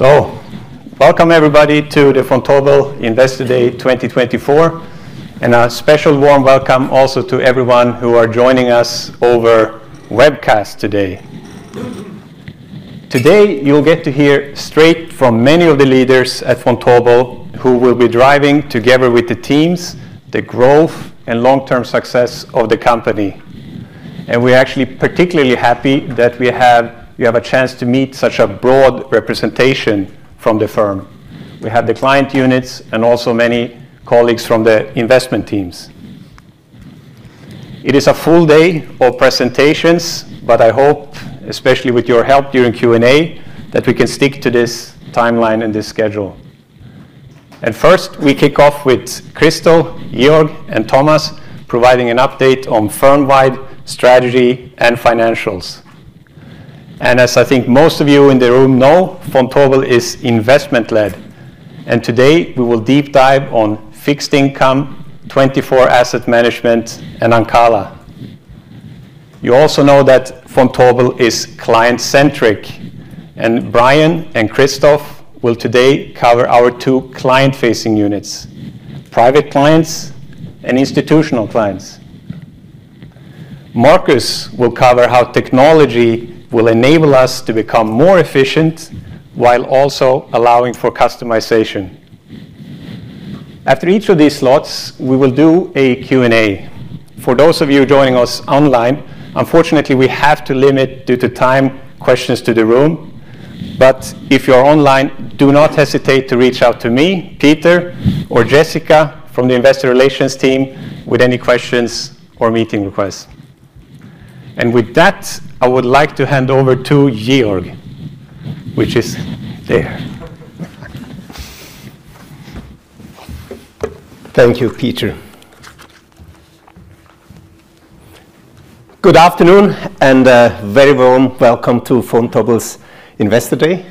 Welcome everybody to the Vontobel Investor Day 2024, and a special warm welcome also to everyone who is joining us over webcast today. Today you'll get to hear straight from many of the leaders at Vontobel who will be driving together with the teams the growth and long-term success of the company. We're actually particularly happy that you have a chance to meet such a broad representation from the firm. We have the client units and also many colleagues from the investment teams. It is a full day of presentations, but I hope, especially with your help during Q&A, that we can stick to this timeline and this schedule. First, we kick off with Christel, Georg, and Thomas providing an update on firm-wide strategy and financials. As I think most of you in the room know, Vontobel is investment-led. And today we will deep dive on fixed income, TwentyFour Asset Management, and Ancala. You also know that Vontobel is client-centric, and Brian and Christoph will today cover our two client-facing units: private clients and institutional clients. Markus will cover how technology will enable us to become more efficient while also allowing for customization. After each of these slots, we will do a Q&A. For those of you joining us online, unfortunately, we have to limit due to time questions to the room. But if you're online, do not hesitate to reach out to me, Peter, or Jessica from the investor relations team with any questions or meeting requests. And with that, I would like to hand over to Georg, who is there. Thank you, Peter. Good afternoon and a very warm welcome to Vontobel's Investor Day.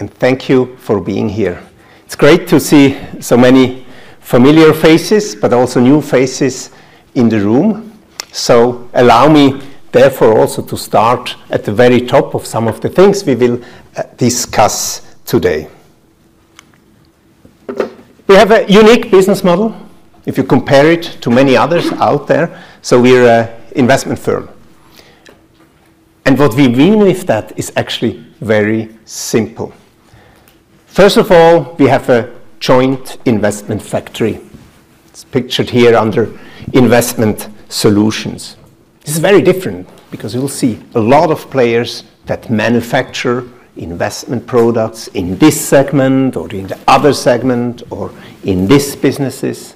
And thank you for being here. It's great to see so many familiar faces, but also new faces in the room. So allow me therefore also to start at the very top of some of the things we will discuss today. We have a unique business model if you compare it to many others out there. So we're an investment firm. And what we mean with that is actually very simple. First of all, we have a joint investment factory. It's pictured here under investment solutions. This is very different because you'll see a lot of players that manufacture investment products in this segment or in the other segment or in these businesses.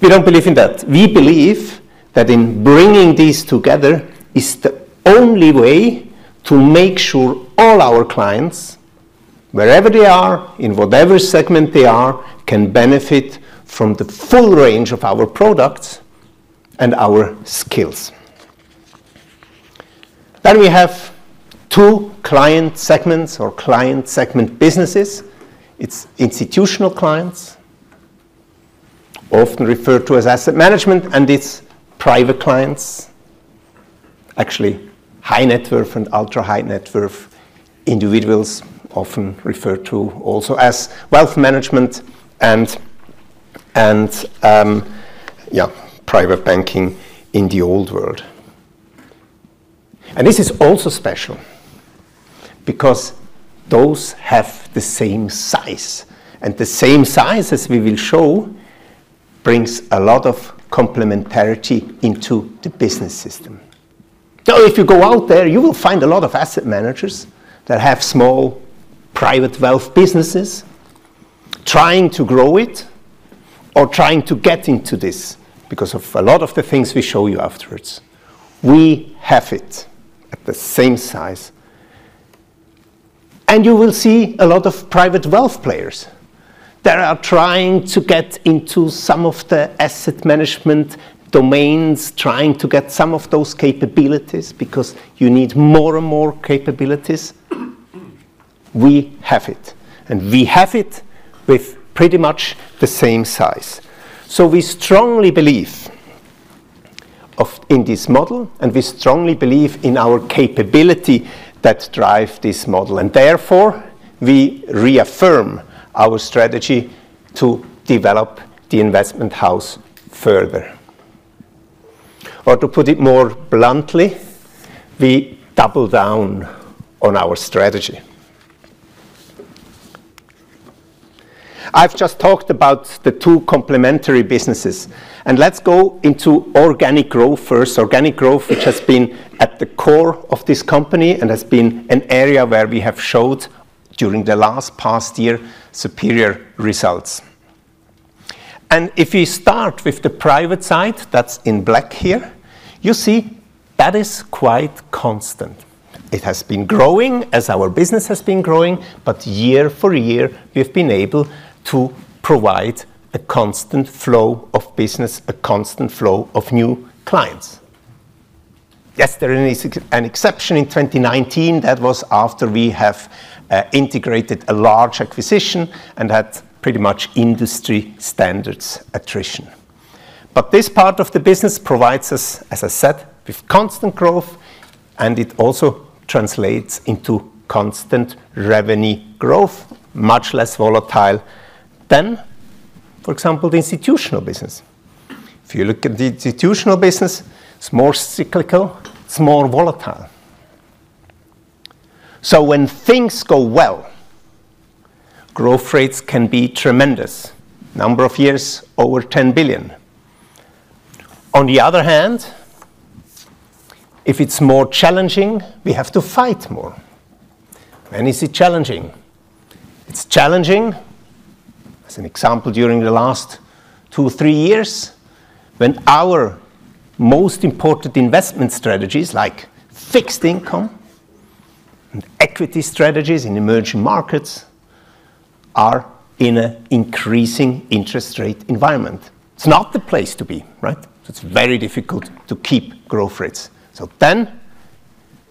We don't believe in that. We believe that in bringing these together is the only way to make sure all our clients, wherever they are, in whatever segment they are, can benefit from the full range of our products and our skills. Then we have two client segments or client segment businesses. It's institutional clients, often referred to as asset management, and it's private clients, actually high net worth and ultra high net worth individuals, often referred to also as wealth management and private banking in the old world. And this is also special because those have the same size. And the same size, as we will show, brings a lot of complementarity into the business system. So if you go out there, you will find a lot of asset managers that have small private wealth businesses trying to grow it or trying to get into this because of a lot of the things we show you afterwards. We have it at the same size. And you will see a lot of private wealth players that are trying to get into some of the asset management domains, trying to get some of those capabilities because you need more and more capabilities. We have it. And we have it with pretty much the same size. So we strongly believe in this model, and we strongly believe in our capability that drives this model. And therefore, we reaffirm our strategy to develop the investment house further. Or to put it more bluntly, we double down on our strategy. I've just talked about the two complementary businesses. Let's go into organic growth first, organic growth, which has been at the core of this company and has been an area where we have showed during the last past year superior results. If you start with the private side that's in black here, you see that is quite constant. It has been growing as our business has been growing, but year for year we've been able to provide a constant flow of business, a constant flow of new clients. Yesterday is an exception. In 2019, that was after we have integrated a large acquisition and had pretty much industry standards attrition. This part of the business provides us, as I said, with constant growth, and it also translates into constant revenue growth, much less volatile than, for example, the institutional business. If you look at the institutional business, it's more cyclical, it's more volatile. So when things go well, growth rates can be tremendous, number of years over 10 billion. On the other hand, if it's more challenging, we have to fight more. When is it challenging? It's challenging, as an example, during the last two, three years, when our most important investment strategies like fixed income and equity strategies in emerging markets are in an increasing interest rate environment. It's not the place to be, right? It's very difficult to keep growth rates. So then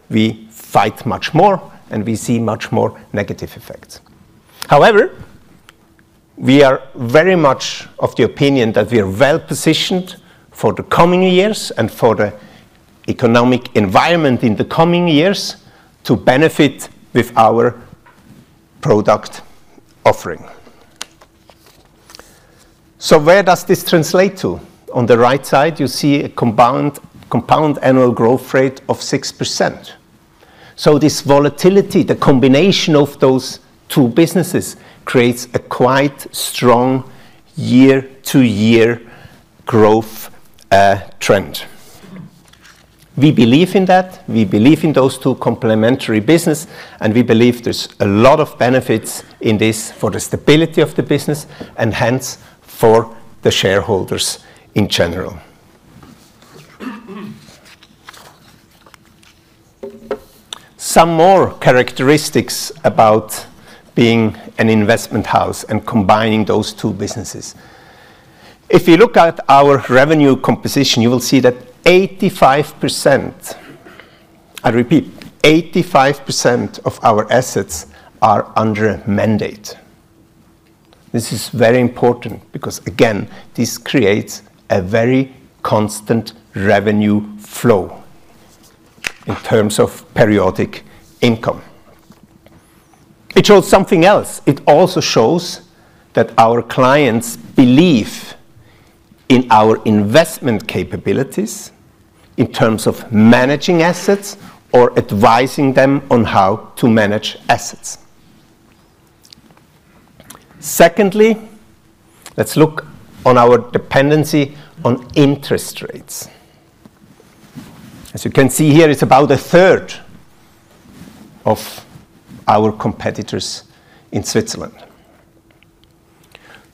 we fight much more and we see much more negative effects. However, we are very much of the opinion that we are well positioned for the coming years and for the economic environment in the coming years to benefit with our product offering. So where does this translate to? On the right side, you see a compound annual growth rate of 6%. This volatility, the combination of those two businesses creates a quite strong year-to-year growth trend. We believe in that. We believe in those two complementary businesses, and we believe there's a lot of benefits in this for the stability of the business and hence for the shareholders in general. Some more characteristics about being an investment house and combining those two businesses. If you look at our revenue composition, you will see that 85%, I repeat, 85% of our assets are under mandate. This is very important because, again, this creates a very constant revenue flow in terms of periodic income. It shows something else. It also shows that our clients believe in our investment capabilities in terms of managing assets or advising them on how to manage assets. Secondly, let's look on our dependency on interest rates. As you can see here, it's about a third of our competitors in Switzerland.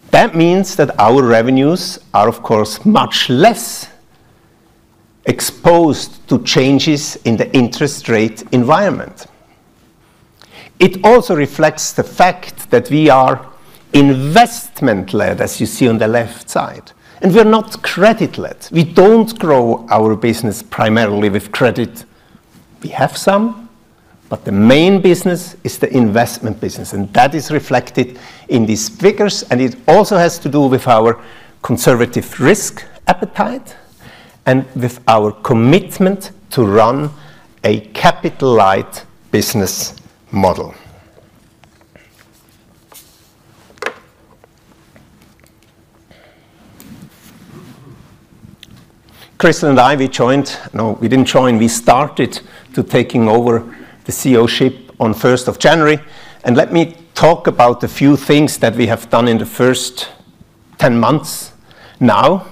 That means that our revenues are, of course, much less exposed to changes in the interest rate environment. It also reflects the fact that we are investment-led, as you see on the left side. And we're not credit-led. We don't grow our business primarily with credit. We have some, but the main business is the investment business. And that is reflected in these figures. And it also has to do with our conservative risk appetite and with our commitment to run a capital-light business model. Christel and I, we joined, no, we didn't join. We started to take over the CEOship on 1st of January. And let me talk about a few things that we have done in the first 10 months now.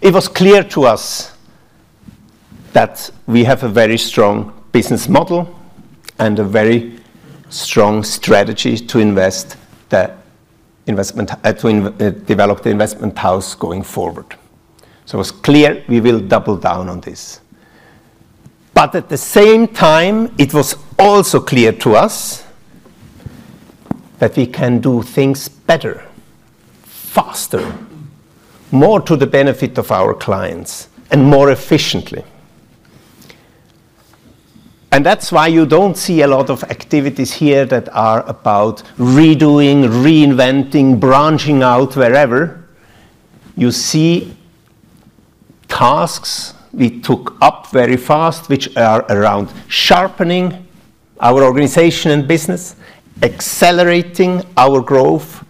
It was clear to us that we have a very strong business model and a very strong strategy to invest the investment, to develop the investment house going forward. It was clear we will double down on this. At the same time, it was also clear to us that we can do things better, faster, more to the benefit of our clients, and more efficiently. That's why you don't see a lot of activities here that are about redoing, reinventing, branching out wherever. You see tasks we took up very fast, which are around sharpening our organization and business, accelerating our growth,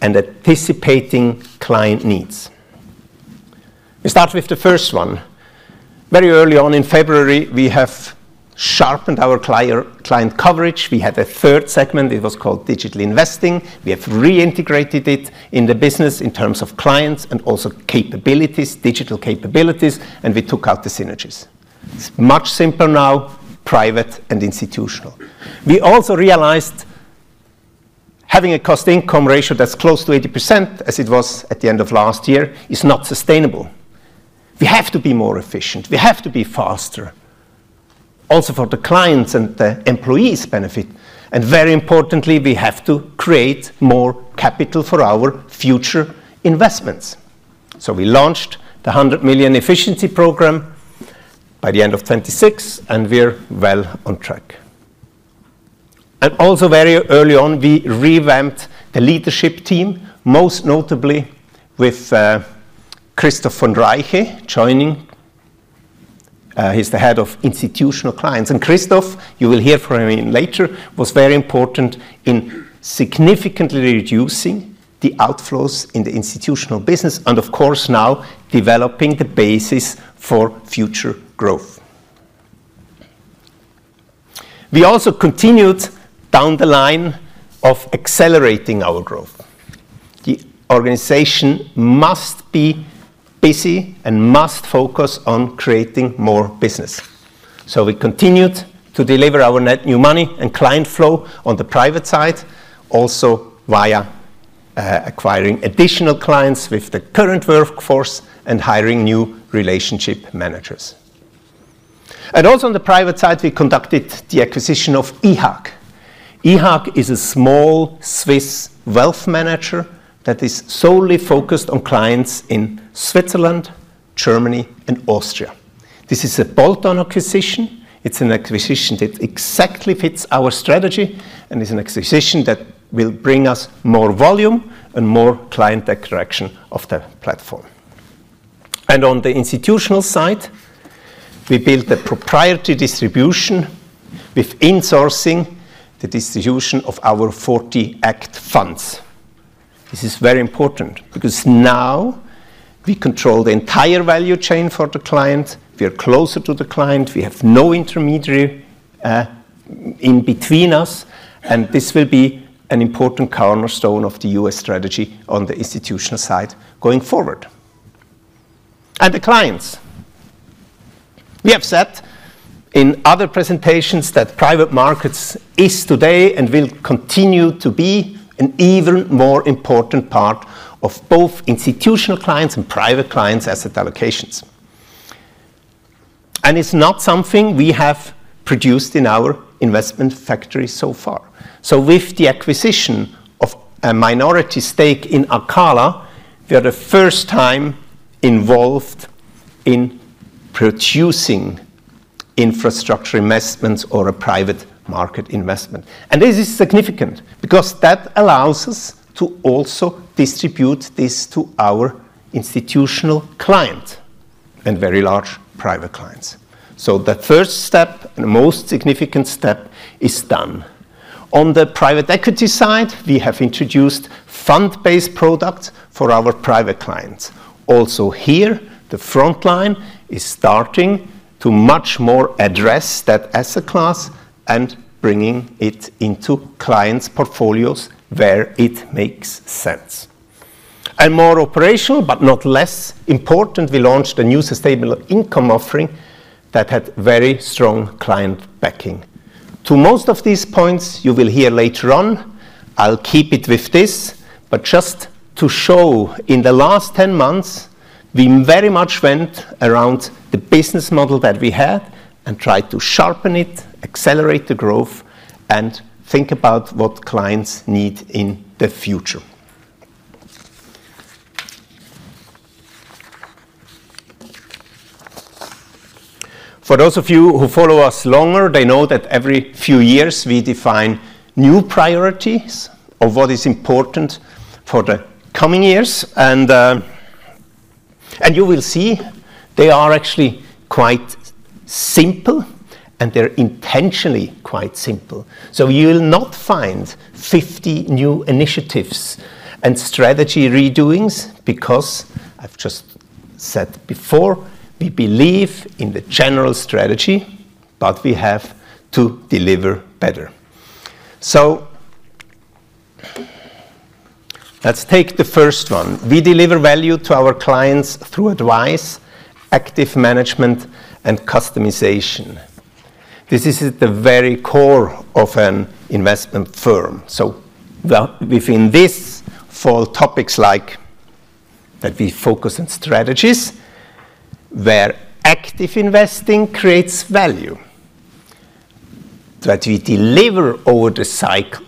and anticipating client needs. We start with the first one. Very early on in February, we have sharpened our client coverage. We had a third segment. It was called digital investing. We have reintegrated it in the business in terms of clients and also capabilities, digital capabilities, and we took out the synergies. It's much simpler now, private and institutional. We also realized having a cost-income ratio that's close to 80%, as it was at the end of last year, is not sustainable. We have to be more efficient. We have to be faster, also for the clients and the employees' benefit. And very importantly, we have to create more capital for our future investments. So we launched the 100 million efficiency program by the end of 2026, and we're well on track. And also very early on, we revamped the leadership team, most notably with Christoph Ledergerber joining. He's the head of institutional clients. Christel, you will hear from him later, was very important in significantly reducing the outflows in the institutional business and, of course, now developing the basis for future growth. We also continued down the line of accelerating our growth. The organization must be busy and must focus on creating more business. We continued to deliver our net new money and client flow on the private side, also via acquiring additional clients with the current workforce and hiring new relationship managers. Also on the private side, we conducted the acquisition of IHAG. IHAG is a small Swiss wealth manager that is solely focused on clients in Switzerland, Germany, and Austria. This is a bolt-on acquisition. It's an acquisition that exactly fits our strategy and is an acquisition that will bring us more volume and more client acquisition of the platform. On the institutional side, we built a proprietary distribution with insourcing the distribution of our 40 Act funds. This is very important because now we control the entire value chain for the client. We are closer to the client. We have no intermediary in between us. This will be an important cornerstone of the U.S. strategy on the institutional side going forward. The clients. We have said in other presentations that private markets is today and will continue to be an even more important part of both institutional clients and private clients' asset allocations. It's not something we have produced in our investment factory so far. With the acquisition of a minority stake in Ancala, we are the first time involved in producing infrastructure investments or a private market investment. And this is significant because that allows us to also distribute this to our institutional clients and very large private clients. So the first step and the most significant step is done. On the private equity side, we have introduced fund-based products for our private clients. Also here, the frontline is starting to much more address that asset class and bringing it into clients' portfolios where it makes sense. And more operational, but not less important, we launched a new sustainable income offering that had very strong client backing. To most of these points, you will hear later on. I'll keep it with this, but just to show in the last 10 months, we very much went around the business model that we had and tried to sharpen it, accelerate the growth, and think about what clients need in the future. For those of you who follow us longer, they know that every few years we define new priorities of what is important for the coming years. And you will see they are actually quite simple, and they're intentionally quite simple. So you will not find 50 new initiatives and strategy redoings because, as I've just said before, we believe in the general strategy, but we have to deliver better. So let's take the first one. We deliver value to our clients through advice, active management, and customization. This is at the very core of an investment firm. So within this pillar, topics like that we focus on strategies where active investing creates value, that we deliver over the cycle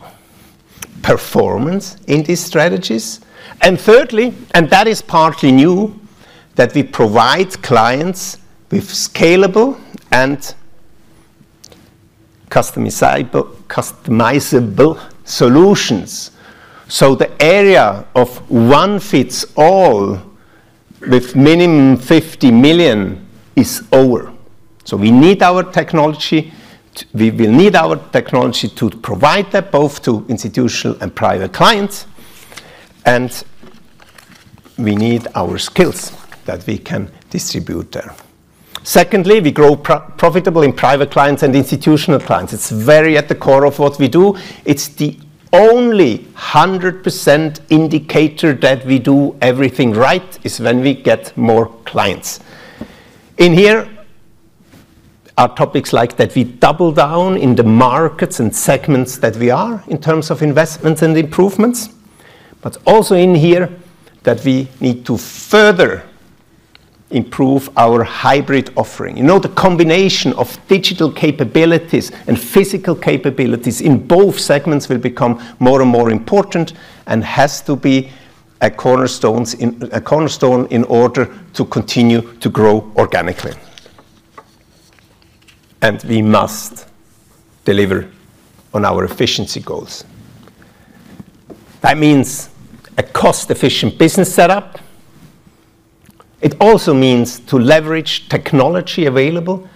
performance in these strategies. And thirdly, and that is partly new, that we provide clients with scalable and customizable solutions. So the area of one-size-fits-all with minimum 50 million is over. So we need our technology. We will need our technology to provide that both to institutional and private clients. And we need our skills that we can distribute there. Secondly, we grow profitable in private clients and institutional clients. It's very at the core of what we do. It's the only 100% indicator that we do everything right is when we get more clients. In here, our topics like that we double down in the markets and segments that we are in terms of investments and improvements, but also in here that we need to further improve our hybrid offering. You know, the combination of digital capabilities and physical capabilities in both segments will become more and more important and has to be a cornerstone in order to continue to grow organically. And we must deliver on our efficiency goals. That means a cost-efficient business setup. It also means to leverage technology available,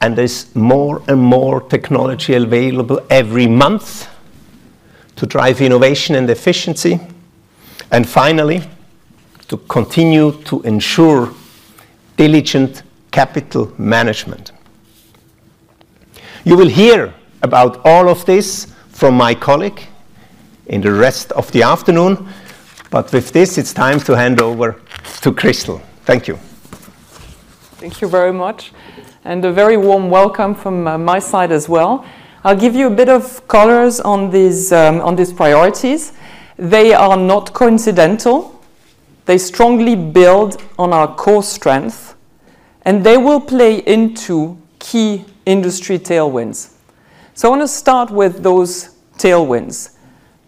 and there's more and more technology available every month to drive innovation and efficiency. And finally, to continue to ensure diligent capital management. You will hear about all of this from my colleague in the rest of the afternoon. But with this, it's time to hand over to Christel. Thank you. Thank you very much. And a very warm welcome from my side as well. I'll give you a bit of colors on these priorities. They are not coincidental. They strongly build on our core strength, and they will play into key industry tailwinds. So I want to start with those tailwinds.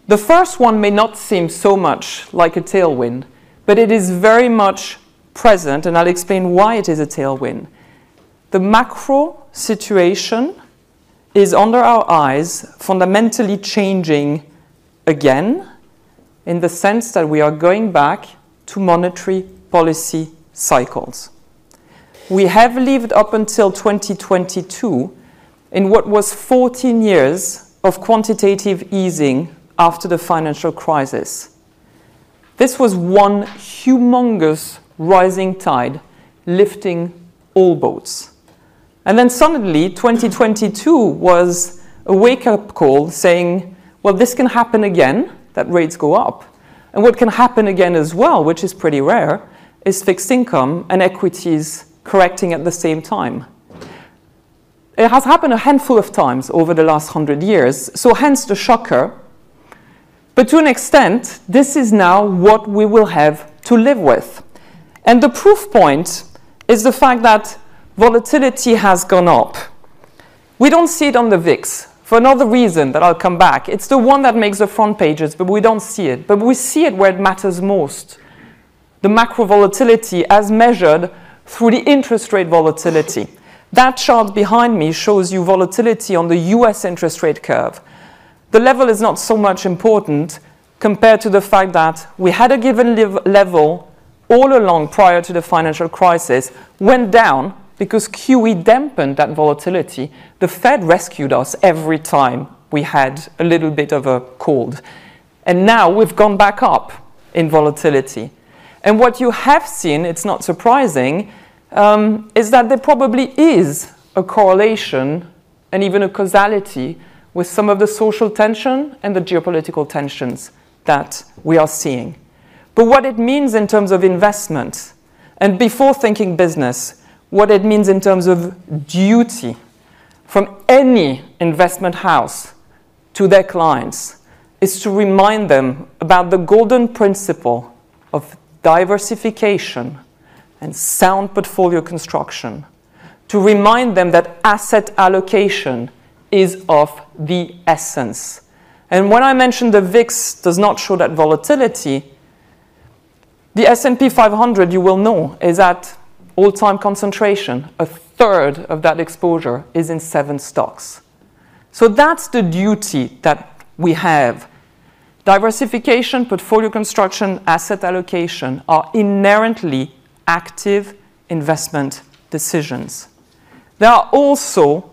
The first one may not seem so much like a tailwind, but it is very much present, and I'll explain why it is a tailwind. The macro situation is under our eyes, fundamentally changing again in the sense that we are going back to monetary policy cycles. We have lived up until 2022 in what was 14 years of quantitative easing after the financial crisis. This was one humongous rising tide lifting all boats. And then suddenly, 2022 was a wake-up call saying, well, this can happen again, that rates go up. And what can happen again as well, which is pretty rare, is fixed income and equities correcting at the same time. It has happened a handful of times over the last 100 years, so hence the shocker. But to an extent, this is now what we will have to live with. And the proof point is the fact that volatility has gone up. We don't see it on the VIX for another reason that I'll come back. It's the one that makes the front pages, but we don't see it. But we see it where it matters most, the macro volatility as measured through the interest rate volatility. That chart behind me shows you volatility on the U.S. interest rate curve. The level is not so much important compared to the fact that we had a given level all along prior to the financial crisis, went down because QE dampened that volatility. The Fed rescued us every time we had a little bit of a cold. And now we've gone back up in volatility. And what you have seen, it's not surprising, is that there probably is a correlation and even a causality with some of the social tension and the geopolitical tensions that we are seeing. But what it means in terms of investment, and before thinking business, what it means in terms of duty from any investment house to their clients is to remind them about the golden principle of diversification and sound portfolio construction, to remind them that asset allocation is of the essence, and when I mentioned the VIX does not show that volatility, the S&P 500, you know, is at all-time concentration. A third of that exposure is in seven stocks. So that's the duty that we have. Diversification, portfolio construction, asset allocation are inherently active investment decisions. There are also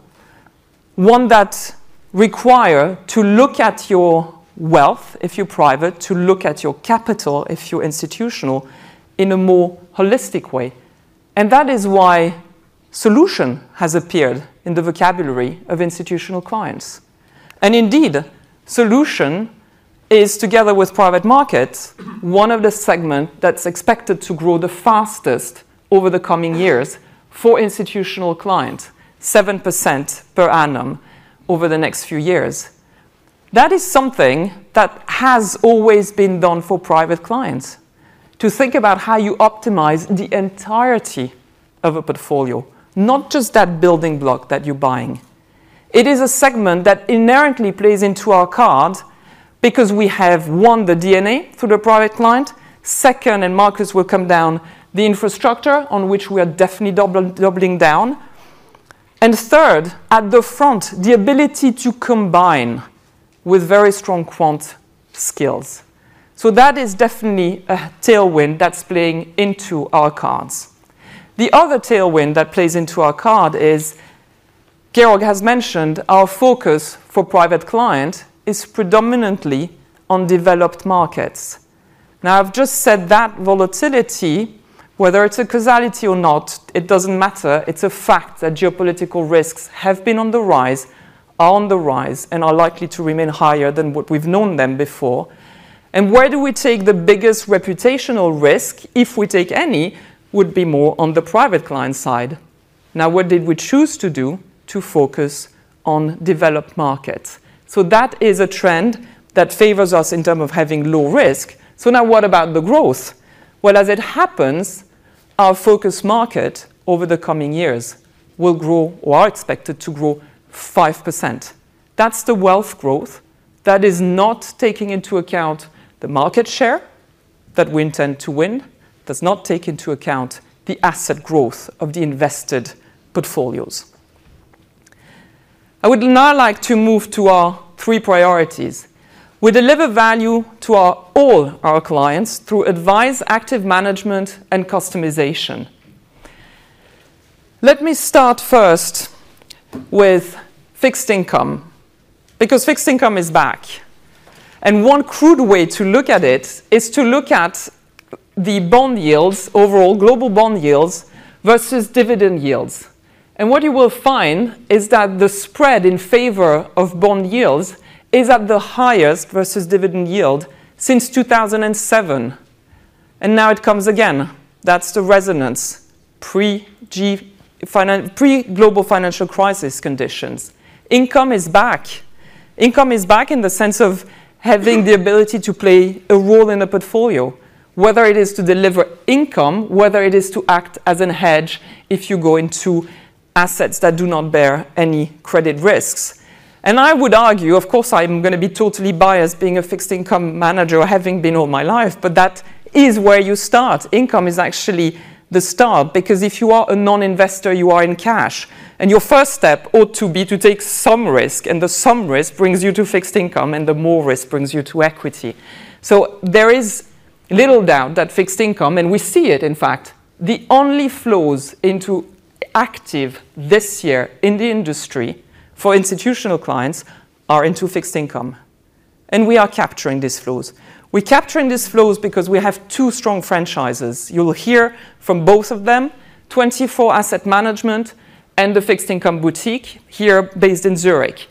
one that require to look at your wealth if you're private, to look at your capital if you're institutional in a more holistic way, and that is why solutions have appeared in the vocabulary of institutional clients. Indeed, Solutions is, together with private markets, one of the segments that's expected to grow the fastest over the coming years for institutional clients, seven% per annum over the next few years. That is something that has always been done for private clients, to think about how you optimize the entirety of a portfolio, not just that building block that you're buying. It is a segment that inherently plays into our cards because we own the DNA through the private client. Second, and Markus will come on, the infrastructure on which we are definitely doubling down. And third, at the front, the ability to combine with very strong quant skills. So that is definitely a tailwind that's playing into our cards. The other tailwind that plays into our cards is, Georg has mentioned, our focus for private clients is predominantly on developed markets. Now, I've just said that volatility, whether it's a causality or not, it doesn't matter. It's a fact that geopolitical risks have been on the rise, are on the rise, and are likely to remain higher than what we've known them before, and where do we take the biggest reputational risk, if we take any, would be more on the private client side. Now, what did we choose to do to focus on developed markets, so that is a trend that favors us in terms of having low risk, so now what about the growth? Well, as it happens, our focus market over the coming years will grow or are expected to grow 5%. That's the wealth growth that is not taking into account the market share that we intend to win, does not take into account the asset growth of the invested portfolios. I would now like to move to our three priorities. We deliver value to all our clients through advice, active management, and customization. Let me start first with fixed income because fixed income is back, and one crude way to look at it is to look at the bond yields, overall global bond yields versus dividend yields. And what you will find is that the spread in favor of bond yields is at the highest versus dividend yield since 2007. And now it comes again. That's reminiscent of pre-global financial crisis conditions. Income is back. Income is back in the sense of having the ability to play a role in a portfolio, whether it is to deliver income, whether it is to act as a hedge if you go into assets that do not bear any credit risks. And I would argue, of course, I'm going to be totally biased being a fixed income manager or having been all my life, but that is where you start. Income is actually the start because if you are a non-investor, you are in cash. And your first step ought to be to take some risk, and the some risk brings you to fixed income, and the more risk brings you to equity. So there is little doubt that fixed income, and we see it in fact, the only flows into active this year in the industry for institutional clients are into fixed income. And we are capturing these flows. We're capturing these flows because we have two strong franchises. You'll hear from both of them, 24 Asset Management and the Fixed Income Boutique here based in Zurich.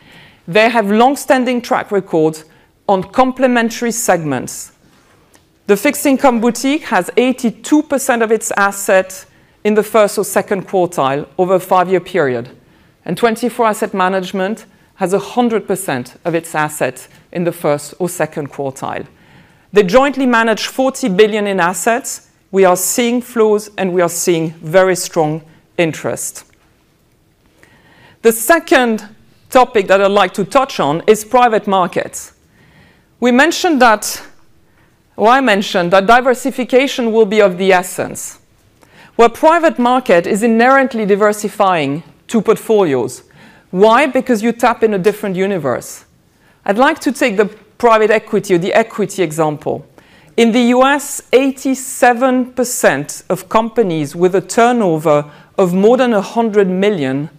They have long-standing track records on complementary segments. The Fixed Income Boutique has 82% of its assets in the first or second quartile over a five-year period. And 24 Asset Management has 100% of its assets in the first or second quartile. They jointly manage 40 billion in assets. We are seeing flows, and we are seeing very strong interest. The second topic that I'd like to touch on is private markets. We mentioned that, or I mentioned that diversification will be of the essence. Well, private market is inherently diversifying two portfolios. Why? Because you tap in a different universe. I'd like to take the private equity or the equity example. In the U.S., 87% of companies with a turnover of more than 100 million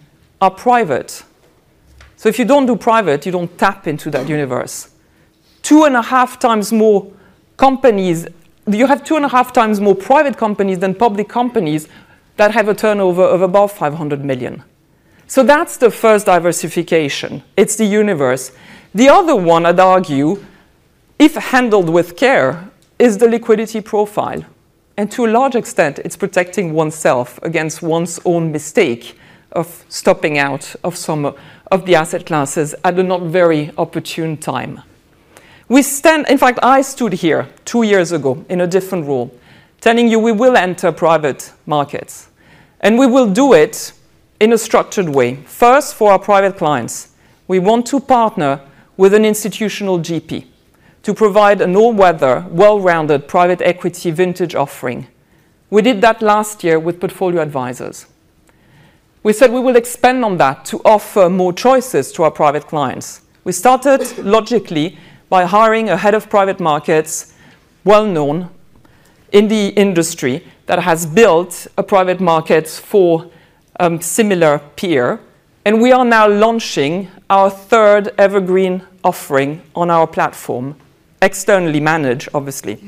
are private. So if you don't do private, you don't tap into that universe. Two and a half times more companies. You have two and a half times more private companies than public companies that have a turnover of above 500 million, so that's the first diversification. It's the universe. The other one, I'd argue, if handled with care, is the liquidity profile, and to a large extent, it's protecting oneself against one's own mistake of stopping out of some of the asset classes at a not very opportune time. In fact, I stood here two years ago in a different role telling you we will enter private markets, and we will do it in a structured way. First, for our private clients, we want to partner with an institutional GP to provide an all-weather, well-rounded private equity vintage offering. We did that last year with Portfolio Advisors. We said we will expand on that to offer more choices to our private clients. We started logically by hiring a head of private markets, well-known in the industry that has built a private market for a similar peer, and we are now launching our third evergreen offering on our platform, externally managed, obviously.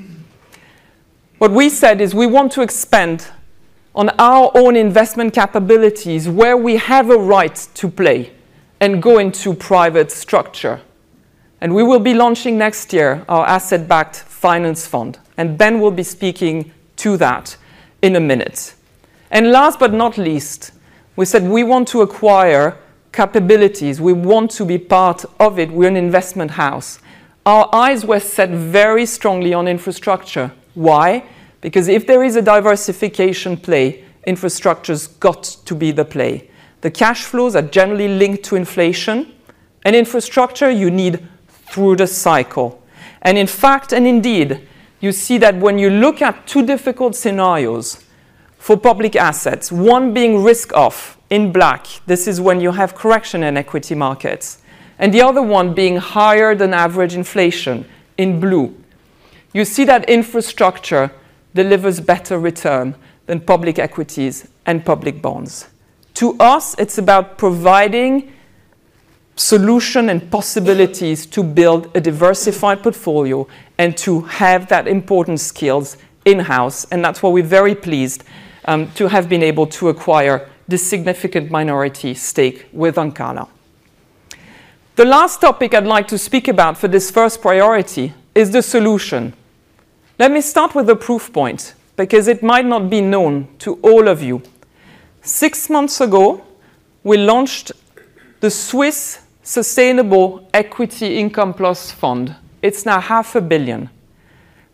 What we said is we want to expand on our own investment capabilities where we have a right to play and go into private structure, and we will be launching next year our asset-backed finance fund, and Ben will be speaking to that in a minute. And last but not least, we said we want to acquire capabilities. We want to be part of it. We're an investment house. Our eyes were set very strongly on infrastructure. Why? Because if there is a diversification play, infrastructure's got to be the play. The cash flows are generally linked to inflation, and infrastructure, you need through the cycle. In fact, and indeed, you see that when you look at two difficult scenarios for public assets, one being risk-off in black, this is when you have correction in equity markets, and the other one being higher than average inflation in blue, you see that infrastructure delivers better return than public equities and public bonds. To us, it's about providing solution and possibilities to build a diversified portfolio and to have that important skills in-house. That's why we're very pleased to have been able to acquire the significant minority stake with Ancala. The last topic I'd like to speak about for this first priority is the solution. Let me start with a proof point because it might not be known to all of you. Six months ago, we launched the Swiss Sustainable Equity Income Plus Fund. It's now 500 million.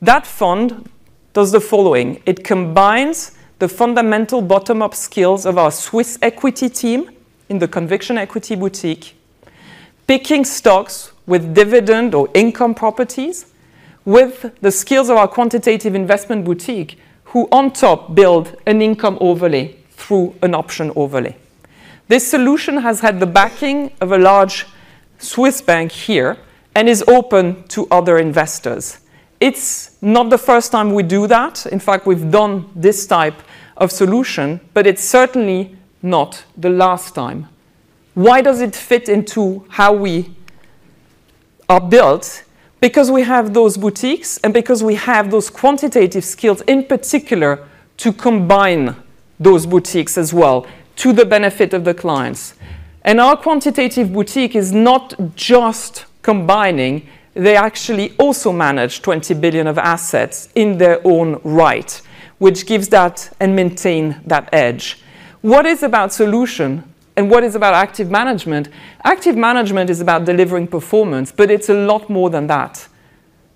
That fund does the following. It combines the fundamental bottom-up skills of our Swiss equity team in the conviction equity boutique, picking stocks with dividend or income properties, with the skills of our quantitative investment boutique, who on top build an income overlay through an option overlay. This solution has had the backing of a large Swiss bank here and is open to other investors. It's not the first time we do that. In fact, we've done this type of solution, but it's certainly not the last time. Why does it fit into how we are built? Because we have those boutiques and because we have those quantitative skills in particular to combine those boutiques as well to the benefit of the clients. And our quantitative boutique is not just combining. They actually also manage 20 billion of assets in their own right, which gives that and maintains that edge. What is about solution and what is about active management? Active management is about delivering performance, but it's a lot more than that.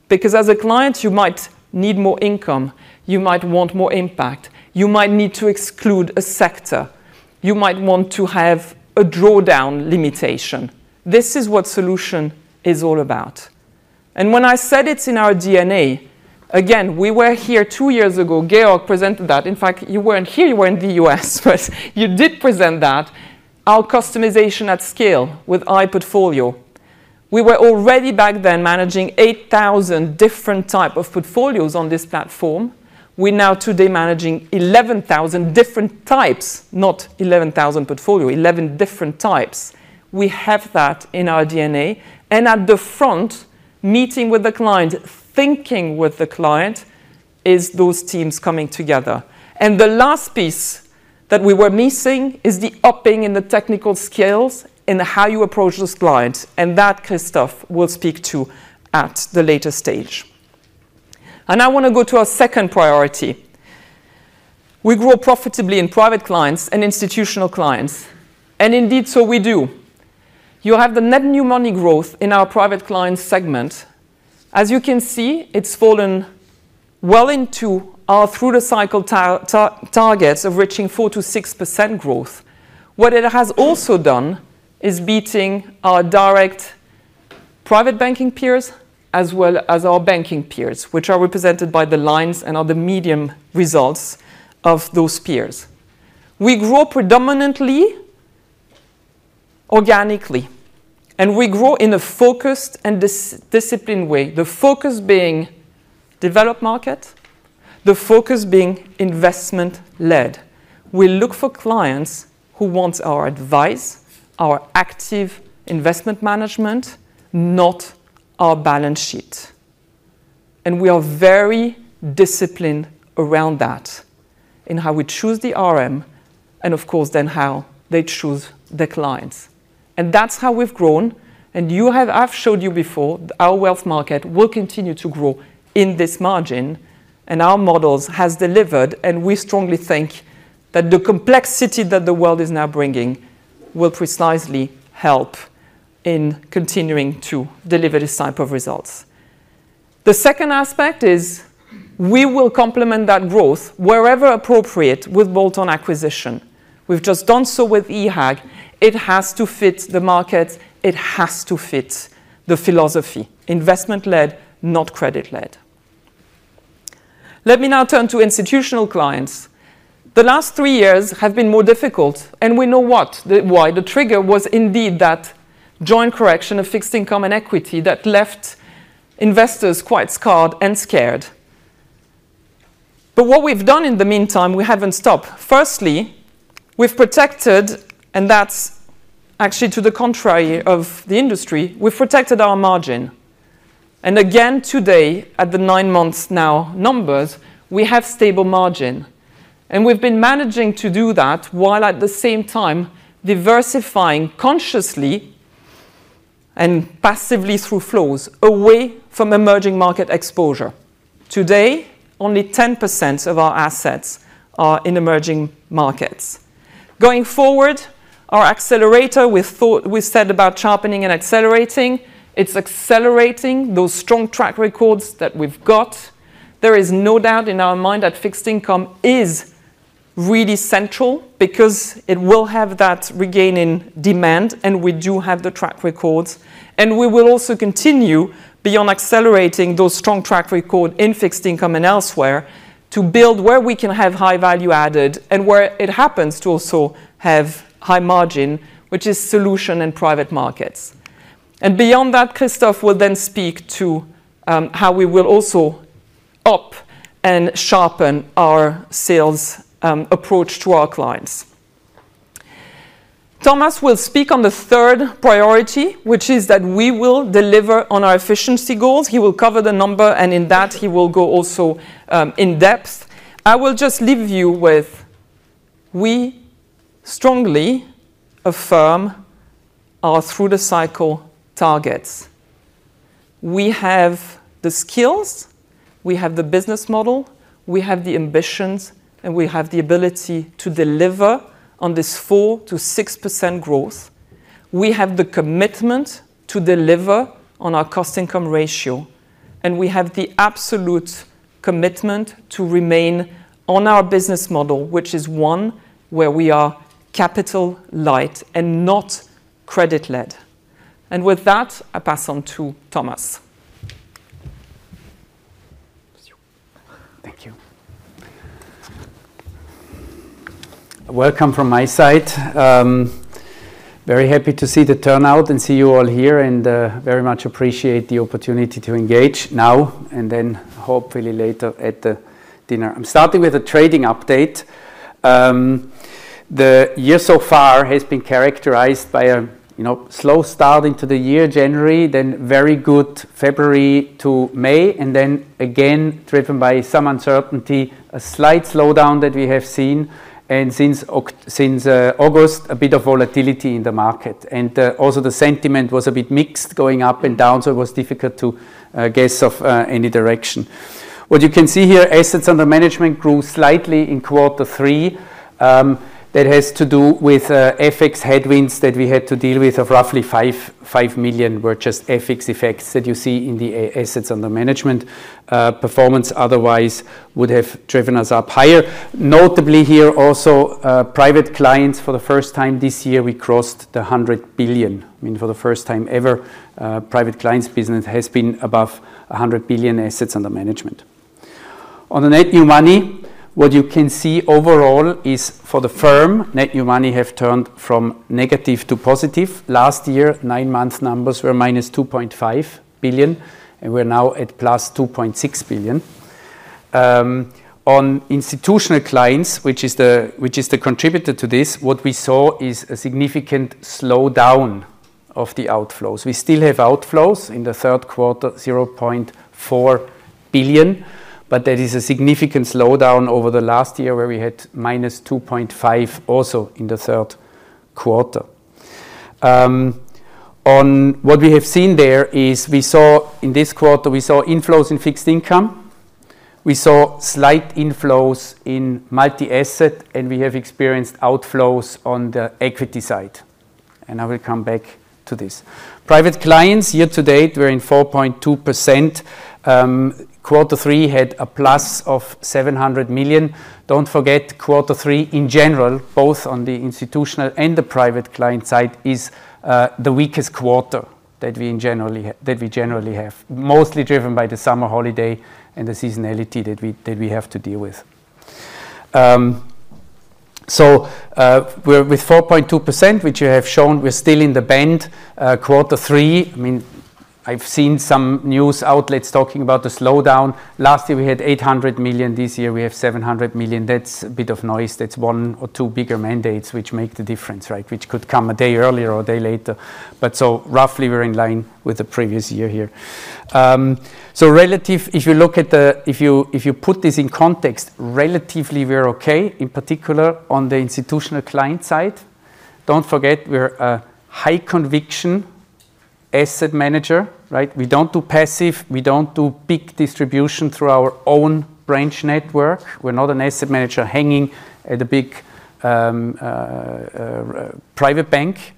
Because as a client, you might need more income. You might want more impact. You might need to exclude a sector. You might want to have a drawdown limitation. This is what solution is all about. And when I said it's in our DNA, again, we were here two years ago. Georg presented that. In fact, you weren't here. You were in the U.S., but you did present that. Our customization at scale with iPortfolio. We were already back then managing 8,000 different types of portfolios on this platform. We're now today managing 11,000 different types, not 11,000 portfolios, 11 different types. We have that in our DNA. And at the front, meeting with the client, thinking with the client, is those teams coming together. The last piece that we were missing is the upping in the technical skills and how you approach those clients. And that, Christoph, we'll speak to at the later stage. I want to go to our second priority. We grow profitably in private clients and institutional clients. And indeed, so we do. You have the net new money growth in our private client segment. As you can see, it's fallen well into our through-the-cycle targets of reaching 4%-6% growth. What it has also done is beating our direct private banking peers as well as our banking peers, which are represented by the lines and other median results of those peers. We grow predominantly organically, and we grow in a focused and disciplined way, the focus being developed market, the focus being investment-led. We look for clients who want our advice, our active investment management, not our balance sheet. We are very disciplined around that in how we choose the RM and, of course, then how they choose the clients. That's how we've grown. I've showed you before our wealth market will continue to grow in this margin, and our model has delivered. We strongly think that the complexity that the world is now bringing will precisely help in continuing to deliver this type of results. The second aspect is we will complement that growth wherever appropriate with bolt-on acquisition. We've just done so with IHAG. It has to fit the markets. It has to fit the philosophy, investment-led, not credit-led. Let me now turn to institutional clients. The last three years have been more difficult. We know why. The trigger was indeed that joint correction of fixed income and equity that left investors quite scarred and scared. But what we've done in the meantime, we haven't stopped. Firstly, we've protected, and that's actually to the contrary of the industry, we've protected our margin. And again, today, at the nine-month now numbers, we have stable margin. And we've been managing to do that while at the same time diversifying consciously and passively through flows away from emerging market exposure. Today, only 10% of our assets are in emerging markets. Going forward, our accelerator, we said about sharpening and accelerating, it's accelerating those strong track records that we've got. There is no doubt in our mind that fixed income is really central because it will have that regaining demand, and we do have the track records. And we will also continue beyond accelerating those strong track records in fixed income and elsewhere to build where we can have high value added and where it happens to also have high margin, which is solutions and private markets. And beyond that, Christoph will then speak to how we will also step up and sharpen our sales approach to our clients. Thomas will speak on the third priority, which is that we will deliver on our efficiency goals. He will cover the number, and in that, he will go also in depth. I will just leave you with, we strongly affirm our through-the-cycle targets. We have the skills. We have the business model. We have the ambitions, and we have the ability to deliver on this 4%-6% growth. We have the commitment to deliver on our cost-income ratio. We have the absolute commitment to remain on our business model, which is one where we are capital-light and not credit-led. With that, I pass on to Thomas. Thank you. Welcome from my side. Very happy to see the turnout and see you all here, and very much appreciate the opportunity to engage now and then hopefully later at the dinner. I'm starting with a trading update. The year so far has been characterized by a slow start into the year, January, then very good February to May, and then again driven by some uncertainty, a slight slowdown that we have seen, and since August, a bit of volatility in the market. Also the sentiment was a bit mixed, going up and down, so it was difficult to guess of any direction. What you can see here, assets under management grew slightly in quarter three. That has to do with FX headwinds that we had to deal with of roughly 5 million. [They] were just FX effects that you see in the assets under management. Performance otherwise would have driven us up higher. Notably here also, private clients for the first time this year, we crossed the 100 billion. I mean, for the first time ever, private clients' business has been above 100 billion assets under management. On the net new money, what you can see overall is for the firm, net new money has turned from negative to positive. Last year, nine-month numbers were -2.5 billion, and we're now at +2.6 billion. On institutional clients, which is the contributor to this, what we saw is a significant slowdown of the outflows. We still have outflows in the third quarter, 0.4 billion, but that is a significant slowdown over the last year where we had minus 2.5 billion also in the third quarter. On what we have seen there is we saw in this quarter, we saw inflows in fixed income. We saw slight inflows in multi-asset, and we have experienced outflows on the equity side. And I will come back to this. Private clients year to date, we're in 4.2%. Quarter three had a plus of 700 million. Don't forget, quarter three in general, both on the institutional and the private client side, is the weakest quarter that we generally have, mostly driven by the summer holiday and the seasonality that we have to deal with. So we're with 4.2%, which you have shown. We're still in the band. Quarter three, I mean, I've seen some news outlets talking about the slowdown. Last year, we had 800 million. This year, we have 700 million. That's a bit of noise. That's one or two bigger mandates which make the difference, right, which could come a day earlier or a day later. But so roughly, we're in line with the previous year here. So relative, if you look at the, if you put this in context, relatively, we're okay, in particular on the institutional client side. Don't forget, we're a high-conviction asset manager, right? We don't do passive. We don't do big distribution through our own branch network. We're not an asset manager hanging at a big private bank.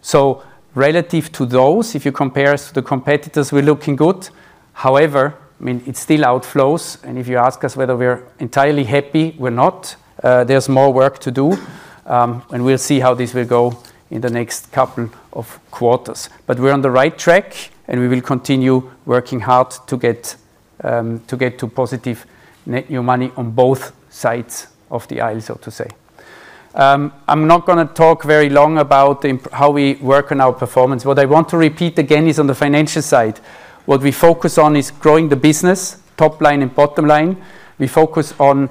So relative to those, if you compare us to the competitors, we're looking good. However, I mean, it's still outflows. And if you ask us whether we're entirely happy, we're not. There's more work to do. And we'll see how this will go in the next couple of quarters. But we're on the right track, and we will continue working hard to get to positive net new money on both sides of the aisle, so to say. I'm not going to talk very long about how we work on our performance. What I want to repeat again is on the financial side. What we focus on is growing the business, top line and bottom line. We focus on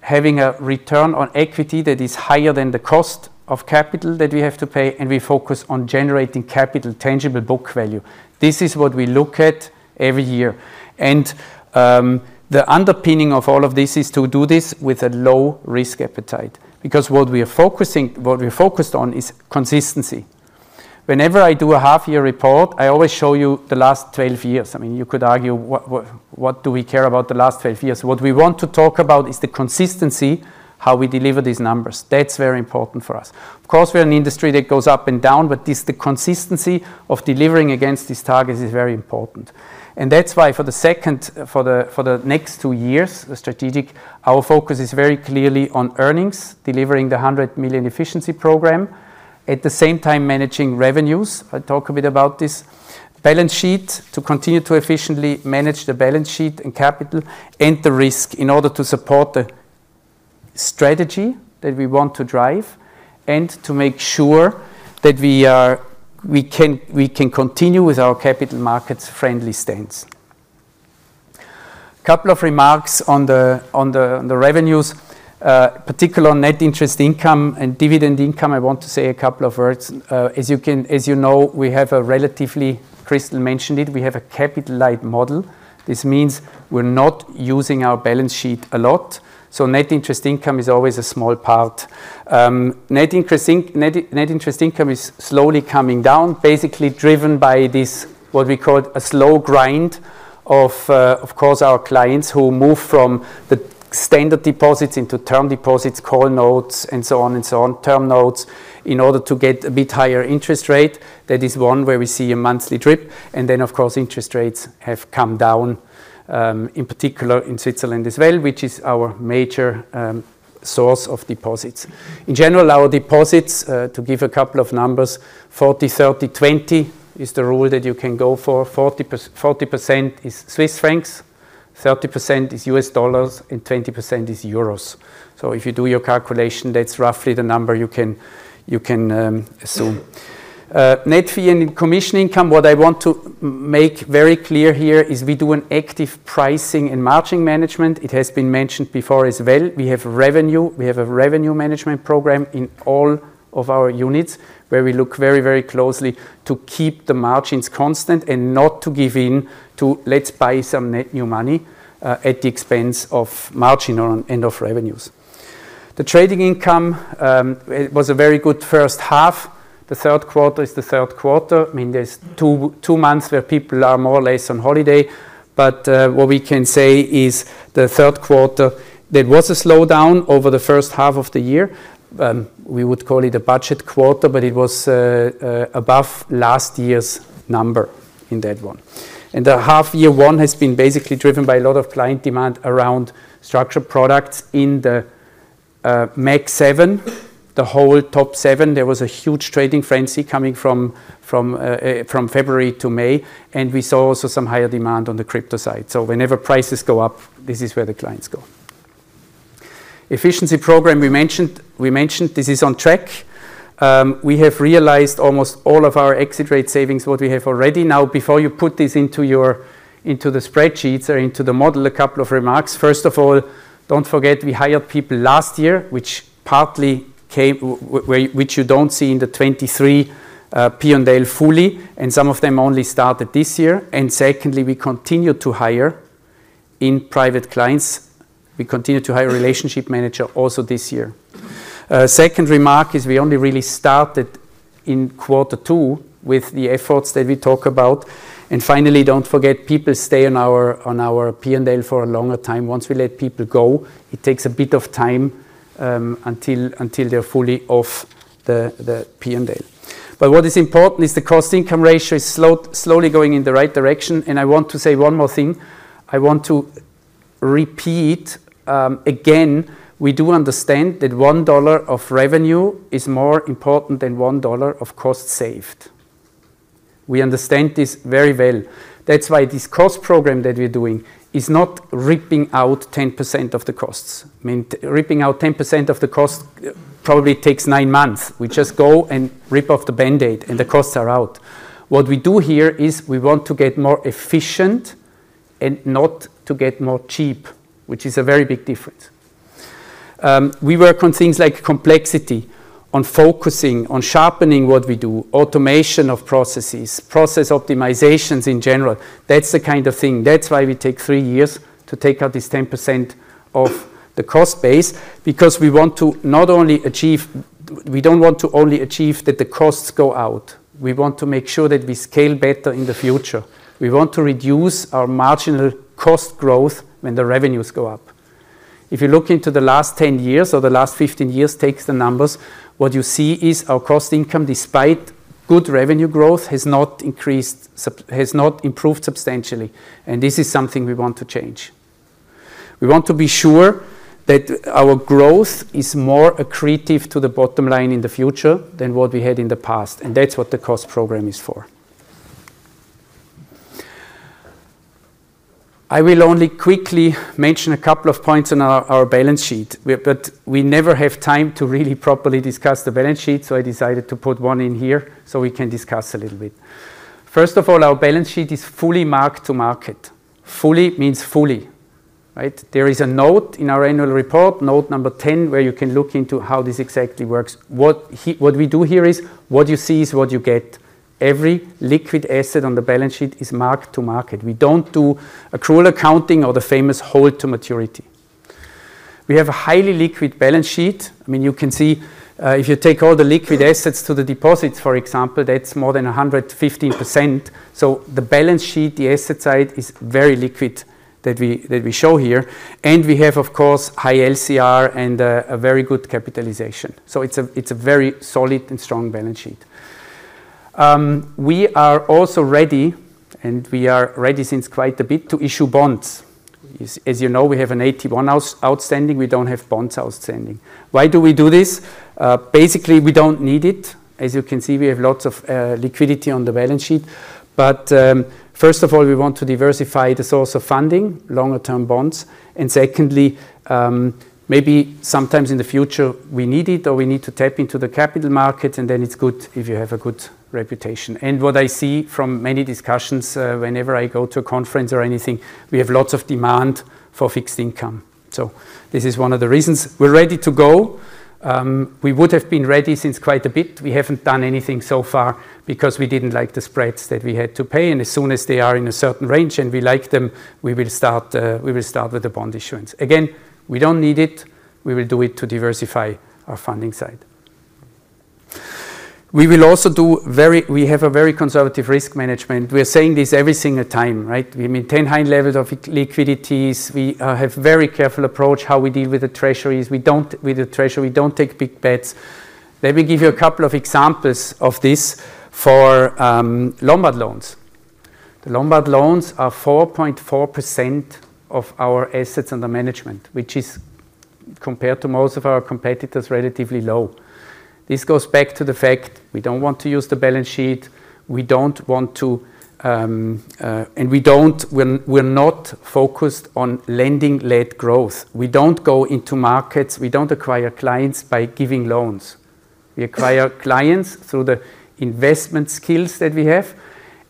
having a return on equity that is higher than the cost of capital that we have to pay. And we focus on generating capital, tangible book value. This is what we look at every year. And the underpinning of all of this is to do this with a low risk appetite because what we are focusing on is consistency. Whenever I do a half-year report, I always show you the last 12 years. I mean, you could argue, what do we care about the last 12 years? What we want to talk about is the consistency, how we deliver these numbers. That's very important for us. Of course, we're an industry that goes up and down, but the consistency of delivering against these targets is very important. And that's why for the second, for the next two years, the strategic, our focus is very clearly on earnings, delivering the 100 million efficiency program, at the same time managing revenues. I'll talk a bit about this. Balance sheet to continue to efficiently manage the balance sheet and capital and the risk in order to support the strategy that we want to drive and to make sure that we can continue with our capital markets-friendly stance. A couple of remarks on the revenues, particularly on net interest income and dividend income. I want to say a couple of words. As you know, we have a relatively, Christel mentioned it, we have a capital-light model. This means we're not using our balance sheet a lot. So net interest income is always a small part. Net interest income is slowly coming down, basically driven by this, what we call a slow grind of, of course, our clients who move from the standard deposits into term deposits, call notes, and so on and so on, term notes in order to get a bit higher interest rate. That is one where we see a monthly drip, and then, of course, interest rates have come down, in particular in Switzerland as well, which is our major source of deposits. In general, our deposits, to give a couple of numbers, 40%, 30%, 20% is the rule that you can go for. 40% is Swiss francs, 30% is U.S. dollars, and 20% is euros. So if you do your calculation, that's roughly the number you can assume. Net fee and commission income, what I want to make very clear here is we do an active pricing and margin management. It has been mentioned before as well. We have revenue. We have a revenue management program in all of our units where we look very, very closely to keep the margins constant and not to give in to, let's buy some net new money at the expense of margin and of revenues. The trading income, it was a very good first half. The third quarter is the third quarter. I mean, there's two months where people are more or less on holiday. But what we can say is the third quarter. There was a slowdown over the first half of the year. We would call it a budget quarter, but it was above last year's number in that one. And the half-year one has been basically driven by a lot of client demand around structured products in the MAG seven, the whole top seven. There was a huge trading frenzy coming from February to May. And we saw also some higher demand on the crypto side. So whenever prices go up, this is where the clients go. Efficiency program, we mentioned. We mentioned this is on track. We have realized almost all of our exit rate savings, what we have already. Now, before you put this into the spreadsheets or into the model, a couple of remarks. First of all, don't forget we hired people last year, which partly came, which you don't see in the 2023 P&L fully, and some of them only started this year. And secondly, we continue to hire in private clients. We continue to hire relationship manager also this year. Second remark is we only really started in quarter two with the efforts that we talk about. And finally, don't forget people stay on our P&L for a longer time. Once we let people go, it takes a bit of time until they're fully off the P&L. But what is important is the cost-income ratio is slowly going in the right direction. And I want to say one more thing. I want to repeat again, we do understand that $1 of revenue is more important than $1 of cost saved. We understand this very well. That's why this cost program that we're doing is not ripping out 10% of the costs. I mean, ripping out 10% of the cost probably takes nine months. We just go and rip off the Band-Aid, and the costs are out. What we do here is we want to get more efficient and not to get more cheap, which is a very big difference. We work on things like complexity, on focusing, on sharpening what we do, automation of processes, process optimizations in general. That's the kind of thing. That's why we take three years to take out this 10% of the cost base because we want to not only achieve, we don't want to only achieve that the costs go out. We want to make sure that we scale better in the future. We want to reduce our marginal cost growth when the revenues go up. If you look into the last 10 years or the last 15 years, take the numbers, what you see is our cost income, despite good revenue growth, has not increased, has not improved substantially, and this is something we want to change. We want to be sure that our growth is more accretive to the bottom line in the future than what we had in the past, and that's what the cost program is for. I will only quickly mention a couple of points on our balance sheet, but we never have time to really properly discuss the balance sheet, so I decided to put one in here so we can discuss a little bit. First of all, our balance sheet is fully marked to market. Fully means fully, right? There is a note in our annual report, note number 10, where you can look into how this exactly works. What we do here is what you see is what you get. Every liquid asset on the balance sheet is marked to market. We don't do accrual accounting or the famous hold to maturity. We have a highly liquid balance sheet. I mean, you can see if you take all the liquid assets to the deposits, for example, that's more than 115%. So the balance sheet, the asset side is very liquid that we show here. And we have, of course, high LCR and a very good capitalization. So it's a very solid and strong balance sheet. We are also ready, and we are ready since quite a bit to issue bonds. As you know, we have no AT1 outstanding. We don't have bonds outstanding. Why do we do this? Basically, we don't need it. As you can see, we have lots of liquidity on the balance sheet. But first of all, we want to diversify the source of funding, longer-term bonds. And secondly, maybe sometimes in the future, we need it or we need to tap into the capital market, and then it's good if you have a good reputation. And what I see from many discussions, whenever I go to a conference or anything, we have lots of demand for fixed income. So this is one of the reasons. We're ready to go. We would have been ready since quite a bit. We haven't done anything so far because we didn't like the spreads that we had to pay. And as soon as they are in a certain range and we like them, we will start with the bond issuance. Again, we don't need it. We will do it to diversify our funding side. We will also do very, we have a very conservative risk management. We are saying this every single time, right? We maintain high levels of liquidity. We have a very careful approach how we deal with the treasuries. We don't, with the treasury, we don't take big bets. Let me give you a couple of examples of this for Lombard loans. The Lombard loans are 4.4% of our assets under management, which is compared to most of our competitors, relatively low. This goes back to the fact we don't want to use the balance sheet. We don't want to, and we don't, we're not focused on lending-led growth. We don't go into markets. We don't acquire clients by giving loans. We acquire clients through the investment skills that we have.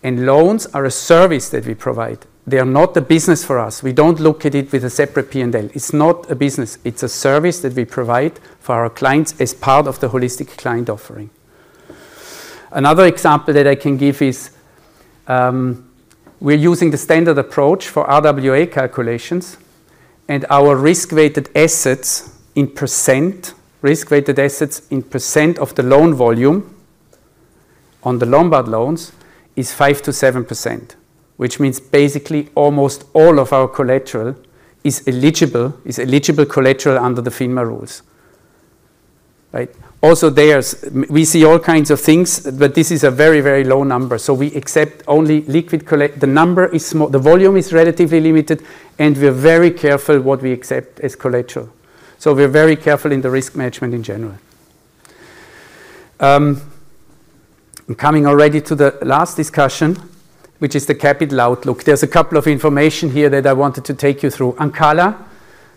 And loans are a service that we provide. They are not a business for us. We don't look at it with a separate P&L. It's not a business. It's a service that we provide for our clients as part of the holistic client offering. Another example that I can give is we're using the standard approach for RWA calculations, and our risk-weighted assets in percent, risk-weighted assets in percent of the loan volume on the Lombard loans is 5%-7%, which means basically almost all of our collateral is eligible, is eligible collateral under the FINMA rules. Right? Also there, we see all kinds of things, but this is a very, very low number, so we accept only liquid collateral. The number is small. The volume is relatively limited, and we're very careful what we accept as collateral, so we're very careful in the risk management in general. I'm coming already to the last discussion, which is the capital outlook. There's a couple of information here that I wanted to take you through. Ancala,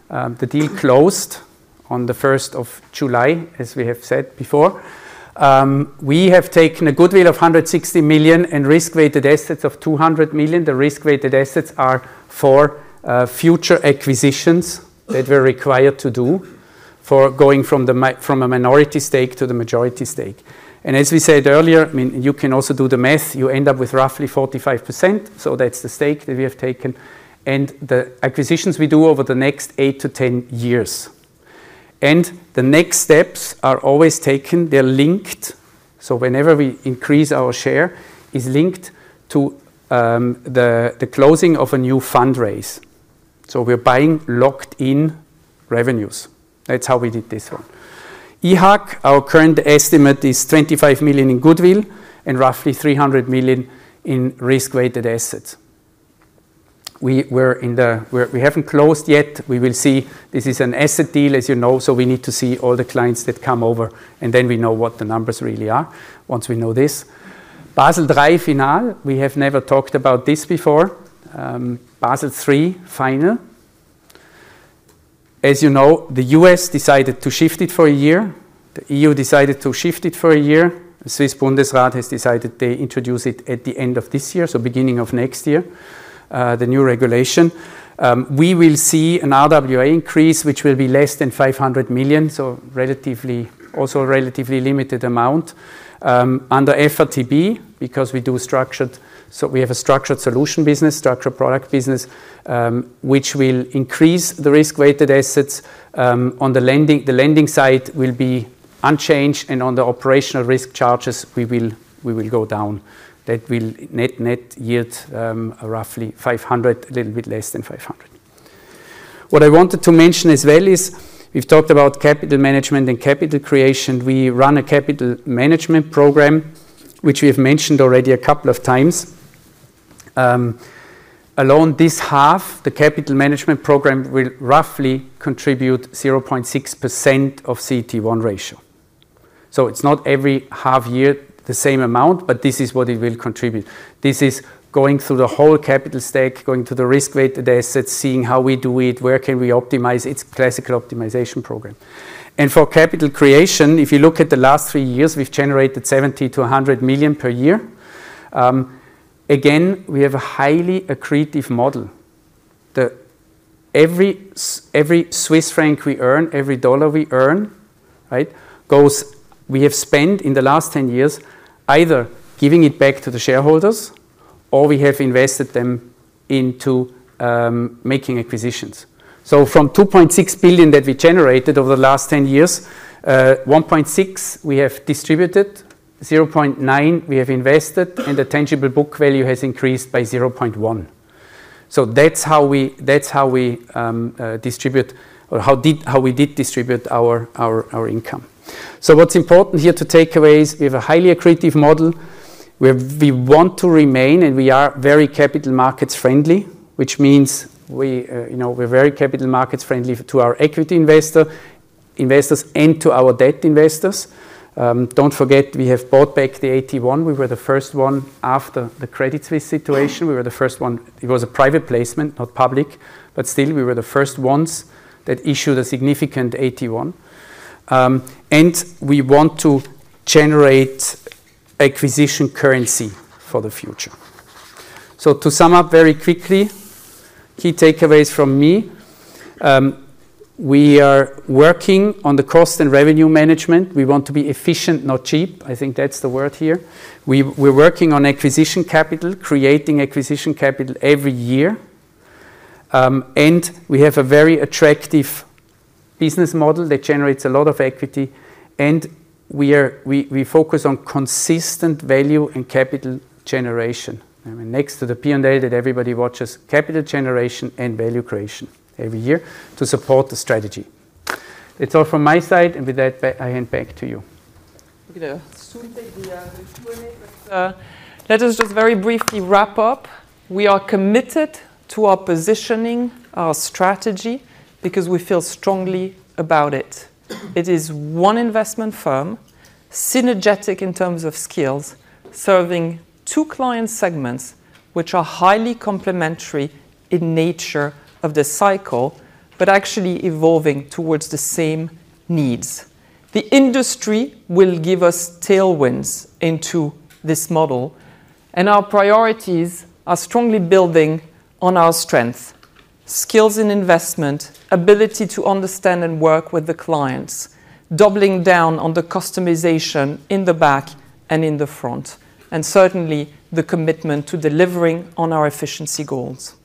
the deal closed on the 1st of July, as we have said before. We have taken a good deal of 160 million and risk-weighted assets of 200 million. The risk-weighted assets are for future acquisitions that we're required to do for going from a minority stake to the majority stake. As we said earlier, I mean, you can also do the math. You end up with roughly 45%. That's the stake that we have taken and the acquisitions we do over the next 8 to 10 years. The next steps are always taken, they're linked. Whenever we increase our share, it's linked to the closing of a new fundraise. We're buying locked-in revenues. That's how we did this one. IHAG, our current estimate is 25 million in goodwill and roughly 300 million in risk-weighted assets. We haven't closed yet. We will see. This is an asset deal, as you know. So we need to see all the clients that come over, and then we know what the numbers really are once we know this. Basel III final, we have never talked about this before. Basel III final. As you know, the U.S. decided to shift it for a year. The EU decided to shift it for a year. The Swiss Bundesrat has decided they introduce it at the end of this year, so beginning of next year, the new regulation. We will see an RWA increase, which will be less than 500 million, so relatively, also a relatively limited amount under FRTB because we do structured, so we have a Structured Solutions business, structured product business, which will increase the risk-weighted assets on the lending. The lending side will be unchanged, and on the operational risk charges, we will go down. That will net yield roughly 500 million, a little bit less than 500 million. What I wanted to mention as well is we've talked about capital management and capital creation. We run a capital management program, which we have mentioned already a couple of times. Alone this half, the capital management program will roughly contribute 0.6% of CET1 ratio. So it's not every half year the same amount, but this is what it will contribute. This is going through the whole capital stack, going to the risk-weighted assets, seeing how we do it, where can we optimize. It's a classical optimization program. For capital creation, if you look at the last three years, we've generated 70-100 million per year. Again, we have a highly accretive model. Every Swiss franc we earn, every dollar we earn, right, goes. We have spent in the last 10 years either giving it back to the shareholders or we have invested them into making acquisitions. So from 2.6 billion that we generated over the last 10 years, 1.6 billion we have distributed, 0.9 billion we have invested, and the tangible book value has increased by 0.1 billion. So that's how we distribute or how we did distribute our income. So what's important here to take away is we have a highly accretive model. We want to remain, and we are very capital markets friendly, which means we're very capital markets friendly to our equity investors and to our debt investors. Don't forget, we have bought back the 81. We were the first one after the Credit Suisse situation. It was a private placement, not public, but still we were the first ones that issued a significant 81, and we want to generate acquisition currency for the future. So to sum up very quickly, key takeaways from me. We are working on the cost and revenue management. We want to be efficient, not cheap. I think that's the word here. We're working on acquisition capital, creating acquisition capital every year, and we have a very attractive business model that generates a lot of equity, and we focus on consistent value and capital generation next to the P&L that everybody watches: capital generation and value creation every year to support the strategy. That's all from my side, and with that, I hand back to you. Let us just very briefly wrap up. We are committed to our positioning, our strategy because we feel strongly about it. It is one investment firm, synergetic in terms of skills, serving two client segments which are highly complementary in nature of the cycle, but actually evolving towards the same needs. The industry will give us tailwinds into this model. Our priorities are strongly building on our strengths, skills in investment, ability to understand and work with the clients, doubling down on the customization in the back and in the front, and certainly the commitment to delivering on our efficiency goals.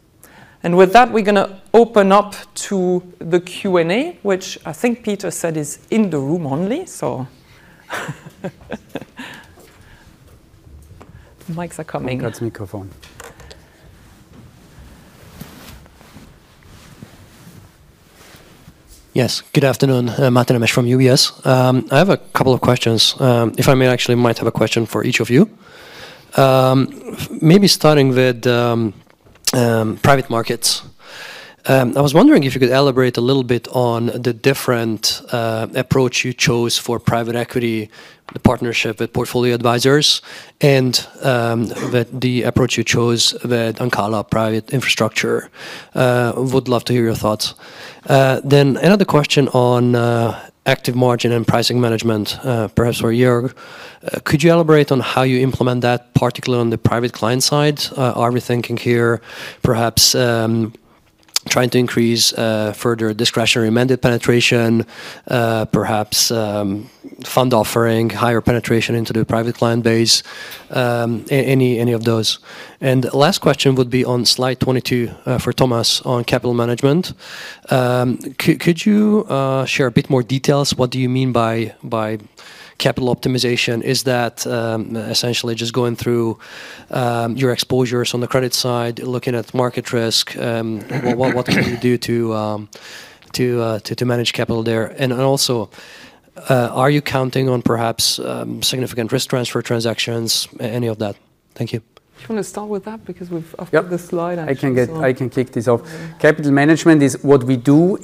With that, we're going to open up to the Q&A, which I think Peter said is in the room only, so the mics are coming. Yes, good afternoon. Martin Emch from UBS. I have a couple of questions. If I may, I actually might have a question for each of you. Maybe starting with private markets. I was wondering if you could elaborate a little bit on the different approach you chose for private equity, the partnership with Portfolio Advisors, and the approach you chose with Ancala Private Infrastructure. Would love to hear your thoughts. Then another question on active margin and pricing management, perhaps for a year. Could you elaborate on how you implement that, particularly on the private client side? Are we thinking here, perhaps, trying to increase further discretionary mandate penetration, perhaps fund offering, higher penetration into the private client base, any of those? And the last question would be on slide 22 for Thomas on capital management. Could you share a bit more details? What do you mean by capital optimization? Is that essentially just going through your exposures on the credit side, looking at market risk? What can you do to manage capital there? And also, are you counting on perhaps significant risk transfer transactions, any of that? Thank you. Do you want to start with that because we've got this slide? I can kick this off. Capital management is what we do.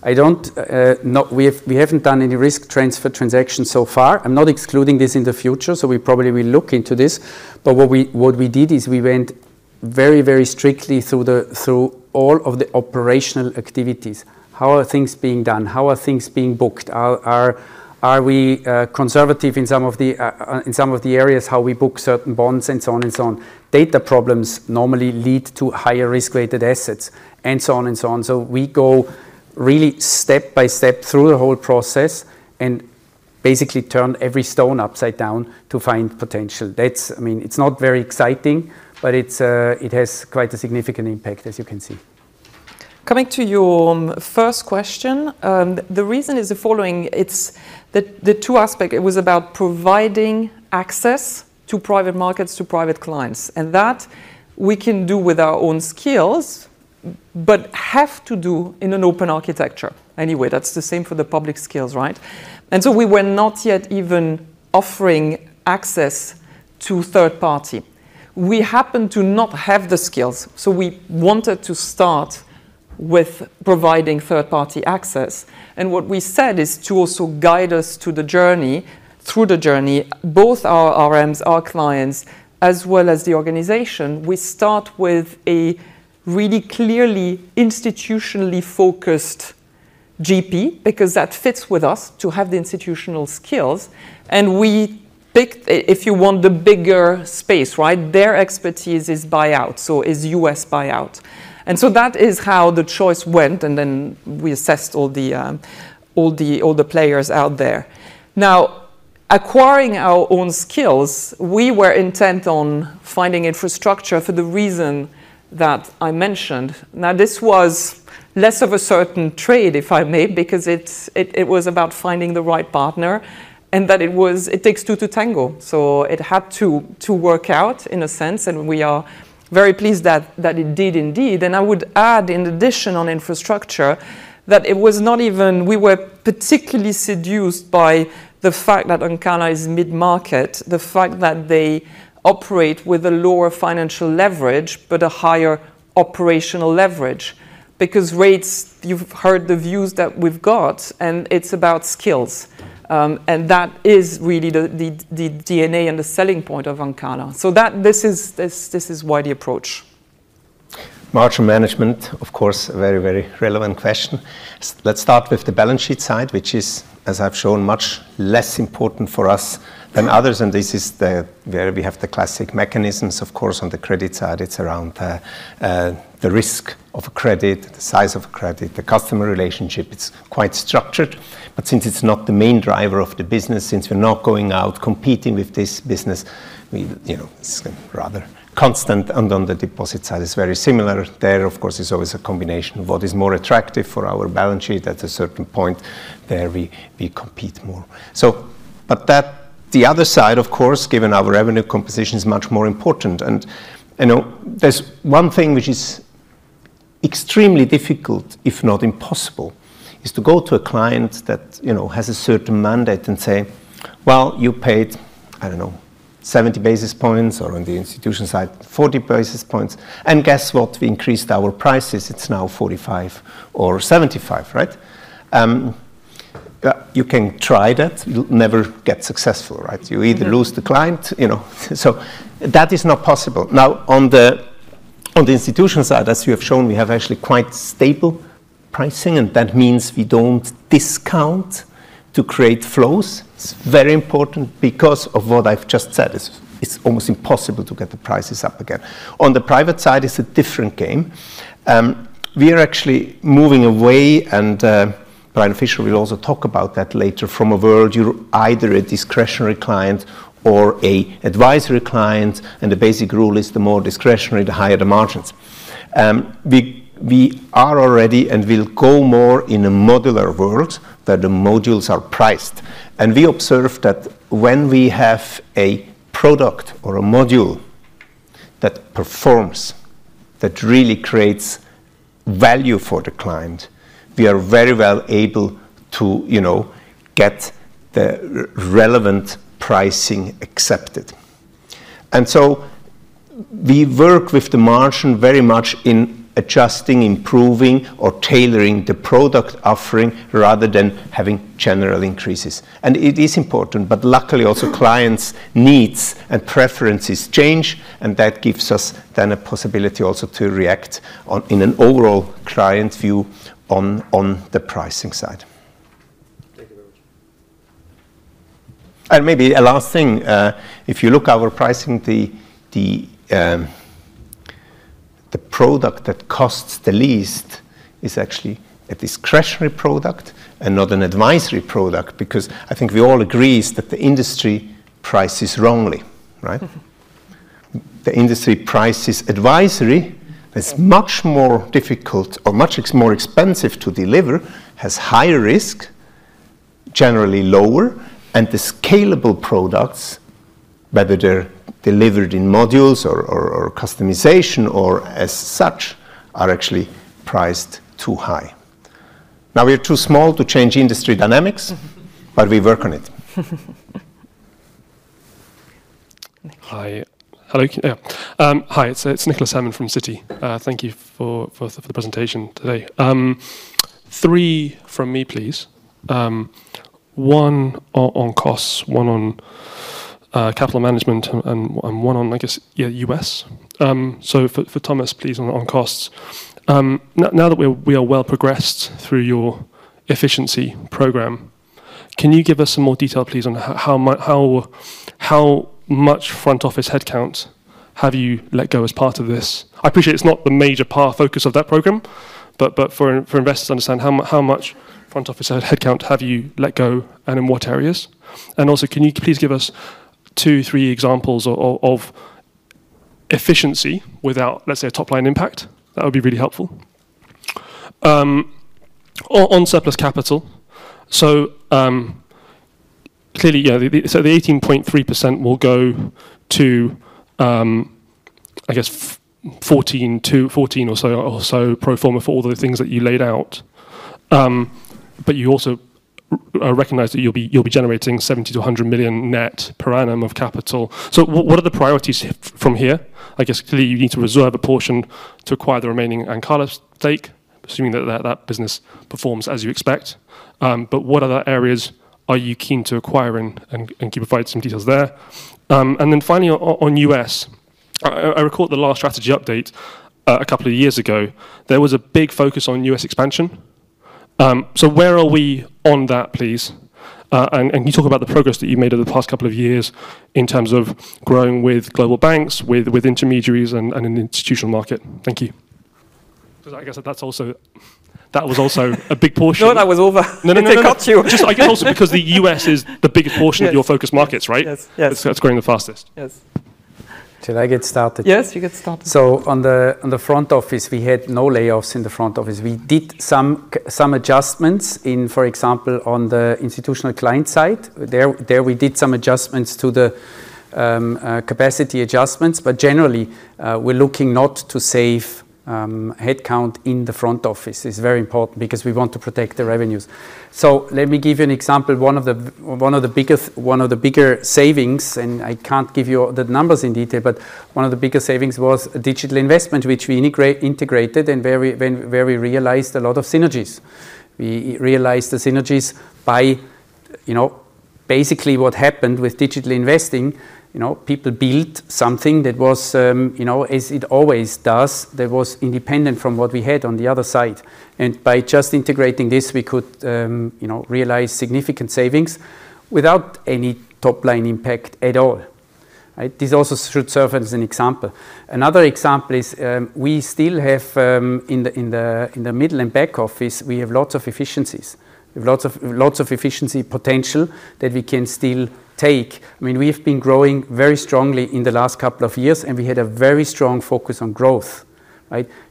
I don't, we haven't done any risk transfer transactions so far. I'm not excluding this in the future, so we probably will look into this. But what we did is we went very, very strictly through all of the operational activities. How are things being done? How are things being booked? Are we conservative in some of the areas how we book certain bonds and so on and so on? Data problems normally lead to higher risk-weighted assets and so on and so on. So we go really step by step through the whole process and basically turn every stone upside down to find potential. I mean, it's not very exciting, but it has quite a significant impact, as you can see. Coming to your first question, the reason is the following. It's the two aspects. It was about providing access to private markets to private clients. And that we can do with our own skills, but have to do in an open architecture. Anyway, that's the same for the public skills, right? And so we were not yet even offering access to third party. We happened to not have the skills. So we wanted to start with providing third party access. And what we said is to also guide us through the journey, both our RMs, our clients, as well as the organization. We start with a really clearly institutionally focused GP because that fits with us to have the institutional skills. And we picked, if you want the bigger space, right? Their expertise is buyout, so is U.S. buyout, and so that is how the choice went. Then we assessed all the players out there. Now, acquiring our own skills, we were intent on finding infrastructure for the reason that I mentioned. Now, this was less of a certain trade, if I may, because it was about finding the right partner and that it takes two to tango, so it had to work out in a sense. We are very pleased that it did indeed. I would add, in addition, on infrastructure, that it was not even we were particularly seduced by the fact that Ancala is mid-market, the fact that they operate with a lower financial leverage, but a higher operational leverage. Because rates, you've heard the views that we've got, and it's about skills. That is really the DNA and the selling point of Ancala. So this is why the approach: Margin management, of course, a very, very relevant question. Let's start with the balance sheet side, which is, as I've shown, much less important for us than others, and this is where we have the classic mechanisms, of course. On the credit side, it's around the risk of a credit, the size of a credit, the customer relationship. It's quite structured, but since it's not the main driver of the business, since we're not going out competing with this business, it's rather constant, and on the deposit side, it's very similar. There, of course, is always a combination of what is more attractive for our balance sheet at a certain point. There we compete more, but the other side, of course, given our revenue composition, is much more important. There's one thing which is extremely difficult, if not impossible, is to go to a client that has a certain mandate and say, "Well, you paid, I don't know, 70 basis points," or on the institutional side, "40 basis points." And guess what? We increased our prices. It's now 45 or 75, right? You can try that. You'll never get successful, right? You either lose the client. So that is not possible. Now, on the institutional side, as you have shown, we have actually quite stable pricing. And that means we don't discount to create flows. It's very important because of what I've just said. It's almost impossible to get the prices up again. On the private side, it's a different game. We are actually moving away, and Brian Fischer will also talk about that later, from a world, you're either a discretionary client or an advisory client. And the basic rule is the more discretionary, the higher the margins. We are already and will go more in a modular world that the modules are priced. And we observe that when we have a product or a module that performs, that really creates value for the client, we are very well able to get the relevant pricing accepted. And so we work with the margin very much in adjusting, improving, or tailoring the product offering rather than having general increases. And it is important, but luckily also clients' needs and preferences change. And that gives us then a possibility also to react in an overall client view on the pricing side. And maybe a last thing. If you look at our pricing, the product that costs the least is actually a discretionary product and not an advisory product because I think we all agree that the industry prices wrongly, right? The industry prices advisory, that's much more difficult or much more expensive to deliver, has higher risk, generally lower, and the scalable products, whether they're delivered in modules or customization or as such, are actually priced too high. Now, we are too small to change industry dynamics, but we work on it. Hi. Hello. Yeah. Hi. It's Nicholas Herman from Citi. Thank you for the presentation today. Three from me, please. One on costs, one on capital management, and one on, I guess, US. So for Thomas, please, on costs. Now that we are well progressed through your efficiency program, can you give us some more detail, please, on how much front office headcount have you let go as part of this? I appreciate it's not the major focus of that program, but for investors to understand how much front office headcount have you let go and in what areas? And also, can you please give us two, three examples of efficiency without, let's say, a top-line impact? That would be really helpful. On surplus capital, so clearly, so the 18.3% will go to, I guess, 14 or so pro forma for all the things that you laid out. But you also recognize that you'll be generating 70-100 million net per annum of capital. So what are the priorities from here? I guess clearly you need to reserve a portion to acquire the remaining Ancala stake, assuming that that business performs as you expect. But what other areas are you keen to acquire and keep in mind some details there? And then finally, on U.S., I recall the last strategy update a couple of years ago. There was a big focus on U.S. expansion. So where are we on that, please? And can you talk about the progress that you made over the past couple of years in terms of growing with global banks, with intermediaries, and an institutional market? Thank you. Because I guess that was also a big portion. No, that was over. No, no, no. They cut you. I guess also because the U.S. is the biggest portion of your focus markets, right? That's growing the fastest. Yes. Should I get started? Yes, you get started. So on the front office, we had no layoffs in the front office. We did some adjustments in, for example, on the institutional client side. There we did some adjustments to the capacity adjustments. But generally, we're looking not to save headcount in the front office. It's very important because we want to protect the revenues. So let me give you an example. One of the bigger savings, and I can't give you the numbers in detail, but one of the biggest savings was digital investment, which we integrated and where we realized a lot of synergies. We realized the synergies by basically what happened with digital investing. People built something that was, as it always does, independent from what we had on the other side. And by just integrating this, we could realize significant savings without any top-line impact at all. This also should serve as an example. Another example is, we still have in the middle and back office, we have lots of efficiencies. We have lots of efficiency potential that we can still take. I mean, we've been growing very strongly in the last couple of years, and we had a very strong focus on growth.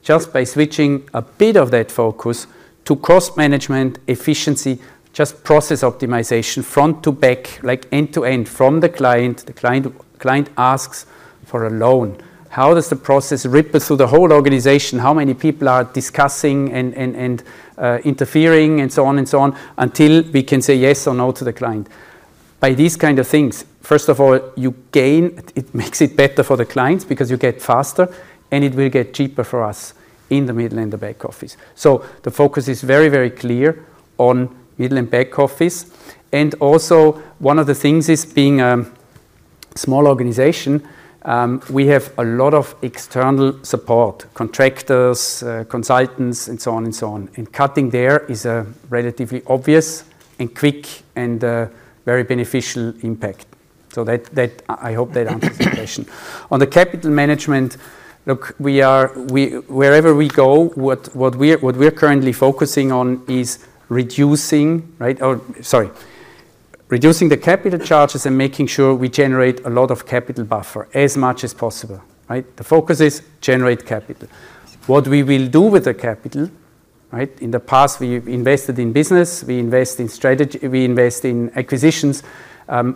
Just by switching a bit of that focus to cost management, efficiency, just process optimization, front to back, like end to end, from the client. The client asks for a loan. How does the process ripple through the whole organization? How many people are discussing and interfering and so on and so on until we can say yes or no to the client? By these kinds of things, first of all, you gain. It makes it better for the clients because you get faster, and it will get cheaper for us in the middle and the back office. So the focus is very, very clear on middle and back office. And also, one of the things is being a small organization, we have a lot of external support, contractors, consultants, and so on and so on. And cutting there is a relatively obvious and quick and very beneficial impact. So I hope that answers the question. On the capital management, look, wherever we go, what we're currently focusing on is reducing, sorry, reducing the capital charges and making sure we generate a lot of capital buffer as much as possible. The focus is generate capital. What we will do with the capital, in the past, we invested in business. We invest in strategy. We invest in acquisitions.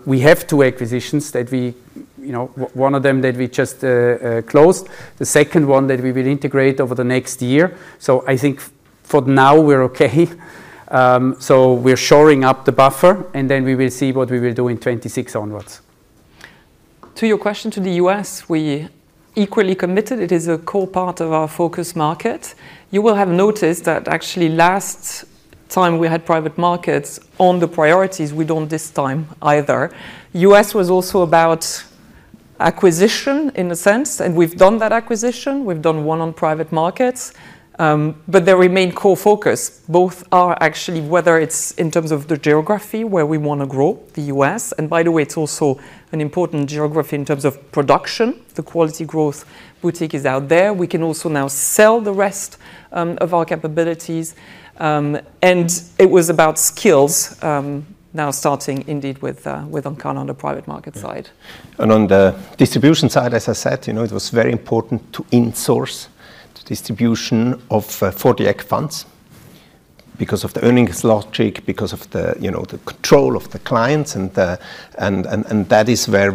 We have two acquisitions that we one of them that we just closed. The second one that we will integrate over the next year, so I think for now, we're okay, so we're shoring up the buffer, and then we will see what we will do in 2026 onwards. To your question to the U.S., we equally committed. It is a core part of our focus market. You will have noticed that actually last time we had private markets on the priorities, we don't this time either. U.S. was also about acquisition in a sense, and we've done that acquisition. We've done one on private markets. But there remain core focus. Both are actually, whether it's in terms of the geography where we want to grow, the U.S., and by the way, it's also an important geography in terms of production. The Quality Growth boutique is out there. We can also now sell the rest of our capabilities, and it was about skills now starting indeed with Ancala on the private market side. On the distribution side, as I said, it was very important to insource the distribution of 40 Act funds because of the earnings logic, because of the control of the clients. That is where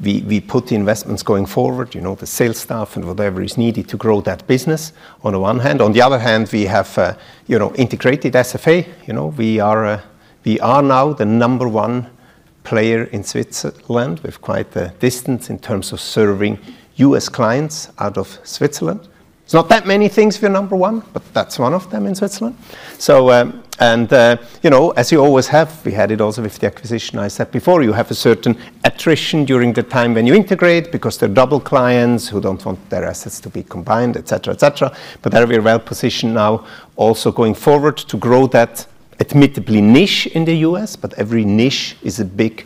we put the investments going forward, the sales staff and whatever is needed to grow that business on the one hand. On the other hand, we have integrated SFA. We are now the number one player in Switzerland. We have quite a distance in terms of serving U.S. clients out of Switzerland. It's not that many things we're number one, but that's one of them in Switzerland, and as you always have, we had it also with the acquisition. I said before, you have a certain attrition during the time when you integrate because they're double clients who don't want their assets to be combined, etc., etc. But there we are well positioned now also going forward to grow that admittedly niche in the U.S. But every niche is a big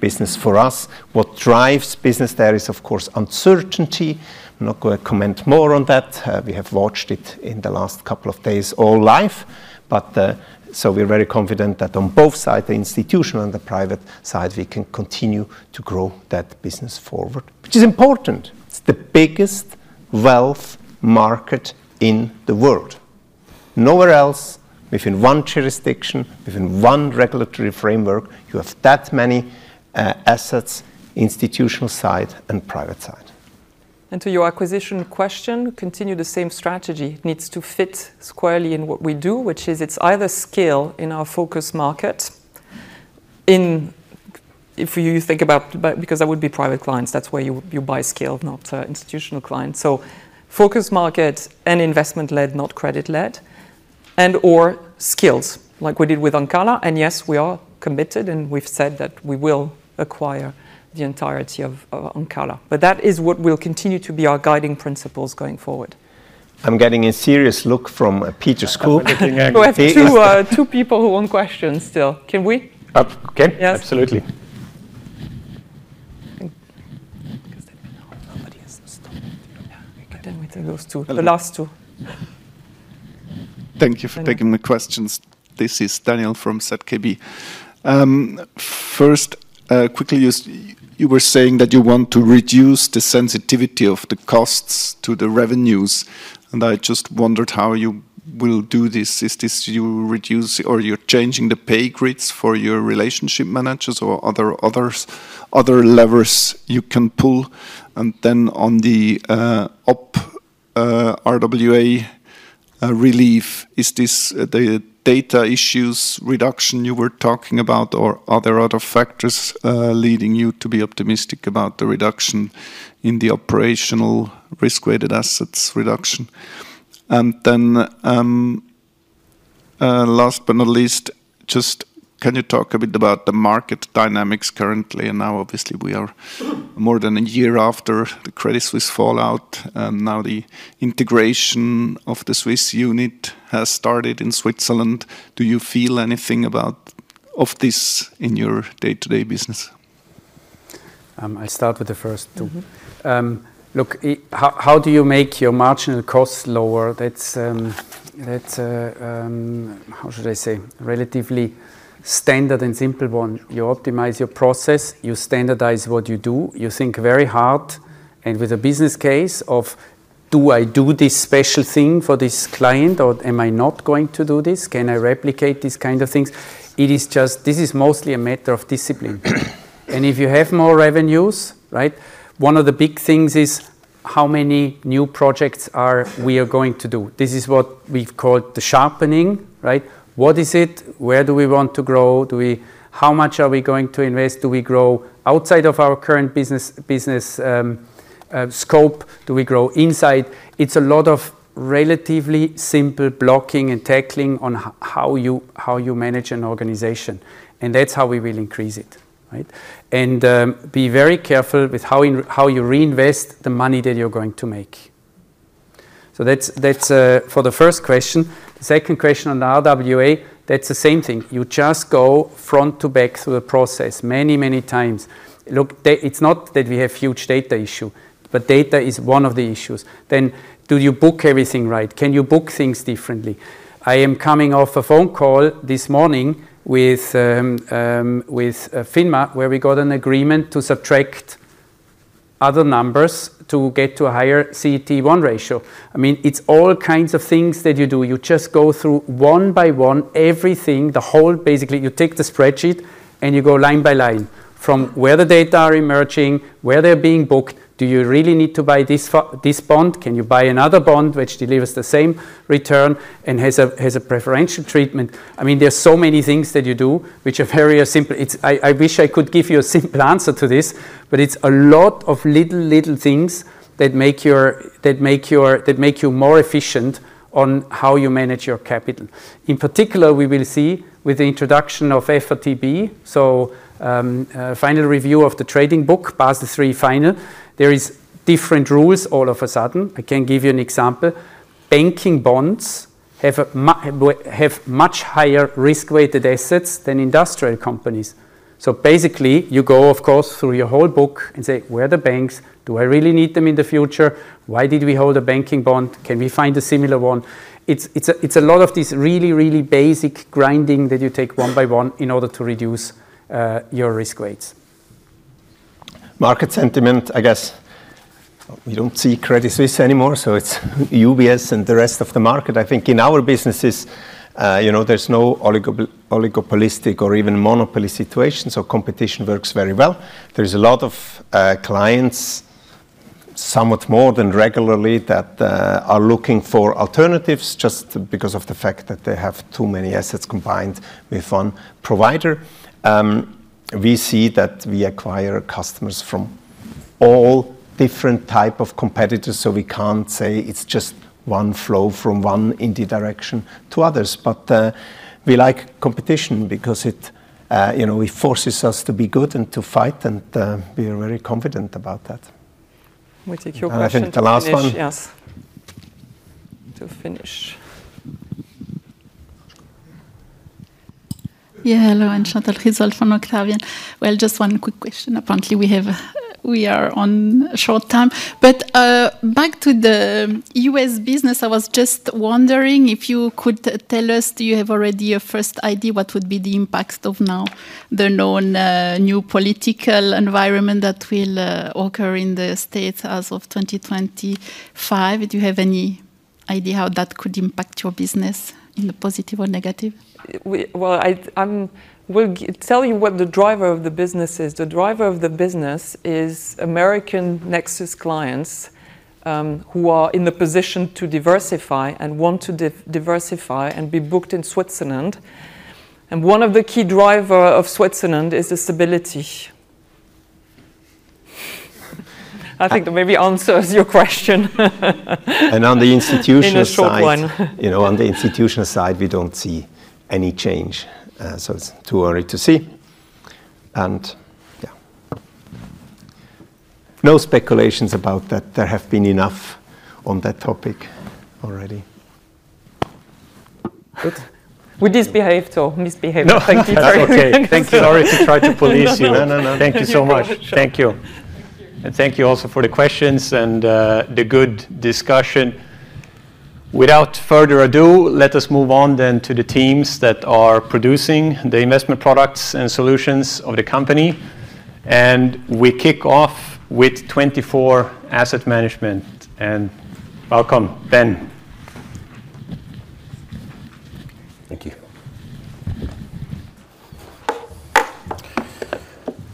business for us. What drives business there is, of course, uncertainty. I'm not going to comment more on that. We have watched it in the last couple of days all life. But so we're very confident that on both sides, the institutional and the private side, we can continue to grow that business forward, which is important. It's the biggest wealth market in the world. Nowhere else, within one jurisdiction, within one regulatory framework, you have that many assets, institutional side and private side. And to your acquisition question, continue the same strategy needs to fit squarely in what we do, which is it's either scale in our focus market. If you think about, because that would be private clients, that's where you buy scale, not institutional clients. So focus market and investment-led, not credit-led, and/or skills like we did with Ancala. And yes, we are committed and we've said that we will acquire the entirety of Ancala. But that is what will continue to be our guiding principles going forward. I'm getting a serious look from Peter Skoog. Two people who want questions still. Can we? Okay. Absolutely. Then we take those two, the last two. Thank you for taking the questions. This is Daniel from Zürcher Kantonalbank. First, quickly, you were saying that you want to reduce the sensitivity of the costs to the revenues. And I just wondered how you will do this. Is this you reduce or you're changing the pay grids for your relationship managers or other levers you can pull? And then on the up RWA relief, is this the data issues reduction you were talking about or are there other factors leading you to be optimistic about the reduction in the operational risk-weighted assets reduction? And then last but not least, just can you talk a bit about the market dynamics currently? And now obviously we are more than a year after the Credit Suisse fallout. Now the integration of the Swiss unit has started in Switzerland. Do you feel anything about this in your day-to-day business? I'll start with the first two. Look, how do you make your marginal costs lower? That's, how should I say, relatively standard and simple one. You optimize your process, you standardize what you do, you think very hard. And with a business case of, do I do this special thing for this client or am I not going to do this? Can I replicate these kinds of things? This is mostly a matter of discipline. And if you have more revenues, one of the big things is how many new projects we are going to do. This is what we've called the sharpening. What is it? Where do we want to grow? How much are we going to invest? Do we grow outside of our current business scope? Do we grow inside? It's a lot of relatively simple blocking and tackling on how you manage an organization. And that's how we will increase it. And be very careful with how you reinvest the money that you're going to make. So that's for the first question. The second question on RWA, that's the same thing. You just go front to back through the process many, many times. Look, it's not that we have huge data issue, but data is one of the issues. Then do you book everything right? Can you book things differently? I am coming off a phone call this morning with FINMA where we got an agreement to subtract other numbers to get to a higher CET1 ratio. I mean, it's all kinds of things that you do. You just go through one by one everything, the whole basically, you take the spreadsheet and you go line by line from where the data are emerging, where they're being booked. Do you really need to buy this bond? Can you buy another bond which delivers the same return and has a preferential treatment? I mean, there's so many things that you do which are very simple. I wish I could give you a simple answer to this, but it's a lot of little, little things that make you more efficient on how you manage your capital. In particular, we will see with the introduction of FRTB, so final review of the trading book, Basel III Final, there are different rules all of a sudden. I can give you an example. Banking bonds have much higher risk-weighted assets than industrial companies. So basically, you go, of course, through your whole book and say, where are the banks? Do I really need them in the future? Why did we hold a banking bond? Can we find a similar one? It's a lot of this really, really basic grinding that you take one by one in order to reduce your risk weights. Market sentiment, I guess we don't see Credit Suisse anymore, so it's UBS and the rest of the market. I think in our businesses, there's no oligopolistic or even monopoly situation, so competition works very well. There's a lot of clients, somewhat more than regularly, that are looking for alternatives just because of the fact that they have too many assets combined with one provider. We see that we acquire customers from all different types of competitors, so we can't say it's just one flow from one indie direction to others. But we like competition because it forces us to be good and to fight, and we are very confident about that. I think the last one. To finish. Yeah, hello, I'm Chantal Ryser from Octavian. Well, just one quick question. Apparently, we are on short time. Back to the US business, I was just wondering if you could tell us, do you have already a first idea what would be the impact of now the known new political environment that will occur in the States as of 2025? Do you have any idea how that could impact your business in the positive or negative? I will tell you what the driver of the business is. The driver of the business is American Nexus clients who are in the position to diversify and want to diversify and be booked in Switzerland. One of the key drivers of Switzerland is the stability. I think that maybe answers your question. On the institutional side, on the institutional side, we don't see any change. It's too early to see. Yeah, no speculations about that. There have been enough on that topic already. Good. We disbehaved or misbehaved. Thank you. Thank you, Lori, to try to police you. Thank you so much. Thank you. Thank you also for the questions and the good discussion. Without further ado, let us move on then to the teams that are producing the investment products and solutions of the company. We kick off with 24 Asset Management. Welcome, Ben. Thank you.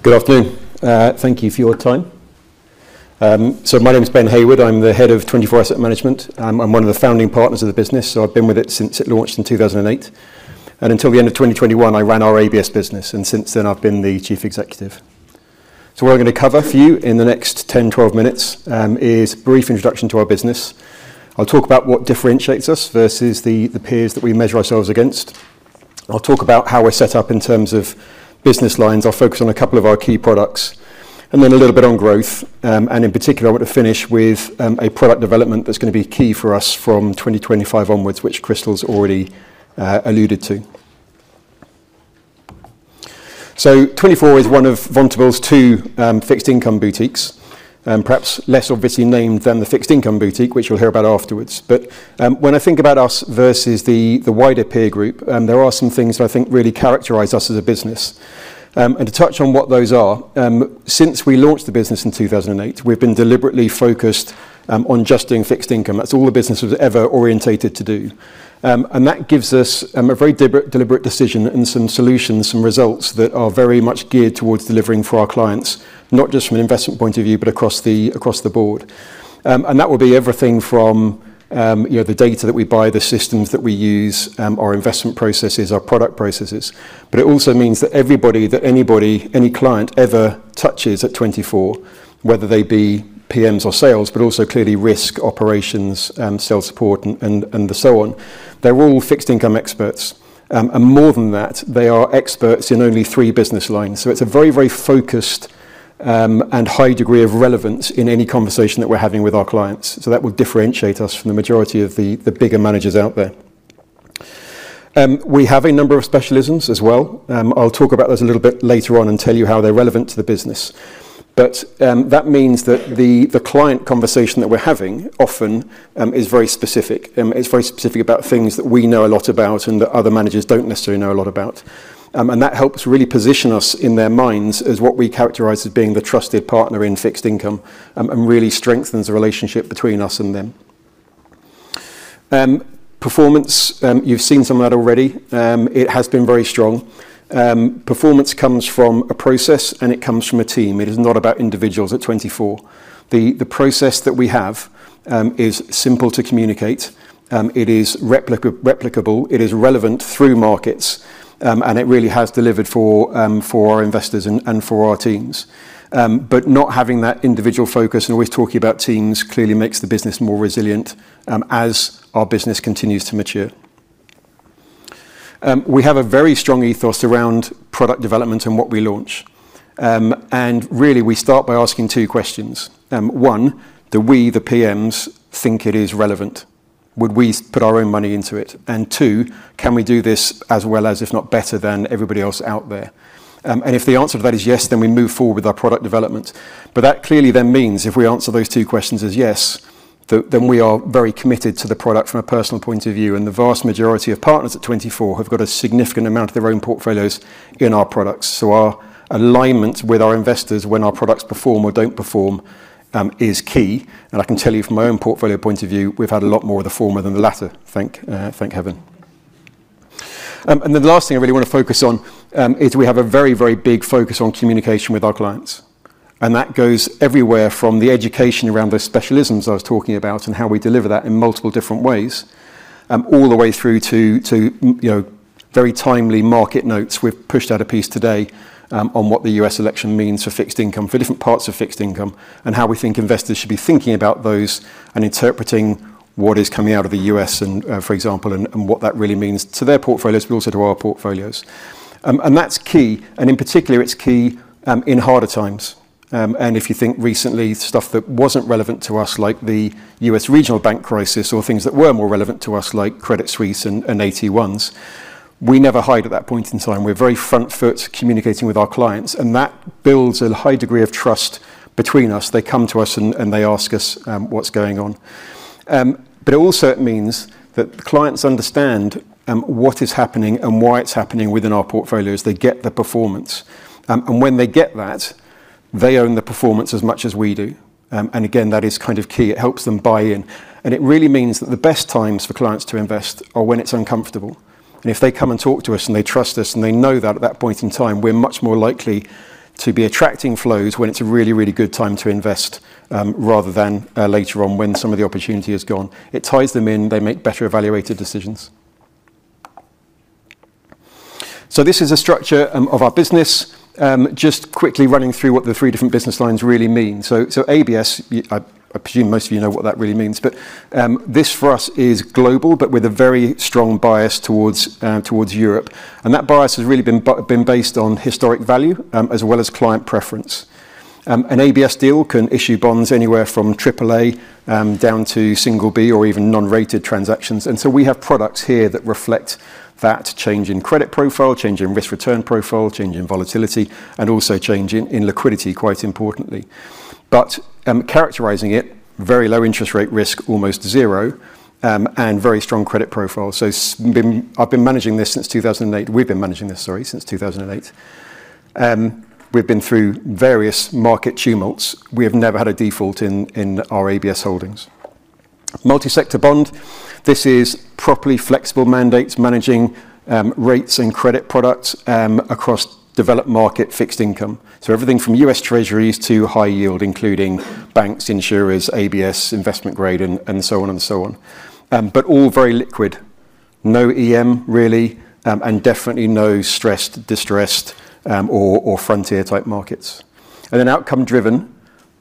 Good afternoon. Thank you for your time. My name is Ben Hayward. I'm the head of 24 Asset Management. I'm one of the founding partners of the business. I've been with it since it launched in 2008. Until the end of 2021, I ran our ABS business. Since then, I've been the chief executive. What I'm going to cover for you in the next 10, 12 minutes is a brief introduction to our business. I'll talk about what differentiates us versus the peers that we measure ourselves against. I'll talk about how we're set up in terms of business lines. I'll focus on a couple of our key products and then a little bit on growth. And in particular, I want to finish with a product development that's going to be key for us from 2025 onwards, which Christel's already alluded to. So 24 is one of Vontobel's two fixed income boutiques, perhaps less obviously named than the fixed income boutique, which you'll hear about afterwards. But when I think about us versus the wider peer group, there are some things that I think really characterize us as a business. And to touch on what those are, since we launched the business in 2008, we've been deliberately focused on just doing fixed income. That's all the business was ever orientated to do. And that gives us a very deliberate decision and some solutions, some results that are very much geared towards delivering for our clients, not just from an investment point of view, but across the board. And that will be everything from the data that we buy, the systems that we use, our investment processes, our product processes. But it also means that everybody, that anybody, any client ever touches at 24, whether they be PMs or sales, but also clearly risk operations and sales support and so on, they're all fixed income experts. And more than that, they are experts in only three business lines. So it's a very, very focused and high degree of relevance in any conversation that we're having with our clients. So that would differentiate us from the majority of the bigger managers out there. We have a number of specialisms as well. I'll talk about those a little bit later on and tell you how they're relevant to the business. But that means that the client conversation that we're having often is very specific. It's very specific about things that we know a lot about and that other managers don't necessarily know a lot about. And that helps really position us in their minds as what we characterize as being the trusted partner in fixed income and really strengthens the relationship between us and them. Performance, you've seen some of that already. It has been very strong. Performance comes from a process and it comes from a team. It is not about individuals at 24. The process that we have is simple to communicate. It is replicable. It is relevant through markets. And it really has delivered for our investors and for our teams. But not having that individual focus and always talking about teams clearly makes the business more resilient as our business continues to mature. We have a very strong ethos around product development and what we launch. And really, we start by asking two questions. One, do we, the PMs, think it is relevant? Would we put our own money into it? And two, can we do this as well as, if not better than everybody else out there? And if the answer to that is yes, then we move forward with our product development. But that clearly then means if we answer those two questions as yes, then we are very committed to the product from a personal point of view. And the vast majority of partners at 24 have got a significant amount of their own portfolios in our products. So our alignment with our investors when our products perform or don't perform is key. And I can tell you from my own portfolio point of view, we've had a lot more of the former than the latter. Thank heaven. And then the last thing I really want to focus on is we have a very, very big focus on communication with our clients. And that goes everywhere from the education around the specialisms I was talking about and how we deliver that in multiple different ways, all the way through to very timely market notes. We've pushed out a piece today on what the U.S. election means for fixed income, for different parts of fixed income, and how we think investors should be thinking about those and interpreting what is coming out of the U.S., for example, and what that really means to their portfolios, but also to our portfolios. And that's key. And in particular, it's key in harder times. And if you think recently stuff that wasn't relevant to us, like the U.S. regional bank crisis or things that were more relevant to us, like Credit Suisse and AT1s, we never hide at that point in time. We're very front-foot communicating with our clients. And that builds a high degree of trust between us. They come to us and they ask us what's going on. But it also means that the clients understand what is happening and why it's happening within our portfolios. They get the performance, and when they get that, they own the performance as much as we do, and again, that is kind of key. It helps them buy in, and it really means that the best times for clients to invest are when it's uncomfortable, and if they come and talk to us and they trust us and they know that at that point in time, we're much more likely to be attracting flows when it's a really, really good time to invest rather than later on when some of the opportunity has gone. It ties them in. They make better evaluated decisions, so this is a structure of our business, just quickly running through what the three different business lines really mean, so ABS, I presume most of you know what that really means. But this for us is global, but with a very strong bias towards Europe. That bias has really been based on historic value as well as client preference. An ABS deal can issue bonds anywhere from AAA down to single B or even non-rated transactions. And so we have products here that reflect that change in credit profile, change in risk return profile, change in volatility, and also change in liquidity, quite importantly. But characterizing it, very low interest rate risk, almost zero, and very strong credit profile. So I've been managing this since 2008. We've been managing this, sorry, since 2008. We've been through various market tumults. We have never had a default in our ABS holdings. Multi-sector bond, this is properly flexible mandates managing rates and credit products across developed market fixed income. So everything from U.S. Treasuries to high yield, including banks, insurers, ABS, investment grade, and so on and so on. But all very liquid. No EM really, and definitely no stressed, distressed, or frontier type markets. And then outcome driven,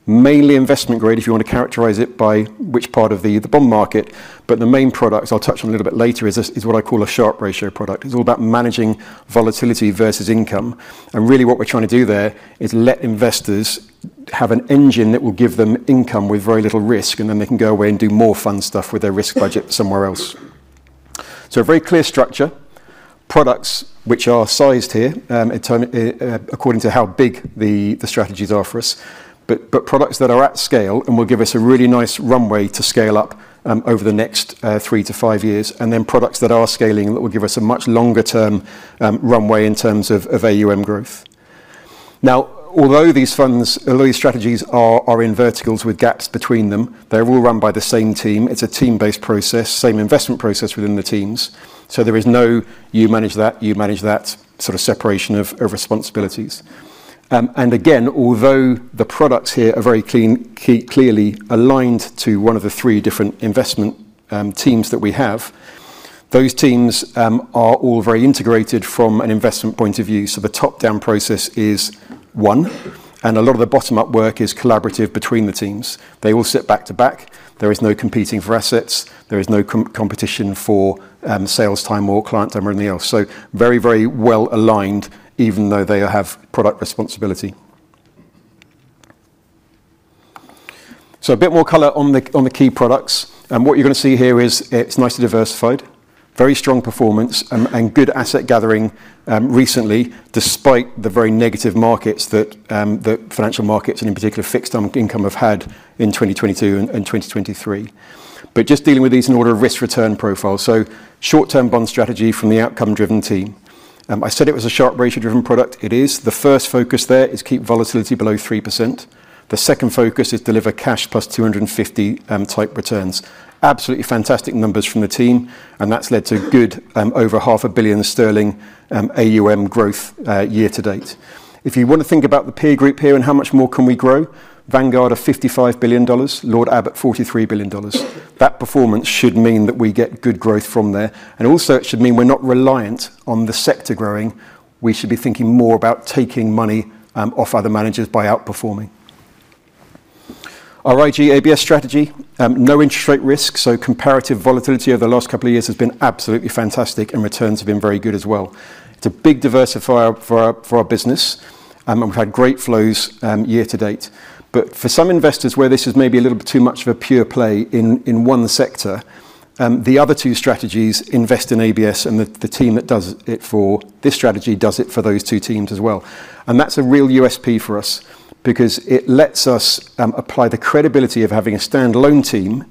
mainly investment grade, if you want to characterize it by which part of the bond market. But the main product, I'll touch on a little bit later, is what I call a Sharpe ratio product. It's all about managing volatility versus income. And really what we're trying to do there is let investors have an engine that will give them income with very little risk, and then they can go away and do more fun stuff with their risk budget somewhere else. So a very clear structure, products which are sized here according to how big the strategies are for us, but products that are at scale and will give us a really nice runway to scale up over the next three to five years, and then products that are scaling that will give us a much longer term runway in terms of AUM growth. Now, although these strategies are in verticals with gaps between them, they're all run by the same team. It's a team-based process, same investment process within the teams. So there is no you manage that, you manage that sort of separation of responsibilities. And again, although the products here are very clearly aligned to one of the three different investment teams that we have, those teams are all very integrated from an investment point of view. The top-down process is one, and a lot of the bottom-up work is collaborative between the teams. They all sit back to back. There is no competing for assets. There is no competition for sales time or client time or anything else. Very, very well aligned, even though they have product responsibility. A bit more color on the key products. What you're going to see here is it's nicely diversified, very strong performance, and good asset gathering recently, despite the very negative markets that financial markets and in particular fixed income have had in 2022 and 2023. Just dealing with these in order of risk-return profile. Short-term bond strategy from the outcome-driven team. I said it was a Sharpe ratio-driven product. It is. The first focus there is keep volatility below 3%. The second focus is deliver cash plus 250 type returns. Absolutely fantastic numbers from the team. That's led to over 500 million sterling AUM growth year to date. If you want to think about the peer group here and how much more we can grow, Vanguard $55 billion, Lord Abbett $43 billion. That performance should mean that we get good growth from there. It should also mean we're not reliant on the sector growing. We should be thinking more about taking money off other managers by outperforming. Our ABS strategy, no interest rate risk. Comparative volatility over the last couple of years has been absolutely fantastic, and returns have been very good as well. It's a big diversifier for our business. We've had great flows year to date. But for some investors where this is maybe a little bit too much of a pure play in one sector, the other two strategies, investment in ABS, and the team that does it for this strategy does it for those two teams as well. And that's a real USP for us because it lets us apply the credibility of having a standalone team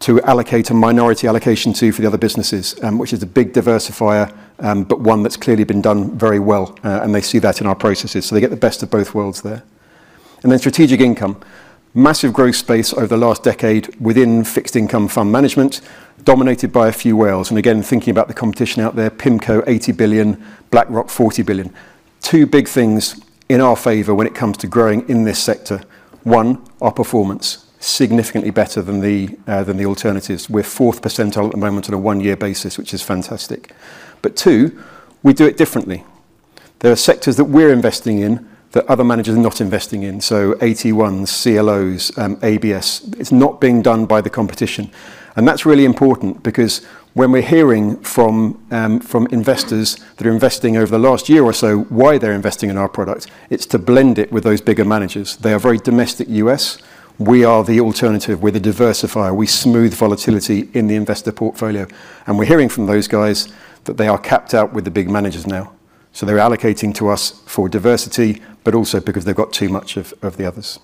to allocate a minority allocation to for the other businesses, which is a big diversifier, but one that's clearly been done very well. And they see that in our processes. So they get the best of both worlds there. And then strategic income, massive growth space over the last decade within fixed income fund management, dominated by a few whales. And again, thinking about the competition out there, PIMCO, $80 billion, BlackRock, $40 billion. Two big things in our favor when it comes to growing in this sector. One, our performance, significantly better than the alternatives. We're fourth percentile at the moment on a one-year basis, which is fantastic. But two, we do it differently. There are sectors that we're investing in that other managers are not investing in. So AT1s, CLOs, ABS, it's not being done by the competition. And that's really important because when we're hearing from investors that are investing over the last year or so why they're investing in our product, it's to blend it with those bigger managers. They are very domestic US. We are the alternative. We're the diversifier. We smooth volatility in the investor portfolio. And we're hearing from those guys that they are capped out with the big managers now. So they're allocating to us for diversity, but also because they've got too much of the others.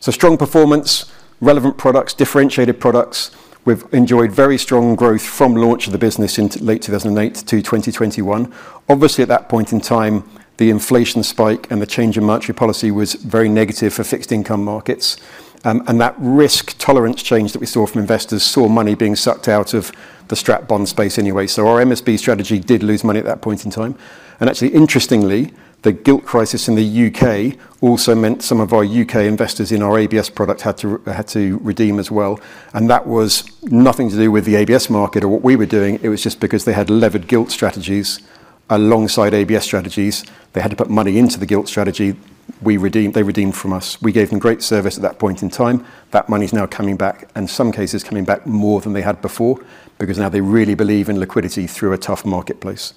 So strong performance, relevant products, differentiated products. We've enjoyed very strong growth from launch of the business in late 2008 to 2021. Obviously, at that point in time, the inflation spike and the change in monetary policy was very negative for fixed income markets. And that risk tolerance change that we saw from investors saw money being sucked out of the STRIPS bond space anyway. So our MBS strategy did lose money at that point in time. And actually, interestingly, the gilt crisis in the UK also meant some of our UK investors in our ABS product had to redeem as well. And that was nothing to do with the ABS market or what we were doing. It was just because they had levered gilt strategies alongside ABS strategies. They had to put money into the gilt strategy. They redeemed from us. We gave them great service at that point in time. That money is now coming back, in some cases coming back more than they had before because now they really believe in liquidity through a tough marketplace.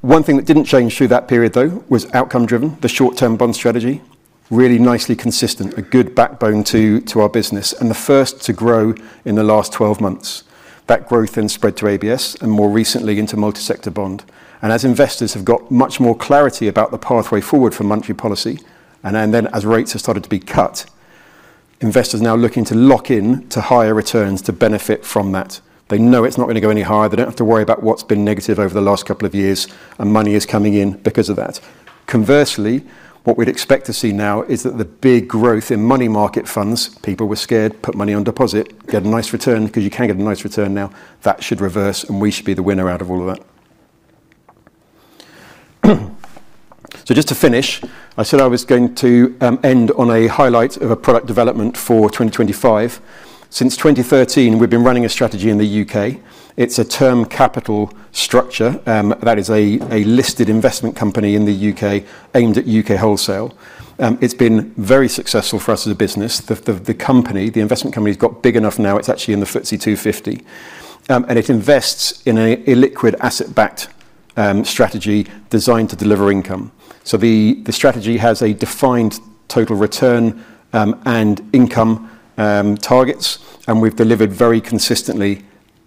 One thing that didn't change through that period, though, was outcome-driven. The short-term bond strategy, really nicely consistent, a good backbone to our business, and the first to grow in the last 12 months. That growth then spread to ABS and more recently into multi-sector bond, and as investors have got much more clarity about the pathway forward for monetary policy, and then as rates have started to be cut, investors are now looking to lock in to higher returns to benefit from that. They know it's not going to go any higher. They don't have to worry about what's been negative over the last couple of years, and money is coming in because of that. Conversely, what we'd expect to see now is that the big growth in money market funds, people were scared, put money on deposit, get a nice return because you can get a nice return now. That should reverse, and we should be the winner out of all of that. So just to finish, I said I was going to end on a highlight of a product development for 2025. Since 2013, we've been running a strategy in the UK. It's a term capital structure that is a listed investment company in the UK aimed at UK wholesale. It's been very successful for us as a business. The company, the investment company, has got big enough now. It's actually in the FTSE 250. It invests in an illiquid asset-backed strategy designed to deliver income. So the strategy has a defined total return and income targets. And we've delivered very consistently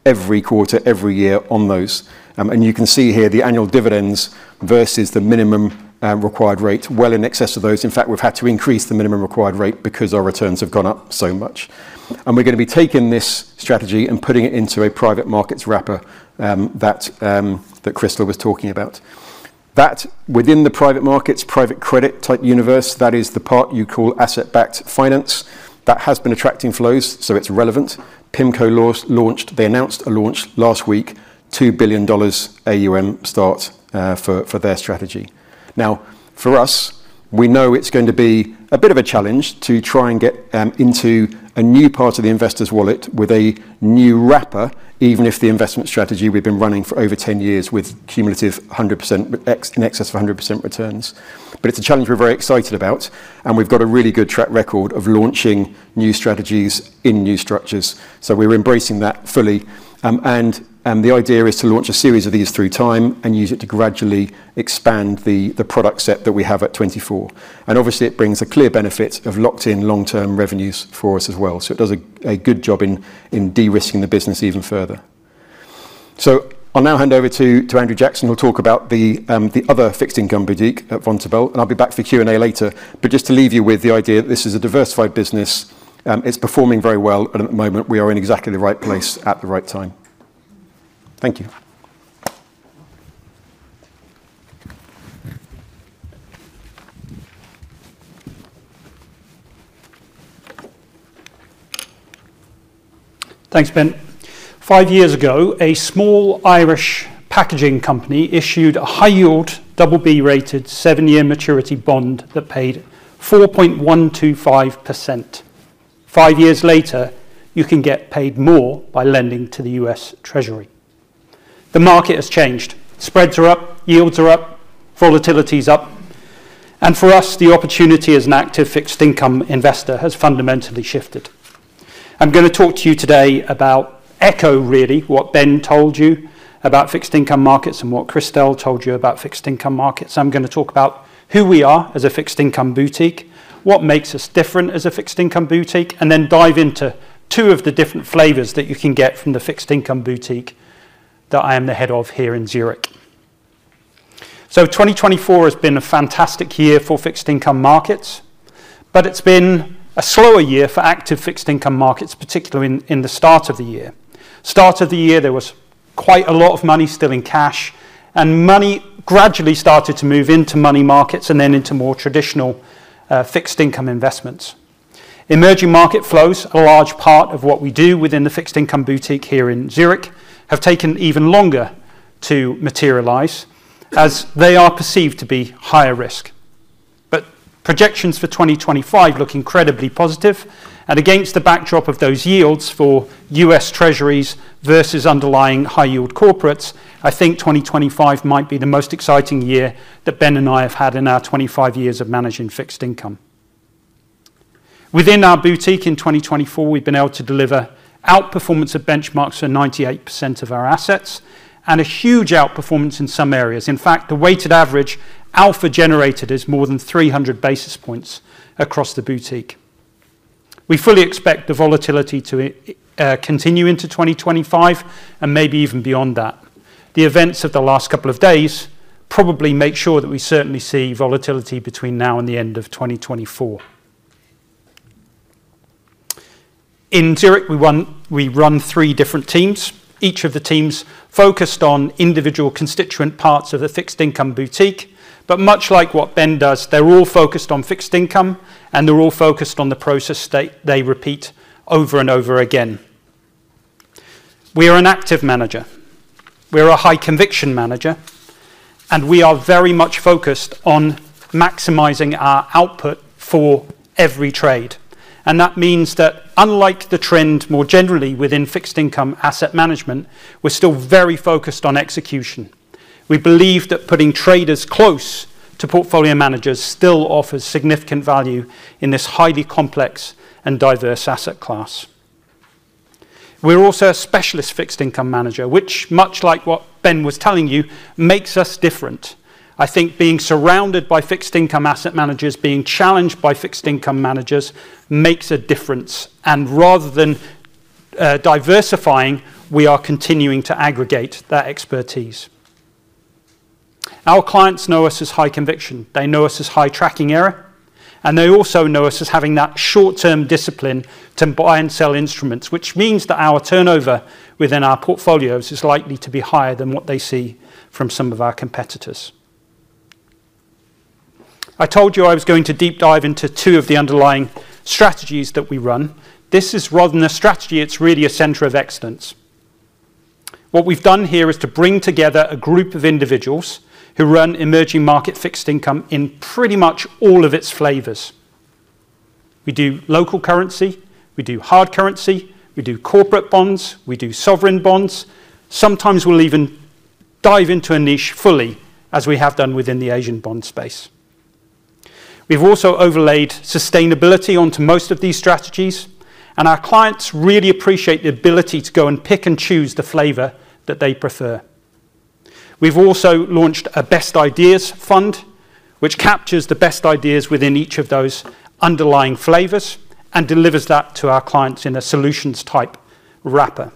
every quarter, every year on those. And you can see here the annual dividends versus the minimum required rate, well in excess of those. In fact, we've had to increase the minimum required rate because our returns have gone up so much. And we're going to be taking this strategy and putting it into a private markets wrapper that Christel was talking about. That within the private markets, private credit type universe, that is the part you call asset-backed finance. That has been attracting flows, so it's relevant. PIMCO launched, they announced a launch last week, $2 billion AUM start for their strategy. Now, for us, we know it's going to be a bit of a challenge to try and get into a new part of the investor's wallet with a new wrapper, even if the investment strategy we've been running for over 10 years with cumulative 100% in excess of 100% returns. But it's a challenge we're very excited about. And we've got a really good track record of launching new strategies in new structures. So we're embracing that fully. And the idea is to launch a series of these through time and use it to gradually expand the product set that we have at 24. And obviously, it brings a clear benefit of locked-in long-term revenues for us as well. So it does a good job in de-risking the business even further. So I'll now hand over to Andrew Jackson, who'll talk about the other fixed income boutique at Vontobel. I'll be back for Q&A later. But just to leave you with the idea that this is a diversified business, it's performing very well at the moment. We are in exactly the right place at the right time. Thank you. Thanks, Ben. Five years ago, a small Irish packaging company issued a high-yield, double-B rated seven-year maturity bond that paid 4.125%. Five years later, you can get paid more by lending to the US Treasury. The market has changed. Spreads are up, yields are up, volatility is up. For us, the opportunity as an active fixed income investor has fundamentally shifted. I'm going to talk to you today about Echo, really, what Ben told you about fixed income markets and what Christel told you about fixed income markets. I'm going to talk about who we are as a fixed income boutique, what makes us different as a fixed income boutique, and then dive into two of the different flavors that you can get from the fixed income boutique that I am the head of here in Zurich. So 2024 has been a fantastic year for fixed income markets, but it's been a slower year for active fixed income markets, particularly in the start of the year. Start of the year, there was quite a lot of money still in cash, and money gradually started to move into money markets and then into more traditional fixed income investments. Emerging market flows, a large part of what we do within the fixed income boutique here in Zurich, have taken even longer to materialize as they are perceived to be higher risk. But projections for 2025 look incredibly positive. And against the backdrop of those yields for U.S. Treasuries versus underlying high-yield corporates, I think 2025 might be the most exciting year that Ben and I have had in our 25 years of managing fixed income. Within our boutique in 2024, we've been able to deliver outperformance of benchmarks for 98% of our assets and a huge outperformance in some areas. In fact, the weighted average alpha generated is more than 300 basis points across the boutique. We fully expect the volatility to continue into 2025 and maybe even beyond that. The events of the last couple of days probably make sure that we certainly see volatility between now and the end of 2024. In Zurich, we run three different teams. Each of the teams focused on individual constituent parts of the fixed income boutique, but much like what Ben does, they're all focused on fixed income, and they're all focused on the process they repeat over and over again. We are an active manager. We are a high-conviction manager, and we are very much focused on maximizing our output for every trade, and that means that unlike the trend more generally within fixed income asset management, we're still very focused on execution. We believe that putting traders close to portfolio managers still offers significant value in this highly complex and diverse asset class. We're also a specialist fixed income manager, which, much like what Ben was telling you, makes us different. I think being surrounded by fixed income asset managers, being challenged by fixed income managers makes a difference, and rather than diversifying, we are continuing to aggregate that expertise. Our clients know us as high conviction. They know us as high tracking error. And they also know us as having that short-term discipline to buy and sell instruments, which means that our turnover within our portfolios is likely to be higher than what they see from some of our competitors. I told you I was going to deep dive into two of the underlying strategies that we run. This is rather than a strategy, it's really a center of excellence. What we've done here is to bring together a group of individuals who run emerging market fixed income in pretty much all of its flavors. We do local currency, we do hard currency, we do corporate bonds, we do sovereign bonds. Sometimes we'll even dive into a niche fully, as we have done within the Asian bond space. We've also overlaid sustainability onto most of these strategies, and our clients really appreciate the ability to go and pick and choose the flavor that they prefer. We've also launched a best ideas fund, which captures the best ideas within each of those underlying flavors and delivers that to our clients in a solutions type wrapper.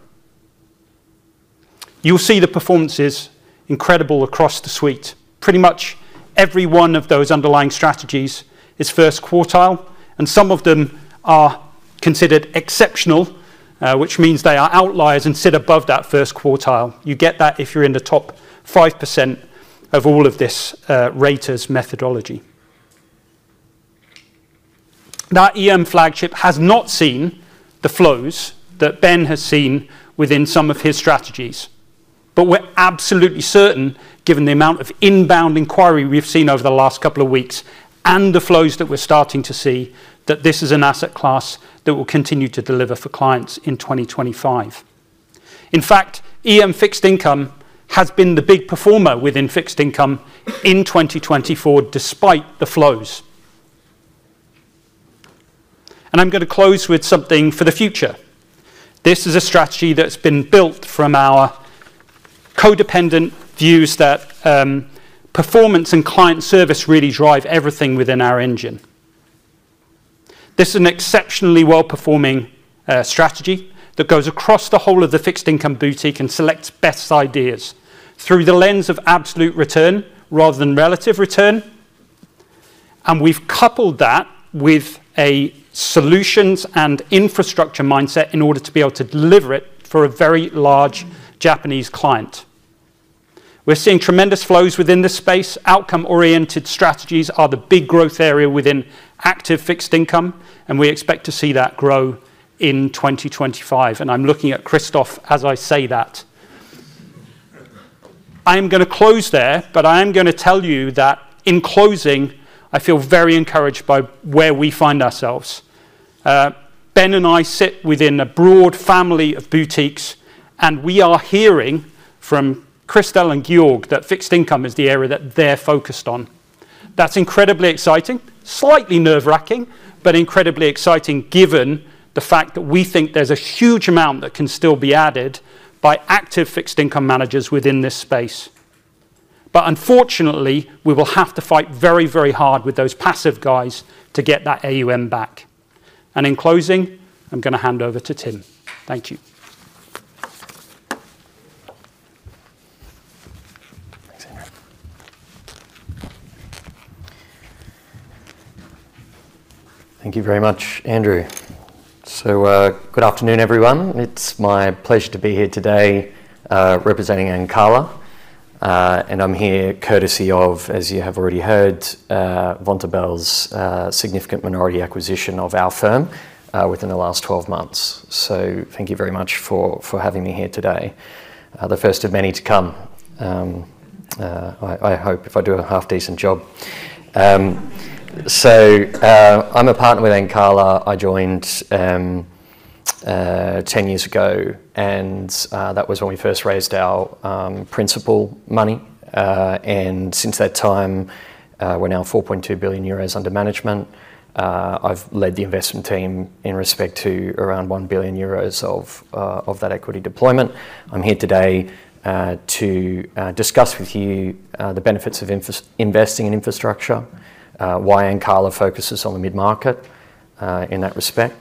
You'll see the performance is incredible across the suite. Pretty much every one of those underlying strategies is first quartile, and some of them are considered exceptional, which means they are outliers and sit above that first quartile. You get that if you're in the top 5% of all of this Reuters methodology. That EM flagship has not seen the flows that Ben has seen within some of his strategies. We're absolutely certain, given the amount of inbound inquiry we've seen over the last couple of weeks and the flows that we're starting to see, that this is an asset class that will continue to deliver for clients in 2025. In fact, EM fixed income has been the big performer within fixed income in 2024, despite the flows. I'm going to close with something for the future. This is a strategy that's been built from our codependent views that performance and client service really drive everything within our engine. This is an exceptionally well-performing strategy that goes across the whole of the fixed income boutique and selects best ideas through the lens of absolute return rather than relative return. We've coupled that with a solutions and infrastructure mindset in order to be able to deliver it for a very large Japanese client. We're seeing tremendous flows within this space. Outcome-oriented strategies are the big growth area within active fixed income, and we expect to see that grow in 2025, and I'm looking at Christoph as I say that. I am going to close there, but I am going to tell you that in closing, I feel very encouraged by where we find ourselves. Ben and I sit within a broad family of boutiques, and we are hearing from Christel and Georg that fixed income is the area that they're focused on. That's incredibly exciting, slightly nerve-wracking, but incredibly exciting given the fact that we think there's a huge amount that can still be added by active fixed income managers within this space, but unfortunately, we will have to fight very, very hard with those passive guys to get that AUM back, and in closing, I'm going to hand over to Tim. Thank you. Thank you very much, Andrew. So good afternoon, everyone. It's my pleasure to be here today representing Ancala. And I'm here courtesy of, as you have already heard, Vontobel's significant minority acquisition of our firm within the last 12 months. So thank you very much for having me here today. The first of many to come, I hope, if I do a half-decent job. So I'm a partner with Ancala. I joined 10 years ago, and that was when we first raised our principal money. And since that time, we're now 4.2 billion euros under management. I've led the investment team in respect to around 1 billion euros of that equity deployment. I'm here today to discuss with you the benefits of investing in infrastructure, why Ancala focuses on the mid-market in that respect,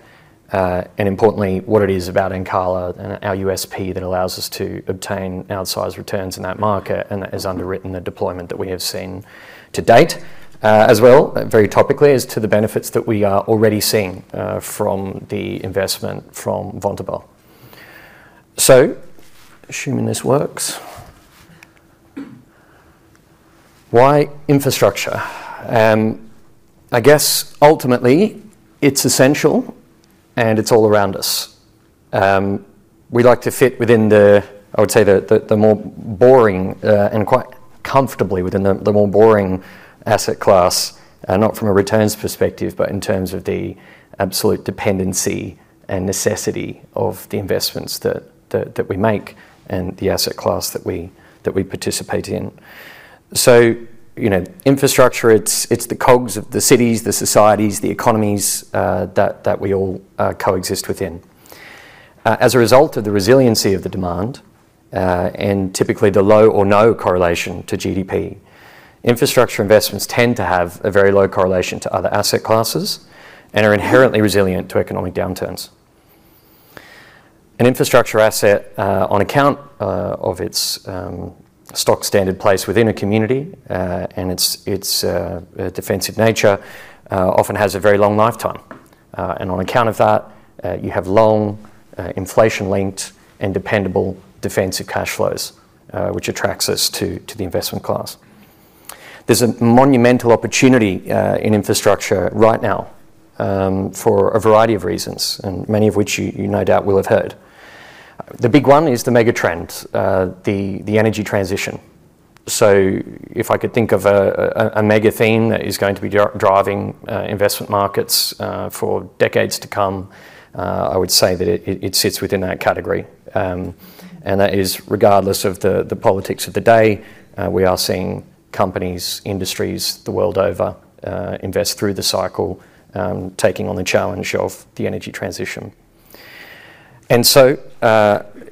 and importantly, what it is about Ancala and our USP that allows us to obtain outsized returns in that market and is underwritten the deployment that we have seen to date as well, very topically, as to the benefits that we are already seeing from the investment from Vontobel. Assuming this works, why infrastructure? I guess ultimately, it's essential, and it's all around us. We like to fit within the, I would say, the more boring and quite comfortably within the more boring asset class, not from a returns perspective, but in terms of the absolute dependency and necessity of the investments that we make and the asset class that we participate in. Infrastructure, it's the cogs of the cities, the societies, the economies that we all coexist within. As a result of the resiliency of the demand and typically the low or no correlation to GDP, infrastructure investments tend to have a very low correlation to other asset classes and are inherently resilient to economic downturns. An infrastructure asset, on account of its stock standard place within a community and its defensive nature, often has a very long lifetime. And on account of that, you have long inflation-linked and dependable defensive cash flows, which attracts us to the investment class. There's a monumental opportunity in infrastructure right now for a variety of reasons, and many of which you no doubt will have heard. The big one is the megatrend, the energy transition. So if I could think of a megatheme that is going to be driving investment markets for decades to come, I would say that it sits within that category. And that is, regardless of the politics of the day, we are seeing companies, industries the world over invest through the cycle, taking on the challenge of the energy transition. And so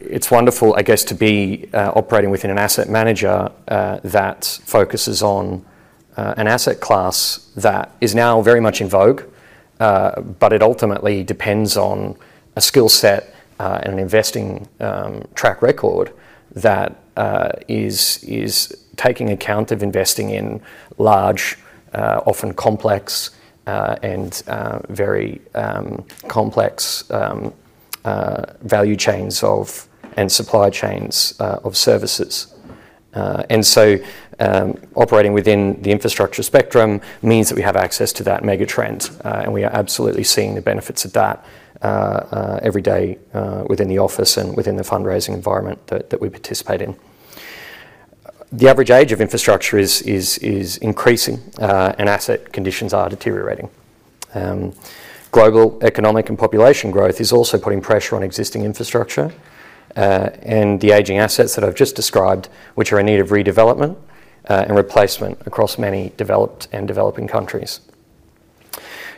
it's wonderful, I guess, to be operating within an asset manager that focuses on an asset class that is now very much in vogue, but it ultimately depends on a skill set and an investing track record that is taking account of investing in large, often complex and very complex value chains and supply chains of services. And so operating within the infrastructure spectrum means that we have access to that megatrend, and we are absolutely seeing the benefits of that every day within the office and within the fundraising environment that we participate in. The average age of infrastructure is increasing, and asset conditions are deteriorating. Global economic and population growth is also putting pressure on existing infrastructure and the aging assets that I've just described, which are in need of redevelopment and replacement across many developed and developing countries.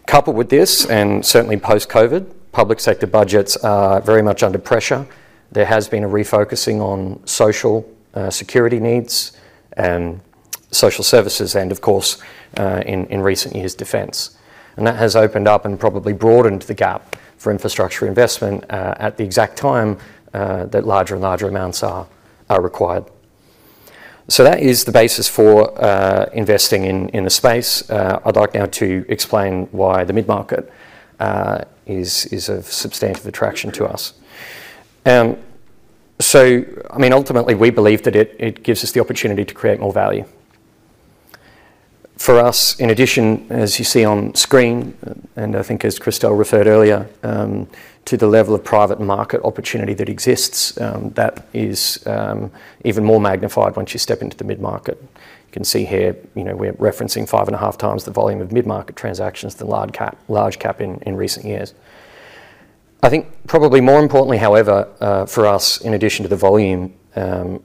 Coupled with this, and certainly post-COVID, public sector budgets are very much under pressure. There has been a refocusing on social security needs and social services and, of course, in recent years, defense. And that has opened up and probably broadened the gap for infrastructure investment at the exact time that larger and larger amounts are required. So that is the basis for investing in the space. I'd like now to explain why the mid-market is of substantive attraction to us. So, I mean, ultimately, we believe that it gives us the opportunity to create more value. For us, in addition, as you see on screen, and I think as Christel referred earlier, to the level of private market opportunity that exists, that is even more magnified once you step into the mid-market. You can see here we're referencing five and a half times the volume of mid-market transactions than large cap in recent years. I think probably more importantly, however, for us, in addition to the volume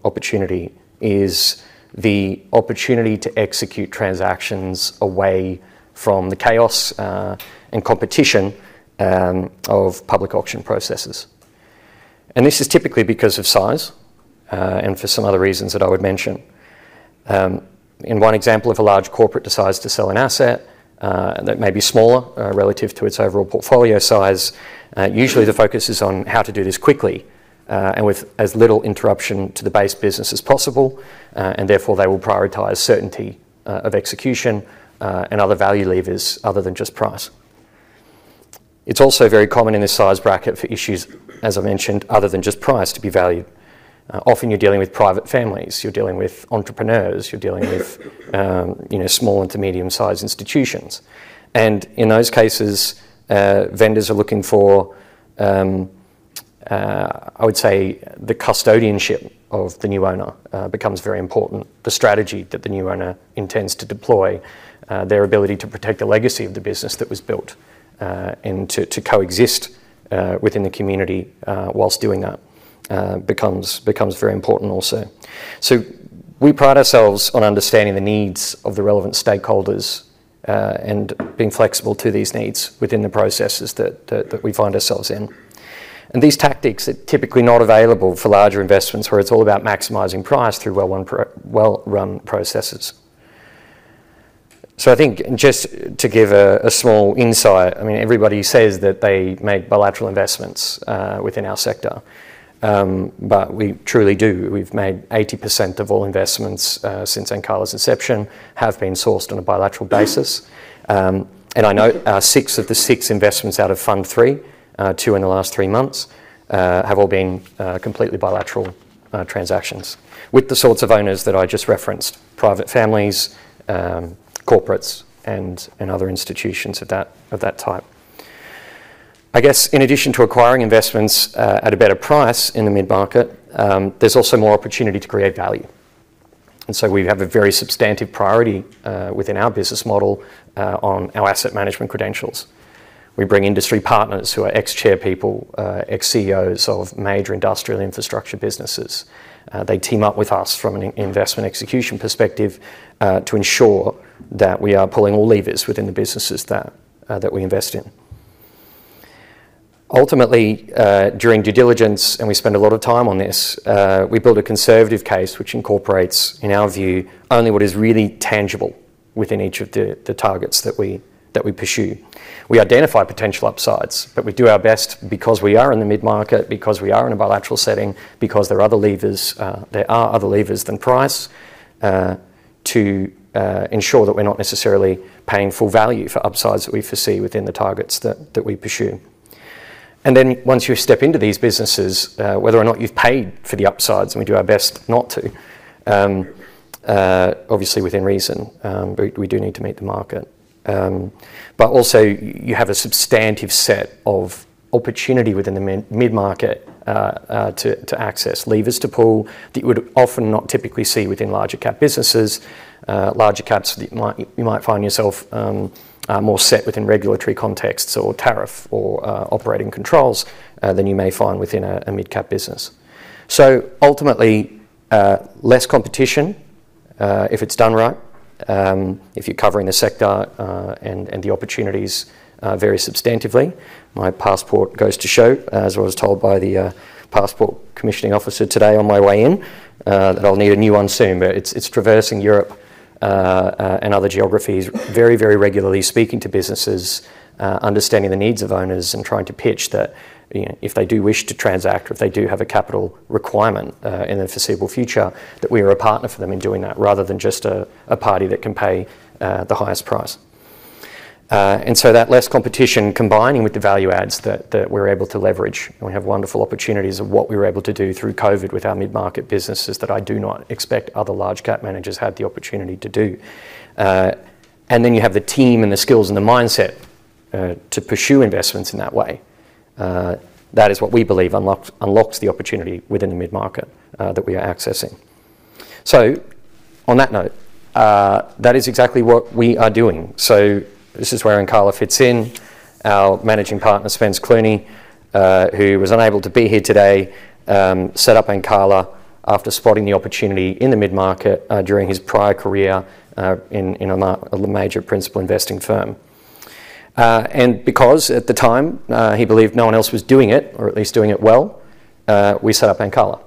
opportunity, is the opportunity to execute transactions away from the chaos and competition of public auction processes. And this is typically because of size and for some other reasons that I would mention. In one example, a large corporation decides to sell an asset that may be smaller relative to its overall portfolio size. Usually the focus is on how to do this quickly and with as little interruption to the base business as possible, and therefore they will prioritize certainty of execution and other value levers other than just price. It's also very common in this size bracket for issues, as I mentioned, other than just price to be valued. Often you're dealing with private families, you're dealing with entrepreneurs, you're dealing with small- and medium-sized institutions. In those cases, vendors are looking for, I would say, the custodianship of the new owner becomes very important. The strategy that the new owner intends to deploy, their ability to protect the legacy of the business that was built and to coexist within the community while doing that becomes very important also. So we pride ourselves on understanding the needs of the relevant stakeholders and being flexible to these needs within the processes that we find ourselves in. And these tactics are typically not available for larger investments where it's all about maximizing price through well-run processes. So I think just to give a small insight, I mean, everybody says that they make bilateral investments within our sector, but we truly do. We've made 80% of all investments since Ancala's inception have been sourced on a bilateral basis. I know six of the six investments out of fund three, two in the last three months, have all been completely bilateral transactions with the sorts of owners that I just referenced: private families, corporates, and other institutions of that type. I guess in addition to acquiring investments at a better price in the mid-market, there's also more opportunity to create value. And so we have a very substantive priority within our business model on our asset management credentials. We bring industry partners who are ex-chairpeople, ex-CEOs of major industrial infrastructure businesses. They team up with us from an investment execution perspective to ensure that we are pulling all levers within the businesses that we invest in. Ultimately, during due diligence, and we spend a lot of time on this, we build a conservative case which incorporates, in our view, only what is really tangible within each of the targets that we pursue. We identify potential upsides, but we do our best because we are in the mid-market, because we are in a bilateral setting, because there are other levers than price to ensure that we're not necessarily paying full value for upsides that we foresee within the targets that we pursue. And then once you step into these businesses, whether or not you've paid for the upsides, and we do our best not to, obviously within reason, we do need to meet the market. But also you have a substantive set of opportunity within the mid-market to access levers to pull that you would often not typically see within larger-cap businesses. caps, you might find yourself more set within regulatory contexts or tariff or operating controls than you may find within a mid-cap business. So ultimately, less competition if it's done right, if you're covering the sector and the opportunities very substantively. My passport goes to show, as I was told by the passport commissioning officer today on my way in, that I'll need a new one soon. But it's traversing Europe and other geographies, very, very regularly speaking to businesses, understanding the needs of owners and trying to pitch that if they do wish to transact, if they do have a capital requirement in the foreseeable future, that we are a partner for them in doing that rather than just a party that can pay the highest price. And so, with that less competition, combining with the value adds that we're able to leverage, and we have wonderful opportunities of what we were able to do through COVID with our mid-market businesses that I do not expect other large-cap managers had the opportunity to do. And then you have the team and the skills and the mindset to pursue investments in that way. That is what we believe unlocks the opportunity within the mid-market that we are accessing. So on that note, that is exactly what we are doing. So this is where Ancala fits in. Our managing partner, Spence Clunie, who was unable to be here today, set up Ancala after spotting the opportunity in the mid-market during his prior career in a major principal investing firm. Because at the time he believed no one else was doing it or at least doing it well, we set up Ancala.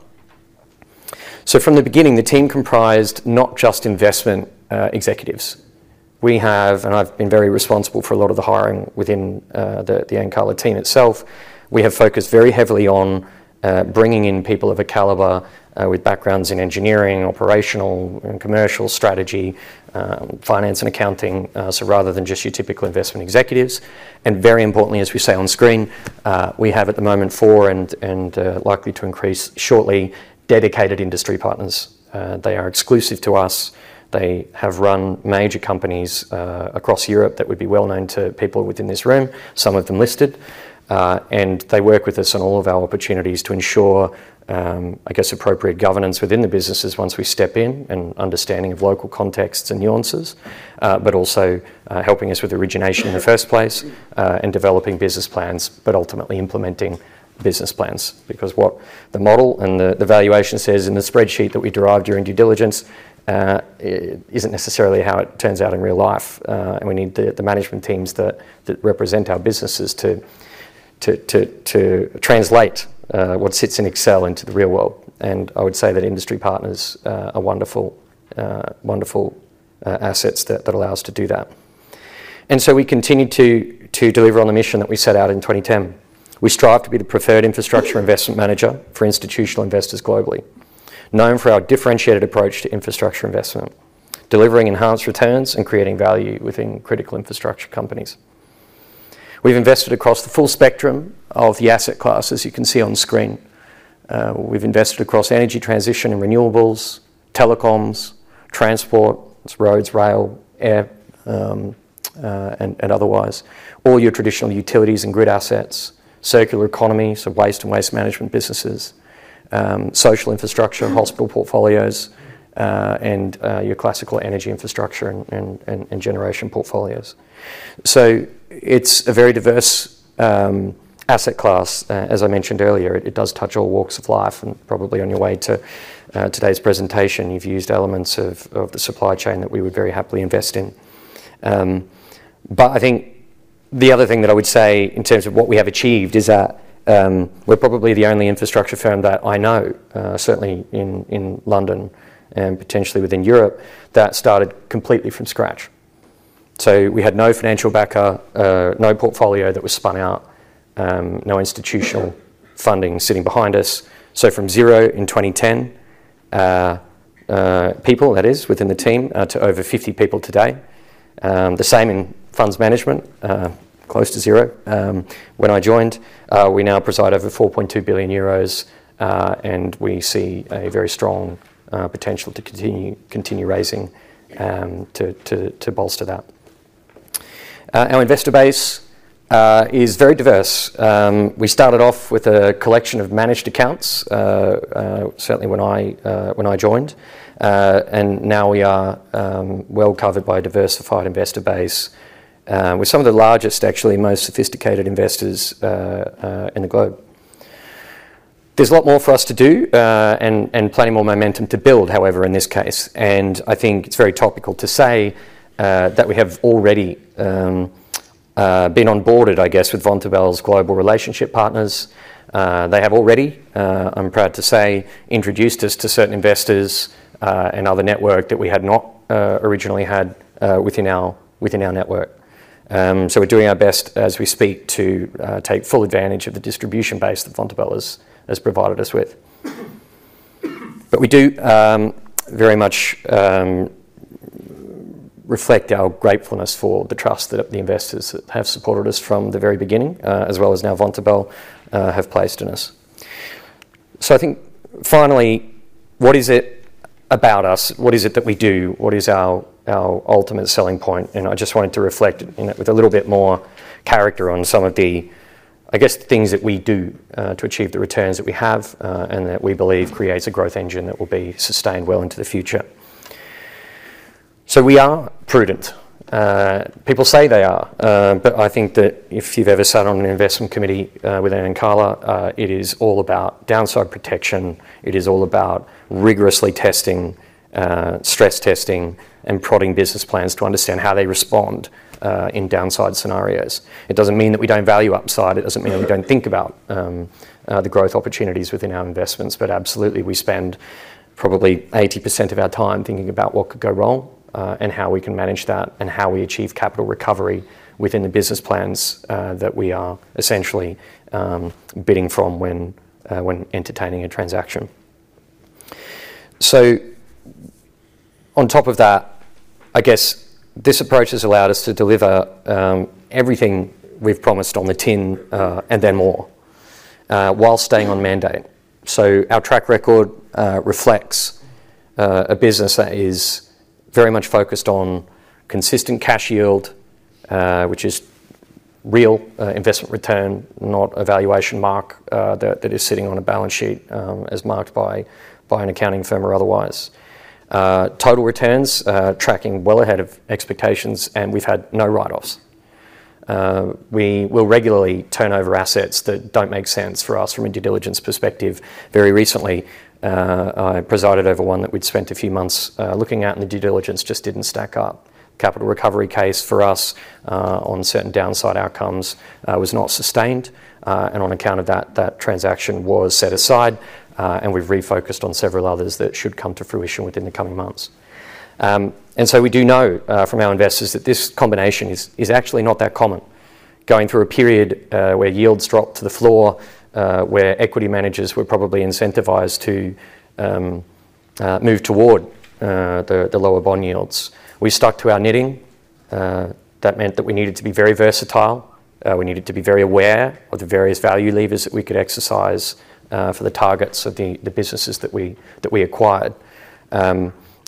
From the beginning, the team comprised not just investment executives. We have, and I've been very responsible for a lot of the hiring within the Ancala team itself. We have focused very heavily on bringing in people of a caliber with backgrounds in engineering, operational, and commercial strategy, finance, and accounting, so rather than just your typical investment executives. Very importantly, as we say on screen, we have at the moment four and likely to increase shortly dedicated industry partners. They are exclusive to us. They have run major companies across Europe that would be well known to people within this room, some of them listed. They work with us on all of our opportunities to ensure, I guess, appropriate governance within the businesses once we step in and understanding of local contexts and nuances, but also helping us with origination in the first place and developing business plans, but ultimately implementing business plans. Because what the model and the valuation says in the spreadsheet that we derived during due diligence isn't necessarily how it turns out in real life. We need the management teams that represent our businesses to translate what sits in Excel into the real world. I would say that industry partners are wonderful assets that allow us to do that. We continue to deliver on the mission that we set out in 2010. We strive to be the preferred infrastructure investment manager for institutional investors globally, known for our differentiated approach to infrastructure investment, delivering enhanced returns and creating value within critical infrastructure companies. We've invested across the full spectrum of the asset class, as you can see on screen. We've invested across energy transition and renewables, telecoms, transport, roads, rail, air, and otherwise, all your traditional utilities and grid assets, circular economy, so waste and waste management businesses, social infrastructure, hospital portfolios, and your classical energy infrastructure and generation portfolios. So it's a very diverse asset class. As I mentioned earlier, it does touch all walks of life, and probably on your way to today's presentation, you've used elements of the supply chain that we would very happily invest in. But I think the other thing that I would say in terms of what we have achieved is that we're probably the only infrastructure firm that I know, certainly in London and potentially within Europe, that started completely from scratch. So we had no financial backer, no portfolio that was spun out, no institutional funding sitting behind us. So from zero in 2010, people, that is, within the team to over 50 people today. The same in funds management, close to zero. When I joined, we now preside over 4.2 billion euros, and we see a very strong potential to continue raising to bolster that. Our investor base is very diverse. We started off with a collection of managed accounts, certainly when I joined, and now we are well covered by a diversified investor base with some of the largest, actually most sophisticated investors in the globe. There's a lot more for us to do and plenty more momentum to build, however, in this case, and I think it's very topical to say that we have already been onboarded, I guess, with Vontobel's global relationship partners. They have already, I'm proud to say, introduced us to certain investors and other network that we had not originally had within our network, so we're doing our best as we speak to take full advantage of the distribution base that Vontobel has provided us with, but we do very much reflect our gratefulness for the trust that the investors have supported us from the very beginning, as well as now Vontobel have placed in us, so I think finally, what is it about us? What is it that we do? What is our ultimate selling point? I just wanted to reflect with a little bit more character on some of the, I guess, things that we do to achieve the returns that we have and that we believe creates a growth engine that will be sustained well into the future, so we are prudent. People say they are, but I think that if you've ever sat on an investment committee within Ancala, it is all about downside protection. It is all about rigorously testing, stress testing, and prodding business plans to understand how they respond in downside scenarios. It doesn't mean that we don't value upside. It doesn't mean that we don't think about the growth opportunities within our investments, but absolutely, we spend probably 80% of our time thinking about what could go wrong and how we can manage that and how we achieve capital recovery within the business plans that we are essentially bidding from when entertaining a transaction. So on top of that, I guess this approach has allowed us to deliver everything we've promised on the tin and then more while staying on mandate. So our track record reflects a business that is very much focused on consistent cash yield, which is real investment return, not a valuation mark that is sitting on a balance sheet as marked by an accounting firm or otherwise. Total returns tracking well ahead of expectations, and we've had no write-offs. We will regularly turn over assets that don't make sense for us from a due diligence perspective. Very recently, I presided over one that we'd spent a few months looking at, and the due diligence just didn't stack up. Capital recovery case for us on certain downside outcomes was not sustained, and on account of that, that transaction was set aside, and we've refocused on several others that should come to fruition within the coming months. And so we do know from our investors that this combination is actually not that common, going through a period where yields dropped to the floor, where equity managers were probably incentivized to move toward the lower bond yields, we stuck to our knitting. That meant that we needed to be very versatile. We needed to be very aware of the various value levers that we could exercise for the targets of the businesses that we acquired.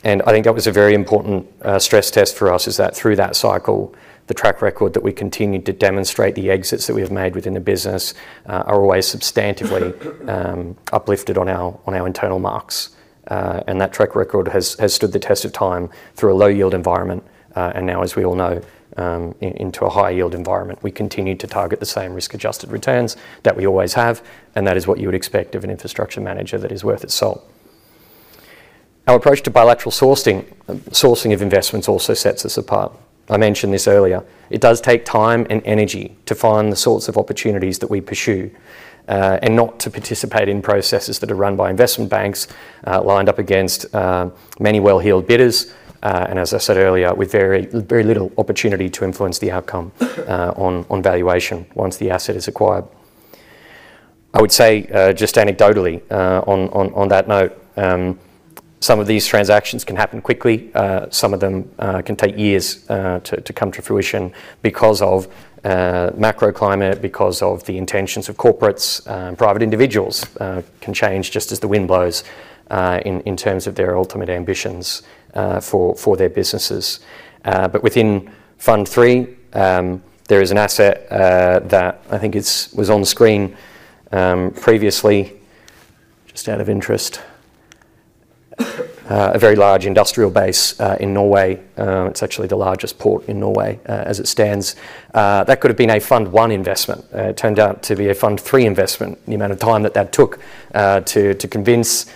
And I think that was a very important stress test for us, is that through that cycle, the track record that we continue to demonstrate the exits that we have made within the business are always substantively uplifted on our internal marks. And that track record has stood the test of time through a low-yield environment and now, as we all know, into a high-yield environment. We continue to target the same risk-adjusted returns that we always have, and that is what you would expect of an infrastructure manager that is worth its salt. Our approach to bilateral sourcing of investments also sets us apart. I mentioned this earlier. It does take time and energy to find the sorts of opportunities that we pursue and not to participate in processes that are run by investment banks lined up against many well-heeled bidders. And as I said earlier, with very little opportunity to influence the outcome on valuation once the asset is acquired. I would say just anecdotally on that note, some of these transactions can happen quickly. Some of them can take years to come to fruition because of macro climate, because of the intentions of corporates. Private individuals can change just as the wind blows in terms of their ultimate ambitions for their businesses. But within Fund 3, there is an asset that I think was on the screen previously, just out of interest, a very large industrial base in Norway. It's actually the largest port in Norway as it stands. That could have been a Fund 1 investment. It turned out to be a Fund 3 investment. The amount of time that that took to convince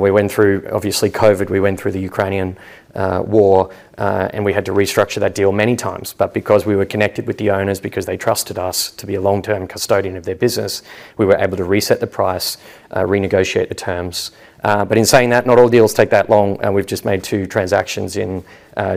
we went through, obviously, COVID. We went through the Ukrainian war, and we had to restructure that deal many times. But because we were connected with the owners, because they trusted us to be a long-term custodian of their business, we were able to reset the price, renegotiate the terms. But in saying that, not all deals take that long. We've just made two transactions in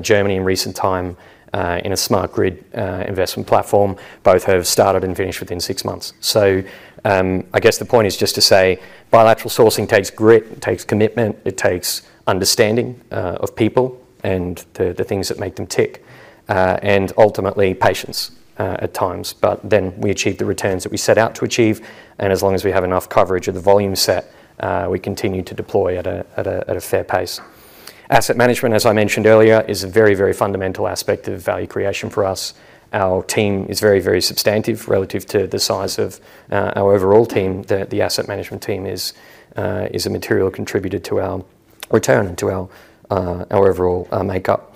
Germany in recent time in a smart grid investment platform. Both have started and finished within six months. So I guess the point is just to say bilateral sourcing takes grit, takes commitment, it takes understanding of people and the things that make them tick, and ultimately patience at times. But then we achieve the returns that we set out to achieve. As long as we have enough coverage of the volume set, we continue to deploy at a fair pace. Asset management, as I mentioned earlier, is a very, very fundamental aspect of value creation for us. Our team is very, very substantive relative to the size of our overall team. The asset management team is a material contributor to our return and to our overall makeup.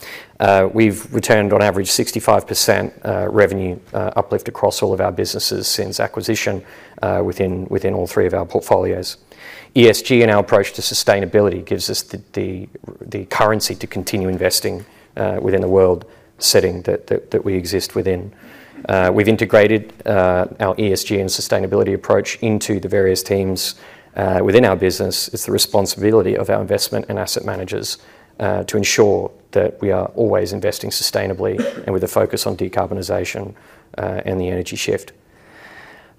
We've returned on average 65% revenue uplift across all of our businesses since acquisition within all three of our portfolios. ESG and our approach to sustainability gives us the currency to continue investing within the world setting that we exist within. We've integrated our ESG and sustainability approach into the various teams within our business. It's the responsibility of our investment and asset managers to ensure that we are always investing sustainably and with a focus on decarbonization and the energy shift.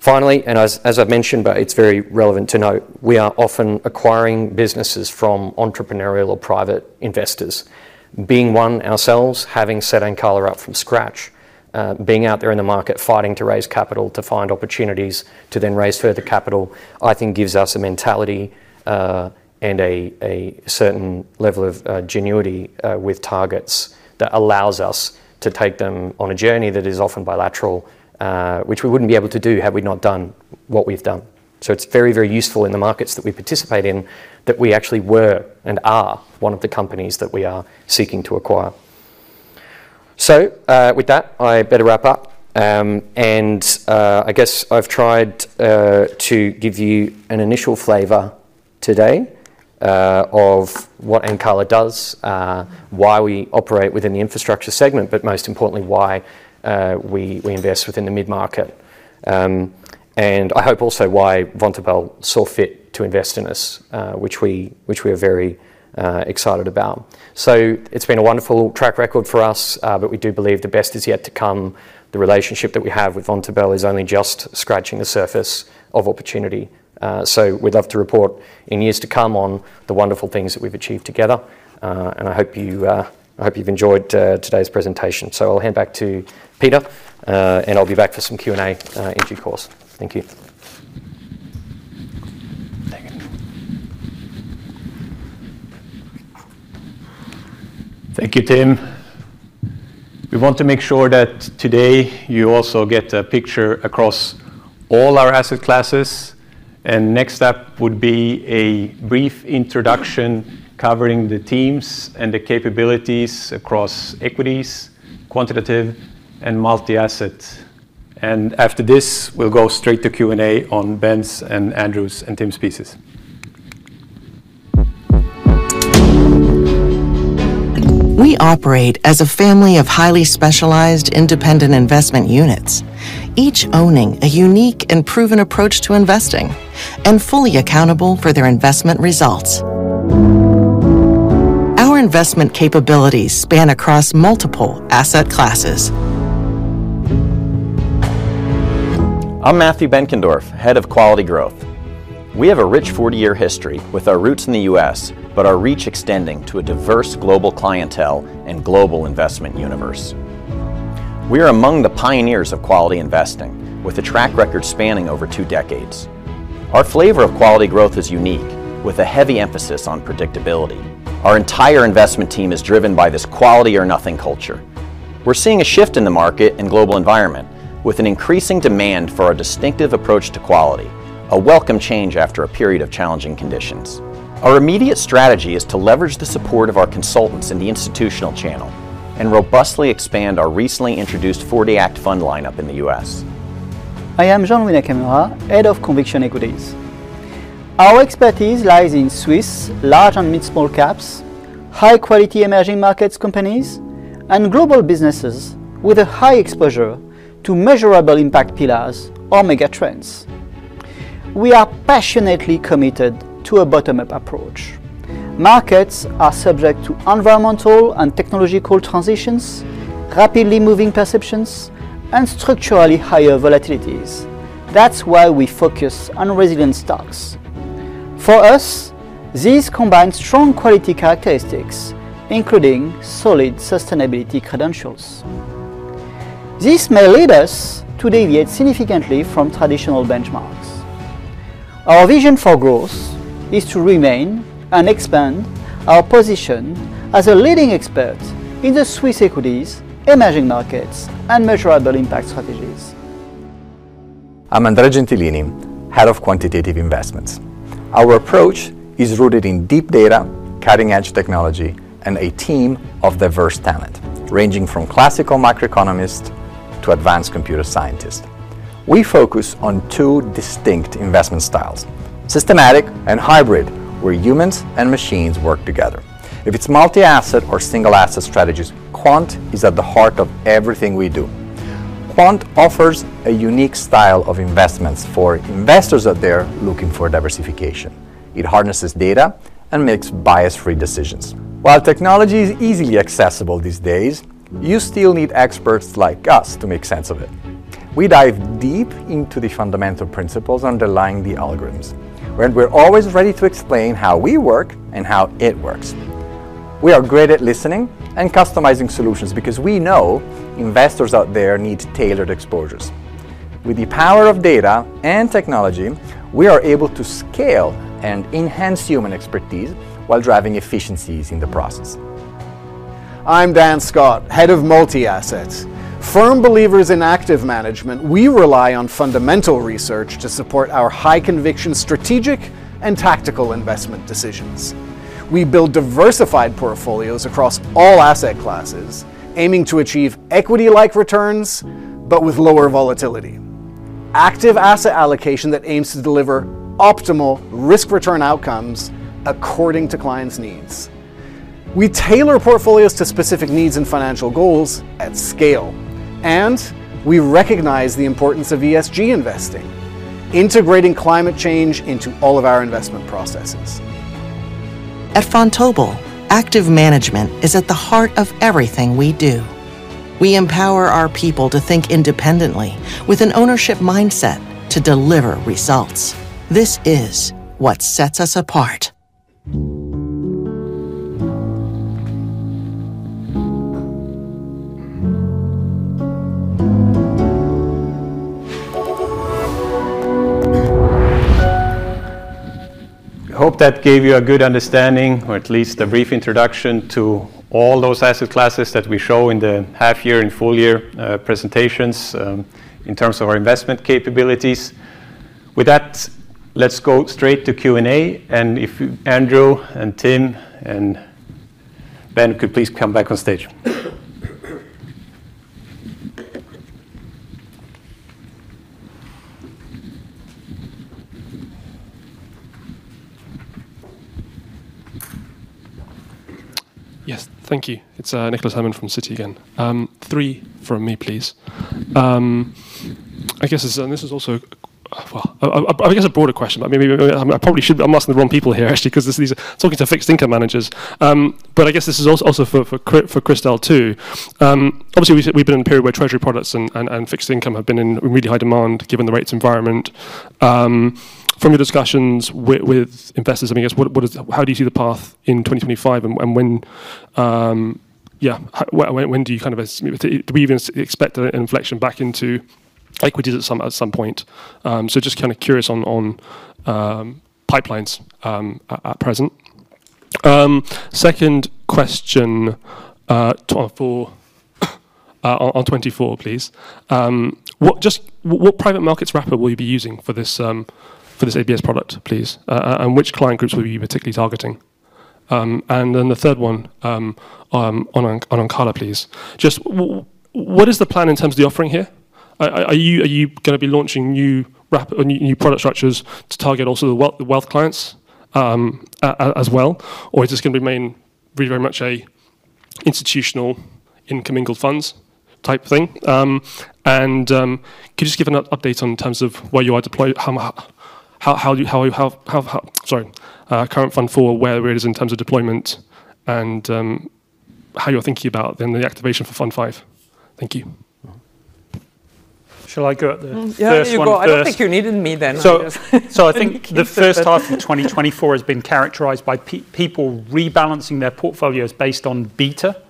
Finally, and as I've mentioned, but it's very relevant to note, we are often acquiring businesses from entrepreneurial or private investors. Being one ourselves, having set Ancala up from scratch, being out there in the market, fighting to raise capital to find opportunities to then raise further capital, I think gives us a mentality and a certain level of ingenuity with targets that allows us to take them on a journey that is often bilateral, which we wouldn't be able to do had we not done what we've done. So it's very, very useful in the markets that we participate in that we actually were and are one of the companies that we are seeking to acquire. So with that, I better wrap up. I guess I've tried to give you an initial flavor today of what Ancala does, why we operate within the infrastructure segment, but most importantly, why we invest within the mid-market. And I hope also why Vontobel saw fit to invest in us, which we are very excited about. So it's been a wonderful track record for us, but we do believe the best is yet to come. The relationship that we have with Vontobel is only just scratching the surface of opportunity. So we'd love to report in years to come on the wonderful things that we've achieved together. And I hope you've enjoyed today's presentation. So I'll hand back to Peter, and I'll be back for some Q&A in due course. Thank you. Thank you, Tim. We want to make sure that today you also get a picture across all our asset classes. And next up would be a brief introduction covering the teams and the capabilities across equities, quantitative, and multi-asset. And after this, we'll go straight to Q&A on Ben's and Andrew's and Tim's pieces. We operate as a family of highly specialized independent investment units, each owning a unique and proven approach to investing and fully accountable for their investment results. Our investment capabilities span across multiple asset classes. I'm Matthew Benkendorf, head of Quality Growth. We have a rich 40-year history with our roots in the U.S., but our reach extending to a diverse global clientele and global investment universe. We are among the pioneers of quality investing with a track record spanning over two decades. Our flavor of quality growth is unique with a heavy emphasis on predictability. Our entire investment team is driven by this quality or nothing culture. We're seeing a shift in the market and global environment with an increasing demand for our distinctive approach to quality, a welcome change after a period of challenging conditions. Our immediate strategy is to leverage the support of our consultants in the institutional channel and robustly expand our recently introduced 40 Act fund lineup in the U.S. I am Jean-Louis Nakamura, Head of Conviction Equities. Our expertise lies in Swiss large and mid-small caps, high-quality emerging markets companies, and global businesses with a high exposure to measurable impact pillars, or mega trends. We are passionately committed to a bottom-up approach. Markets are subject to environmental and technological transitions, rapidly moving perceptions, and structurally higher volatilities. That's why we focus on resilient stocks. For us, these combine strong quality characteristics, including solid sustainability credentials. This may lead us to deviate significantly from traditional benchmarks. Our vision for growth is to remain and expand our position as a leading expert in the Swiss equities, emerging markets, and measurable impact strategies. I'm Andrea Gentilini, Head of Quantitative Investments. Our approach is rooted in deep data, cutting-edge technology, and a team of diverse talent ranging from classical macroeconomists to advanced computer scientists. We focus on two distinct investment styles: systematic and hybrid, where humans and machines work together. If it's multi-asset or single-asset strategies, quant is at the heart of everything we do. Quant offers a unique style of investments for investors out there looking for diversification. It harnesses data and makes bias-free decisions. While technology is easily accessible these days, you still need experts like us to make sense of it. We dive deep into the fundamental principles underlying the algorithms, and we're always ready to explain how we work and how it works. We are great at listening and customizing solutions because we know investors out there need tailored exposures. With the power of data and technology, we are able to scale and enhance human expertise while driving efficiencies in the process. I'm Dan Scott, Head of Multi-Asset. Firm believers in active management, we rely on fundamental research to support our high-conviction strategic and tactical investment decisions. We build diversified portfolios across all asset classes, aiming to achieve equity-like returns but with lower volatility. Active asset allocation that aims to deliver optimal risk-return outcomes according to clients' needs. We tailor portfolios to specific needs and financial goals at scale, and we recognize the importance of ESG investing, integrating climate change into all of our investment processes. At Vontobel, active management is at the heart of everything we do. We empower our people to think independently with an ownership mindset to deliver results. This is what sets us apart. I hope that gave you a good understanding, or at least a brief introduction to all those asset classes that we show in the half-year and full-year presentations in terms of our investment capabilities. With that, let's go straight to Q&A. And if Andrew and Tim and Ben could please come back on stage. Yes, thank you. It's Nicholas Herman from Citi again. Three from me, please. I guess this is also a broader question, but I probably shouldn't. I'm asking the wrong people here, actually, because this is talking to fixed income managers. But I guess this is also for Christel too. Obviously, we've been in a period where treasury products and fixed income have been in really high demand given the rates environment. From your discussions with investors, I mean, how do you see the path in 2025? And when do you kind of expect an inflection back into equities at some point? So just kind of curious on pipelines at present. Second question on 24, please. What private markets wrapper will you be using for this ABS product, please? And which client groups will you be particularly targeting? And then the third one on Ancala, please. Just what is the plan in terms of the offering here? Are you going to be launching new product structures to target also the wealth clients as well? Or is this going to remain very much an institutional incoming funds type thing? And could you just give an update in terms of where you are deployed? Sorry, current fund for where it is in terms of deployment and how you're thinking about then the activation for Fund 5? Thank you. Shall I go at the first one? Yeah, you go. I don't think you needed me then. I think the first half of 2024 has been characterized by people rebalancing their portfolios based on beta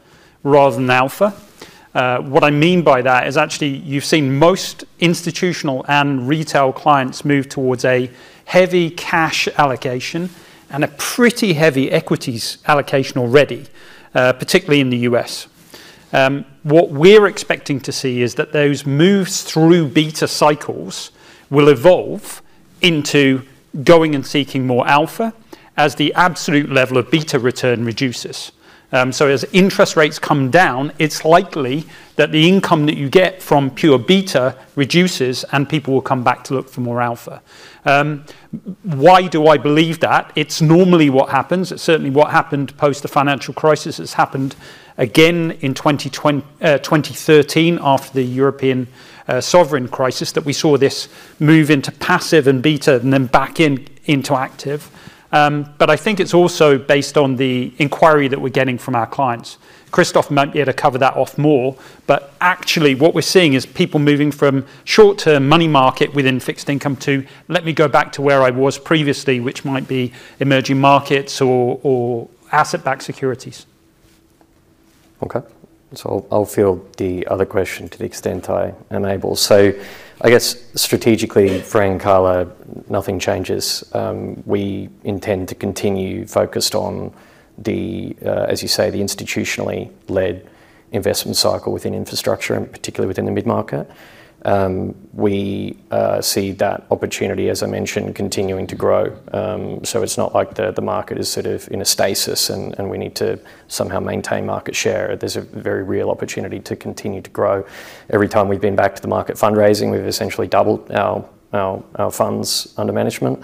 rather than alpha. What I mean by that is actually you've seen most institutional and retail clients move towards a heavy cash allocation and a pretty heavy equities allocation already, particularly in the U.S. What we're expecting to see is that those moves through beta cycles will evolve into going and seeking more alpha as the absolute level of beta return reduces. So as interest rates come down, it's likely that the income that you get from pure beta reduces and people will come back to look for more alpha. Why do I believe that? It's normally what happens. It's certainly what happened post the financial crisis. It's happened again in 2013 after the European sovereign crisis that we saw this move into passive and beta and then back into active. But I think it's also based on the inquiry that we're getting from our clients. Christoph might be able to cover that off more, but actually what we're seeing is people moving from short-term money market within fixed income to, let me go back to where I was previously, which might be emerging markets or asset-backed securities. Okay. So I'll field the other question to the extent I am able. So I guess strategically for Ancala, nothing changes. We intend to continue focused on the, as you say, the institutionally led investment cycle within infrastructure, and particularly within the mid-market. We see that opportunity, as I mentioned, continuing to grow. So it's not like the market is sort of in a stasis and we need to somehow maintain market share. There's a very real opportunity to continue to grow. Every time we've been back to the market fundraising, we've essentially doubled our funds under management.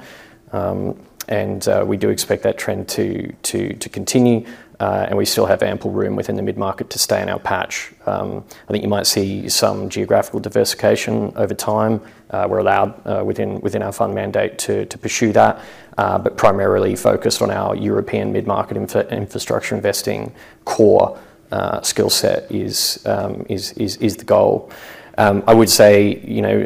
And we do expect that trend to continue. And we still have ample room within the mid-market to stay in our patch. I think you might see some geographical diversification over time. We're allowed within our fund mandate to pursue that, but primarily focused on our European mid-market infrastructure investing core skill set is the goal. I would say,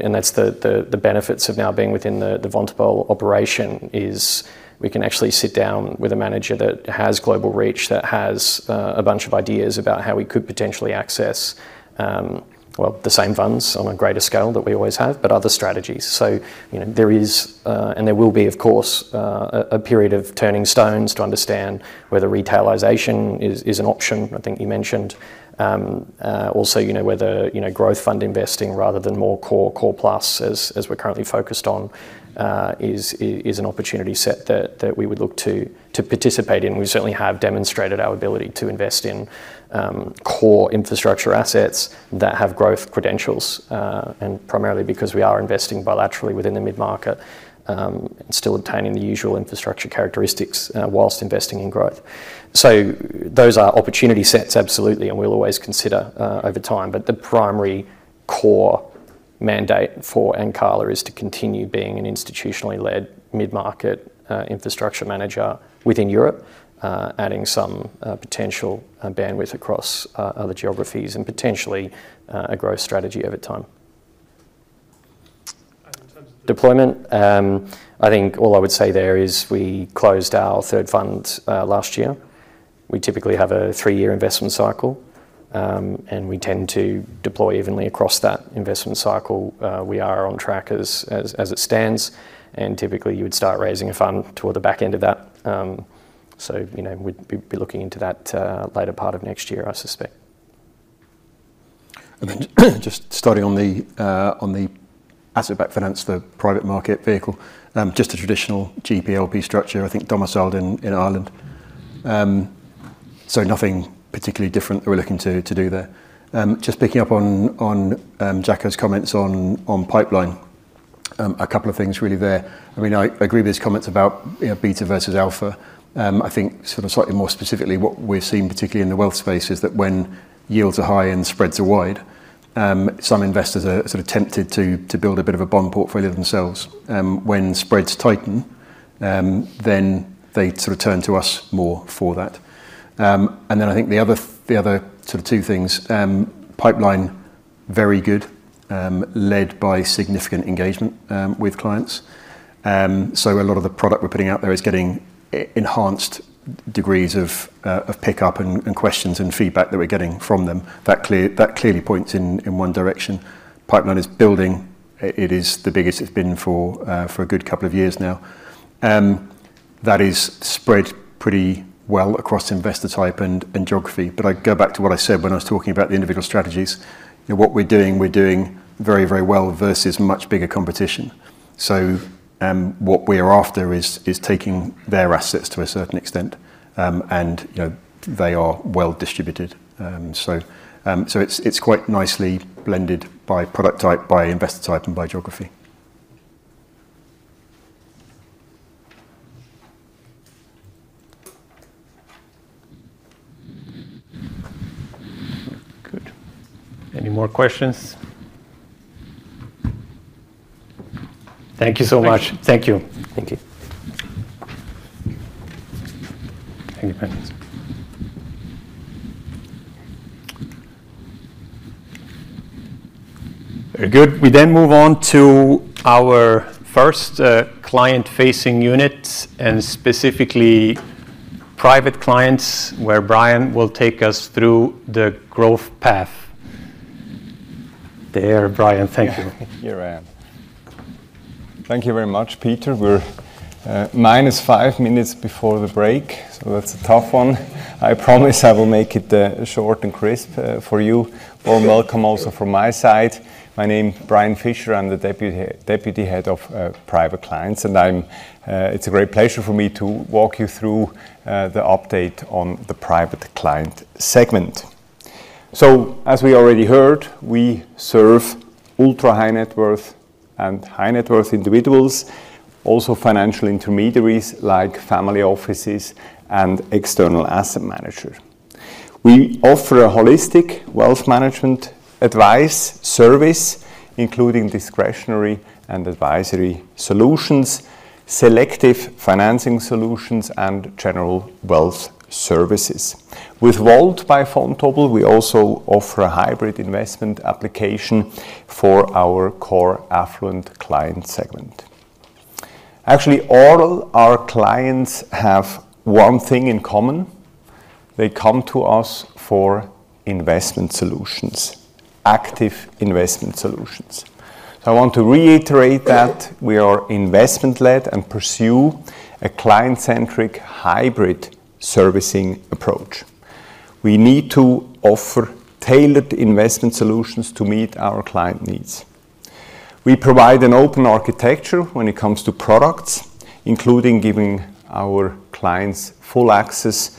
and that's the benefits of now being within the Vontobel operation, is we can actually sit down with a manager that has global reach, that has a bunch of ideas about how we could potentially access, well, the same funds on a greater scale that we always have, but other strategies. So there is, and there will be, of course, a period of turning over stones to understand whether retailization is an option, I think you mentioned. Also, whether growth fund investing rather than more core plus as we're currently focused on is an opportunity set that we would look to participate in. We certainly have demonstrated our ability to invest in core infrastructure assets that have growth credentials, and primarily because we are investing bilaterally within the mid-market and still obtaining the usual infrastructure characteristics while investing in growth. So those are opportunity sets, absolutely, and we'll always consider over time. But the primary core mandate for Ancala is to continue being an institutionally led mid-market infrastructure manager within Europe, adding some potential bandwidth across other geographies and potentially a growth strategy over time. Deployment, I think all I would say there is we closed our third fund last year. We typically have a three-year investment cycle, and we tend to deploy evenly across that investment cycle. We are on track as it stands. And typically you would start raising a fund toward the back end of that. So we'd be looking into that later part of next year, I suspect. And then just starting on the asset-backed finance, the private market vehicle, just a traditional GPLP structure, I think domiciled in Ireland. So nothing particularly different that we're looking to do there. Just picking up on Jacco's comments on pipeline, a couple of things really there. I mean, I agree with his comments about beta versus alpha. I think sort of slightly more specifically what we've seen, particularly in the wealth space, is that when yields are high and spreads are wide, some investors are sort of tempted to build a bit of a bond portfolio themselves. When spreads tighten, then they sort of turn to us more for that. And then I think the other sort of two things, pipeline very good, led by significant engagement with clients. So a lot of the product we're putting out there is getting enhanced degrees of pickup and questions and feedback that we're getting from them. That clearly points in one direction. Pipeline is building. It is the biggest it's been for a good couple of years now. That is spread pretty well across investor type and geography. But I go back to what I said when I was talking about the individual strategies. What we're doing, we're doing very, very well versus much bigger competition. So what we are after is taking their assets to a certain extent, and they are well distributed. So it's quite nicely blended by product type, by investor type, and by geography. Good. Any more questions? Thank you so much. Thank you. Thank you. Very good. We then move on to our first client-facing unit and specifically private clients where Brian will take us through the growth path. There, Brian, thank you. Here I am. Thank you very much, Peter. We're minus five minutes before the break, so that's a tough one. I promise I will make it short and crisp for you. Warm welcome also from my side. My name is Brian Fischer. I'm the Deputy Head of Private Clients, and it's a great pleasure for me to walk you through the update on the private client segment, so as we already heard, we serve ultra-high net worth and high net worth individuals, also financial intermediaries like family offices and external asset managers. We offer holistic wealth management advice service, including discretionary and advisory solutions, selective financing solutions, and general wealth services. With volt by Vontobel, we also offer a hybrid investment application for our core affluent client segment. Actually, all our clients have one thing in common. They come to us for investment solutions, active investment solutions. I want to reiterate that we are investment-led and pursue a client-centric hybrid servicing approach. We need to offer tailored investment solutions to meet our client needs. We provide an open architecture when it comes to products, including giving our clients full access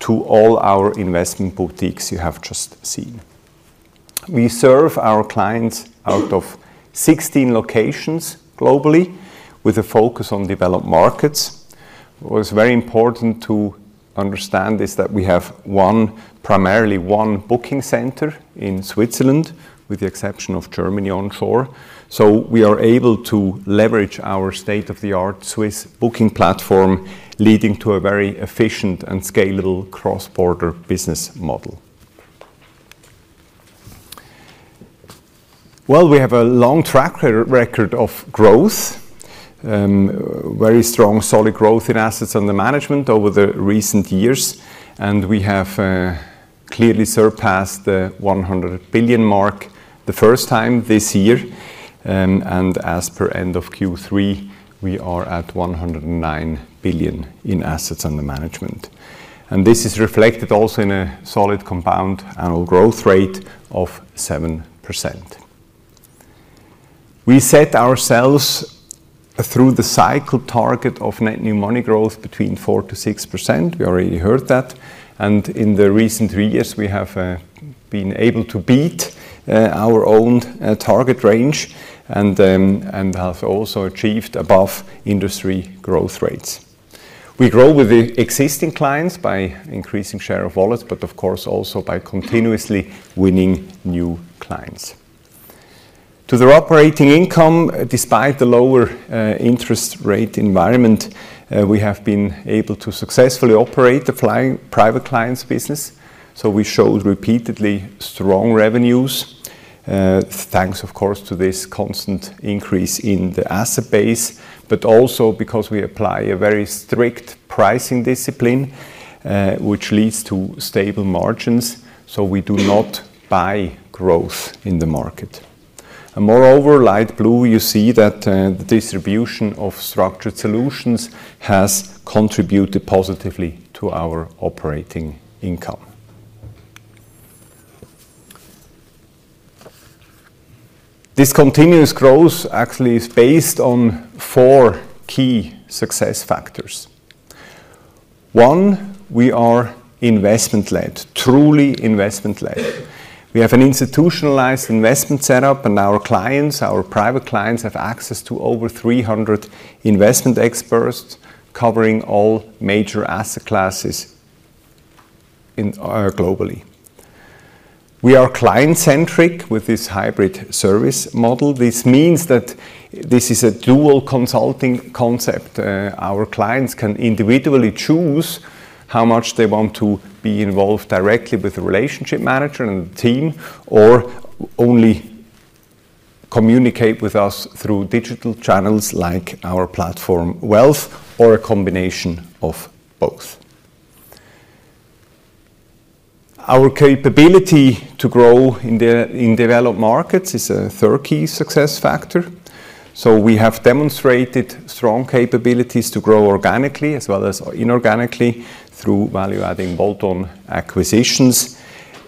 to all our investment boutiques you have just seen. We serve our clients out of 16 locations globally with a focus on developed markets. What is very important to understand is that we have primarily one booking center in Switzerland, with the exception of Germany onshore. We are able to leverage our state-of-the-art Swiss booking platform, leading to a very efficient and scalable cross-border business model. We have a long track record of growth, very strong, solid growth in assets under management over the recent years. We have clearly surpassed the 100 billion mark the first time this year. As per end of Q3, we are at 109 billion in assets under management. This is reflected also in a solid compound annual growth rate of 7%. We set ourselves through the cycle target of net new money growth between 4% to 6%. We already heard that. In the recent three years, we have been able to beat our own target range and have also achieved above industry growth rates. We grow with the existing clients by increasing share of wallets, but of course also by continuously winning new clients. To the operating income, despite the lower interest rate environment, we have been able to successfully operate the private clients business. So we showed repeatedly strong revenues, thanks of course to this constant increase in the asset base, but also because we apply a very strict pricing discipline, which leads to stable margins. We do not buy growth in the market. Moreover, light blue, you see that the distribution of Structured Solutions has contributed positively to our operating income. This continuous growth actually is based on four key success factors. One, we are investment-led, truly investment-led. We have an institutionalized investment setup, and our clients, our private clients, have access to over 300 investment experts covering all major asset classes globally. We are client-centric with this hybrid service model. This means that this is a dual consulting concept. Our clients can individually choose how much they want to be involved directly with the relationship manager and the team, or only communicate with us through digital channels like our platform, Wealth, or a combination of both. Our capability to grow in developed markets is a third key success factor. We have demonstrated strong capabilities to grow organically as well as inorganically through value-adding bolt-on acquisitions.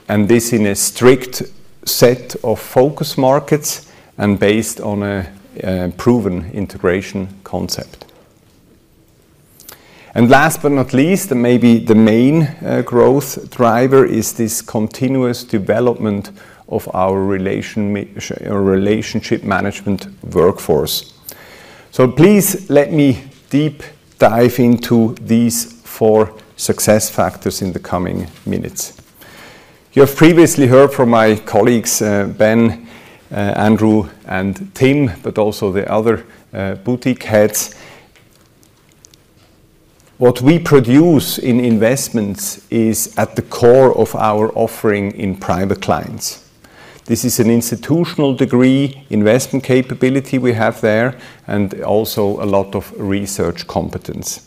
And this is in a strict set of focus markets and based on a proven integration concept. And last but not least, and maybe the main growth driver, is this continuous development of our relationship management workforce. So please let me deep dive into these four success factors in the coming minutes. You have previously heard from my colleagues, Ben, Andrew, and Tim, but also the other boutique heads. What we produce in investments is at the core of our offering in private clients. This is an institutional-grade investment capability we have there, and also a lot of research competence.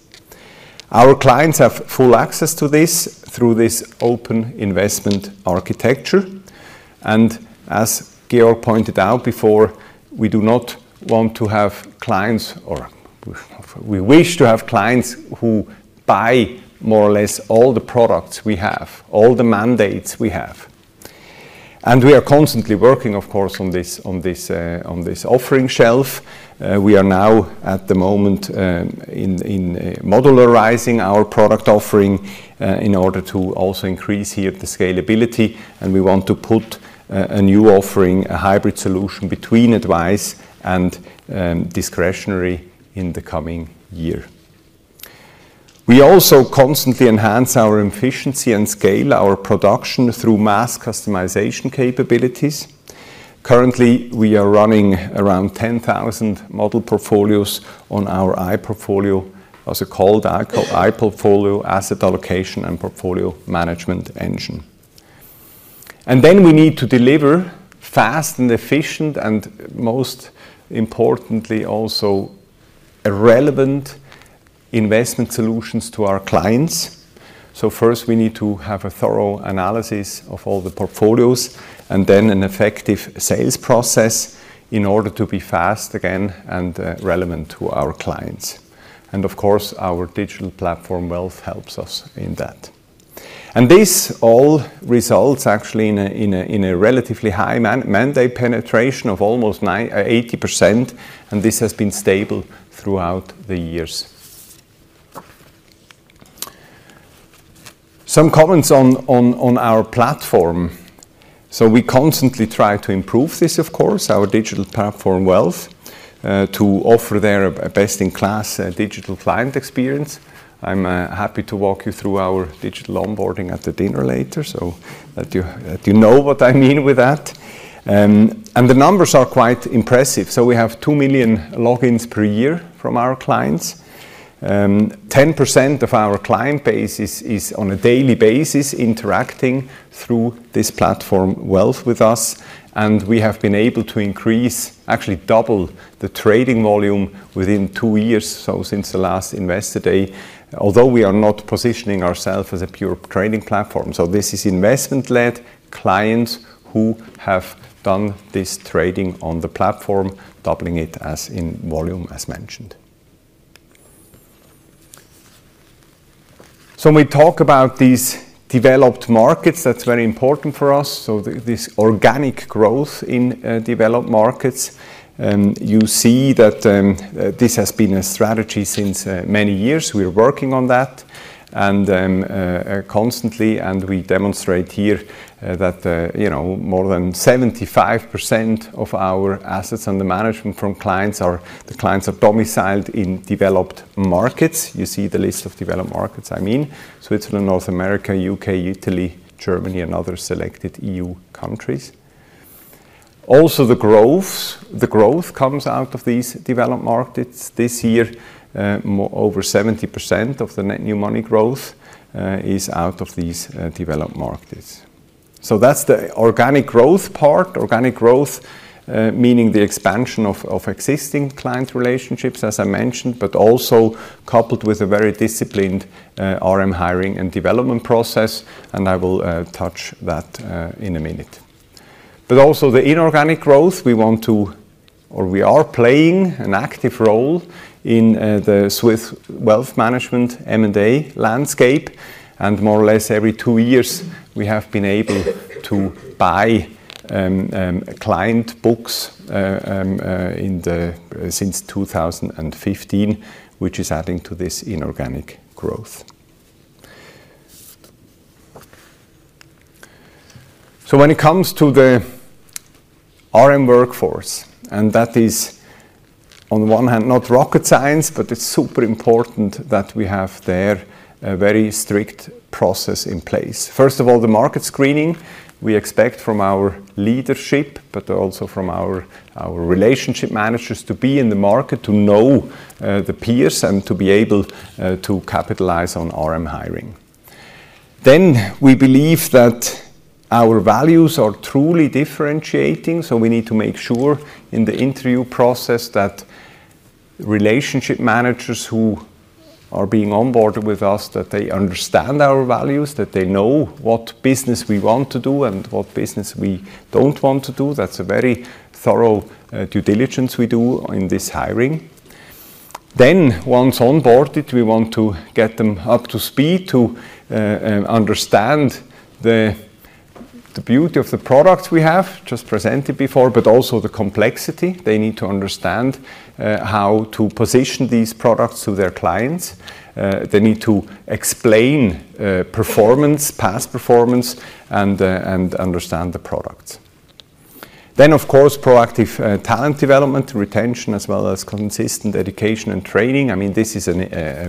Our clients have full access to this through this open investment architecture. As Georg pointed out before, we do not want to have clients, or we wish to have clients who buy more or less all the products we have, all the mandates we have. We are constantly working, of course, on this offering shelf. We are now at the moment in modularizing our product offering in order to also increase here the scalability. We want to put a new offering, a hybrid solution between advice and discretionary in the coming year. We also constantly enhance our efficiency and scale our production through mass customization capabilities. Currently, we are running around 10,000 model portfolios on our iPortfolio, as it's called iPortfolio asset allocation and portfolio management engine. Then we need to deliver fast and efficient, and most importantly, also relevant investment solutions to our clients. So first, we need to have a thorough analysis of all the portfolios, and then an effective sales process in order to be fast again and relevant to our clients. And of course, our digital platform Wealth helps us in that. And this all results actually in a relatively high mandate penetration of almost 80%, and this has been stable throughout the years. Some comments on our platform. So we constantly try to improve this, of course, our digital platform Wealth, to offer there a best-in-class digital client experience. I'm happy to walk you through our digital onboarding at the dinner later, so that you know what I mean with that. And the numbers are quite impressive. So we have 2 million logins per year from our clients. 10% of our client base is on a daily basis interacting through this platform Wealth with us. And we have been able to increase, actually double the trading volume within two years, so since the last Investor Day, although we are not positioning ourselves as a pure trading platform. So this is investment-led clients who have done this trading on the platform, doubling it as in volume, as mentioned. So when we talk about these developed markets, that's very important for us. So this organic growth in developed markets, you see that this has been a strategy since many years. We are working on that constantly, and we demonstrate here that more than 75% of our assets under management from clients are domiciled in developed markets. You see the list of developed markets, I mean, Switzerland, North America, U.K., Italy, Germany, and other selected E.U. countries. Also, the growth comes out of these developed markets. This year, over 70% of the net new money growth is out of these developed markets. So that's the organic growth part, organic growth, meaning the expansion of existing client relationships, as I mentioned, but also coupled with a very disciplined RM hiring and development process. And I will touch that in a minute. But also the inorganic growth, we want to, or we are playing an active role in the Swiss wealth management M&A landscape. And more or less every two years, we have been able to buy client books since 2015, which is adding to this inorganic growth. So when it comes to the RM workforce, and that is on the one hand not rocket science, but it's super important that we have there a very strict process in place. First of all, the market screening, we expect from our leadership, but also from our relationship managers to be in the market, to know the peers and to be able to capitalize on RM hiring. Then we believe that our values are truly differentiating. So we need to make sure in the interview process that relationship managers who are being onboarded with us, that they understand our values, that they know what business we want to do and what business we don't want to do. That's a very thorough due diligence we do in this hiring. Then, once onboarded, we want to get them up to speed to understand the beauty of the products we have just presented before, but also the complexity. They need to understand how to position these products to their clients. They need to explain performance, past performance, and understand the products. Then, of course, proactive talent development, retention, as well as consistent education and training. I mean, this is,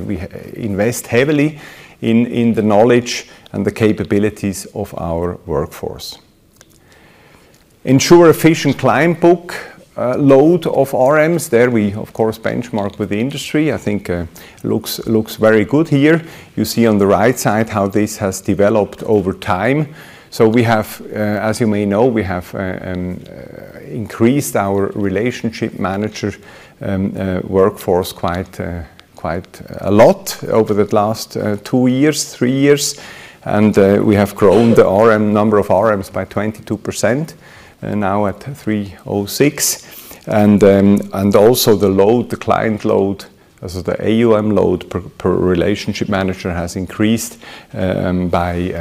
we invest heavily in the knowledge and the capabilities of our workforce. Ensure efficient client book load of RMs. There, we, of course, benchmark with the industry. I think it looks very good here. You see on the right side how this has developed over time. So we have, as you may know, we have increased our relationship manager workforce quite a lot over the last two years, three years. And we have grown the number of RMs by 22% now at 306. And also the load, the client load, as the AUM load per relationship manager has increased by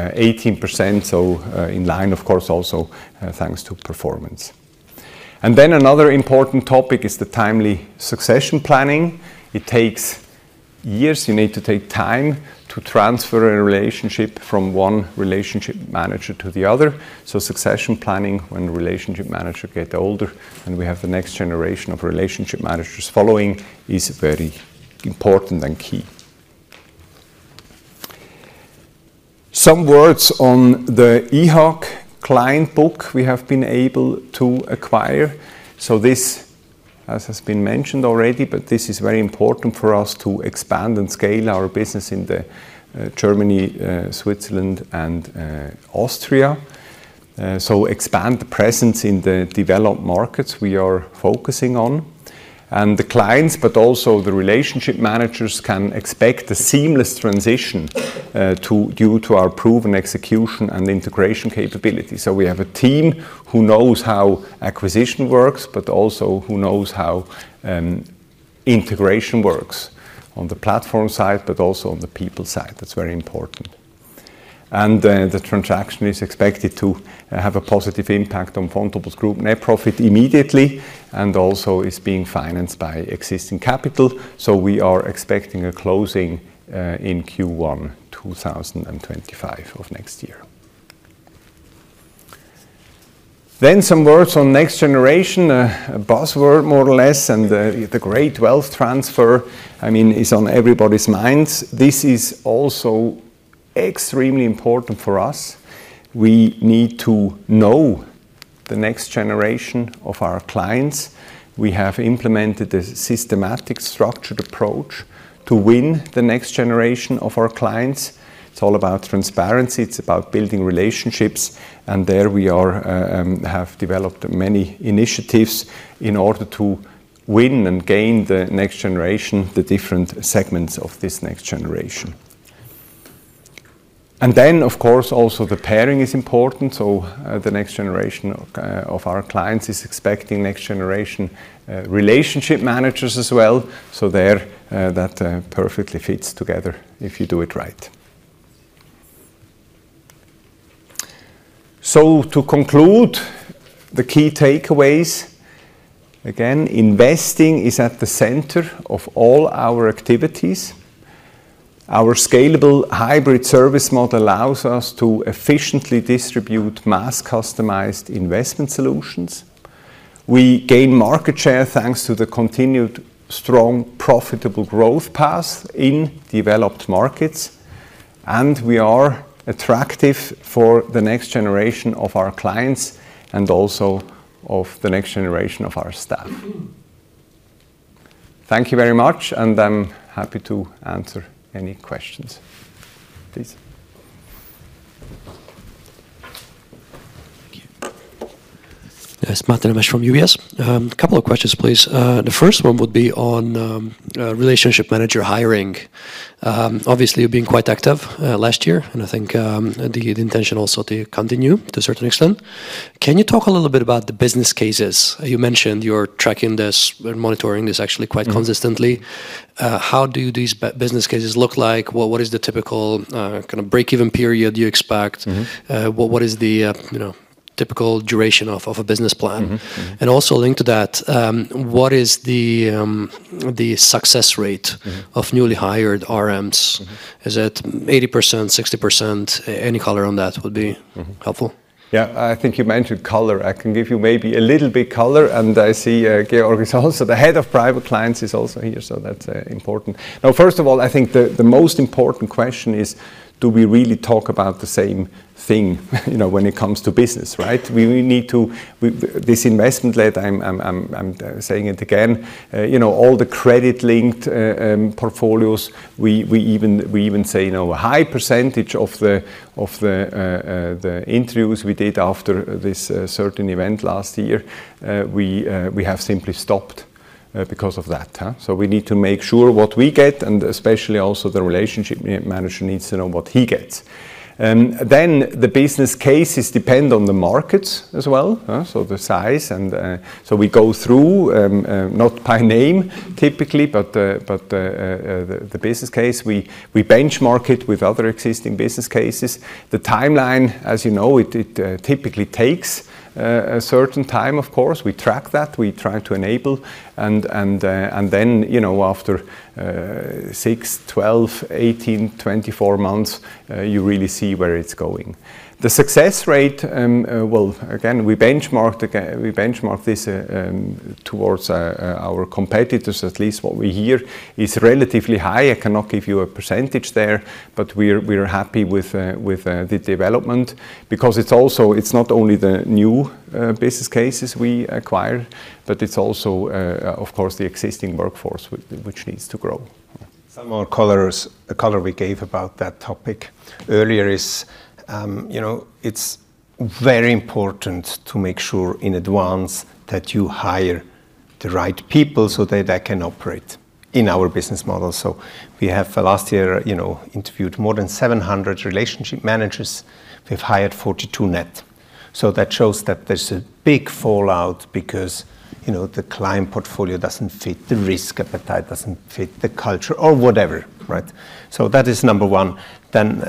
18%. So in line, of course, also thanks to performance. And then another important topic is the timely succession planning. It takes years. You need to take time to transfer a relationship from one relationship manager to the other, so succession planning when relationship managers get older and we have the next generation of relationship managers following is very important and key. Some words on the IHAG client book we have been able to acquire, so this, as has been mentioned already, but this is very important for us to expand and scale our business in Germany, Switzerland, and Austria, so expand the presence in the developed markets we are focusing on, and the clients, but also the relationship managers can expect a seamless transition due to our proven execution and integration capability, so we have a team who knows how acquisition works, but also who knows how integration works on the platform side, but also on the people side. That's very important. The transaction is expected to have a positive impact on Vontobel Group net profit immediately and also is being financed by existing capital. We are expecting a closing in Q1 2025 of next year. Some words on next generation, a buzzword more or less, and the great wealth transfer, I mean, is on everybody's minds. This is also extremely important for us. We need to know the next generation of our clients. We have implemented a systematic structured approach to win the next generation of our clients. It's all about transparency. It's about building relationships. And there we have developed many initiatives in order to win and gain the next generation, the different segments of this next generation. And then, of course, also the pairing is important. The next generation of our clients is expecting next generation relationship managers as well. So, there, that perfectly fits together if you do it right. So, to conclude, the key takeaways, again, investing is at the center of all our activities. Our scalable hybrid service model allows us to efficiently distribute mass customized investment solutions. We gain market share thanks to the continued strong profitable growth path in developed markets. And we are attractive for the next generation of our clients and also of the next generation of our staff. Thank you very much, and I'm happy to answer any questions. Please. Thank you. Yes, Martin and Ash from UBS. A couple of questions, please. The first one would be on relationship manager hiring. Obviously, you've been quite active last year, and I think the intention also to continue to a certain extent. Can you talk a little bit about the business cases? You mentioned you're tracking this and monitoring this actually quite consistently. How do these business cases look like? What is the typical kind of break-even period you expect? What is the typical duration of a business plan? And also linked to that, what is the success rate of newly hired RMs? Is it 80%, 60%? Any color on that would be helpful. Yeah, I think you mentioned color. I can give you maybe a little bit color, and I see Georg is also here, the head of private clients is also here, so that's important. Now, first of all, I think the most important question is, do we really talk about the same thing when it comes to business, right? We need to, this investment-led, I'm saying it again, all the credit-linked portfolios, we even say a high percentage of the interviews we did after this certain event last year, we have simply stopped because of that. So we need to make sure what we get, and especially also the relationship manager needs to know what he gets. Then the business cases depend on the markets as well, so the size. And so we go through, not by name typically, but the business case, we benchmark it with other existing business cases. The timeline, as you know, it typically takes a certain time, of course. We track that, we try to enable. And then after 6, 12, 18, 24 months, you really see where it's going. The success rate, well, again, we benchmark this toward our competitors, at least what we hear is relatively high. I cannot give you a percentage there, but we're happy with the development because it's not only the new business cases we acquire, but it's also, of course, the existing workforce which needs to grow. Some more colors, a color we gave about that topic earlier is it's very important to make sure in advance that you hire the right people so that they can operate in our business model. So we have last year interviewed more than 700 relationship managers. We've hired 42 net. So that shows that there's a big fallout because the client portfolio doesn't fit, the risk appetite doesn't fit, the culture or whatever, right? So that is number one. Then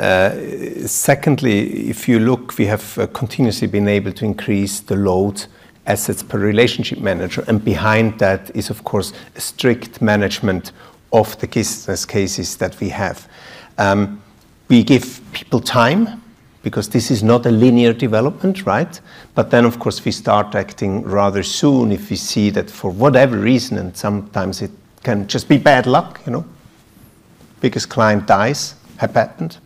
secondly, if you look, we have continuously been able to increase the loan assets per relationship manager. And behind that is, of course, strict management of the business cases that we have. We give people time because this is not a linear development, right? But then, of course, we start acting rather soon if we see that for whatever reason, and sometimes it can just be bad luck, because the client dies, or have a patent,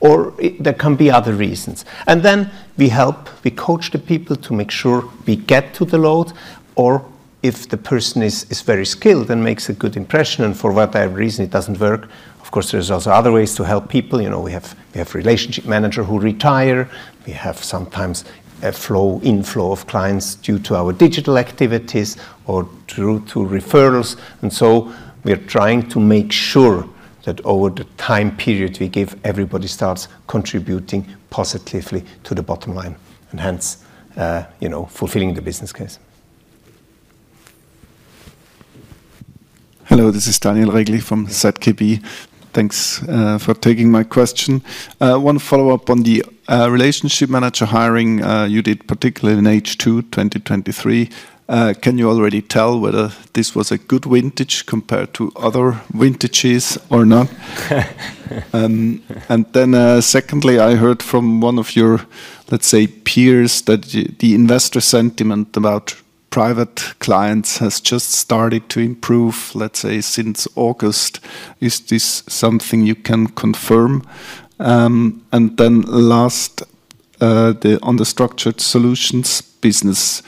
or there can be other reasons. And then we help, we coach the people to make sure we get to the load, or if the person is very skilled and makes a good impression and for whatever reason it doesn't work, of course, there's also other ways to help people. We have relationship managers who retire. We have sometimes a flow, inflow of clients due to our digital activities or through referrals. And so we are trying to make sure that over the time period we give, everybody starts contributing positively to the bottom line and hence fulfilling the business case. Hello, this is Daniel Regli from Zürcher Kantonalbank. Thanks for taking my question. One follow-up on the relationship manager hiring you did particularly in H2 2023. Can you already tell whether this was a good vintage compared to other vintages or not? And then secondly, I heard from one of your, let's say, peers that the investor sentiment about private clients has just started to improve, let's say, since August. Is this something you can confirm? And then last, on the Structured Solutions business,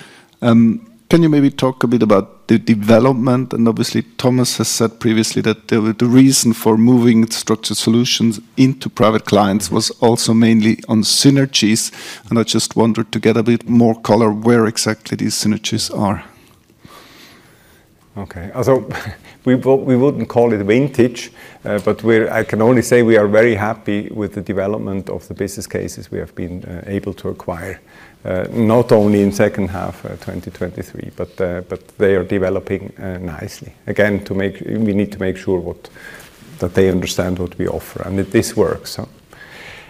can you maybe talk a bit about the development? And obviously, Thomas has said previously that the reason for moving Structured Solutions into private clients was also mainly on synergies. And I just wondered to get a bit more color where exactly these synergies are. Okay, so we wouldn't call it vintage, but I can only say we are very happy with the development of the business cases we have been able to acquire, not only in second half 2023, but they are developing nicely. Again, we need to make sure that they understand what we offer and that this works.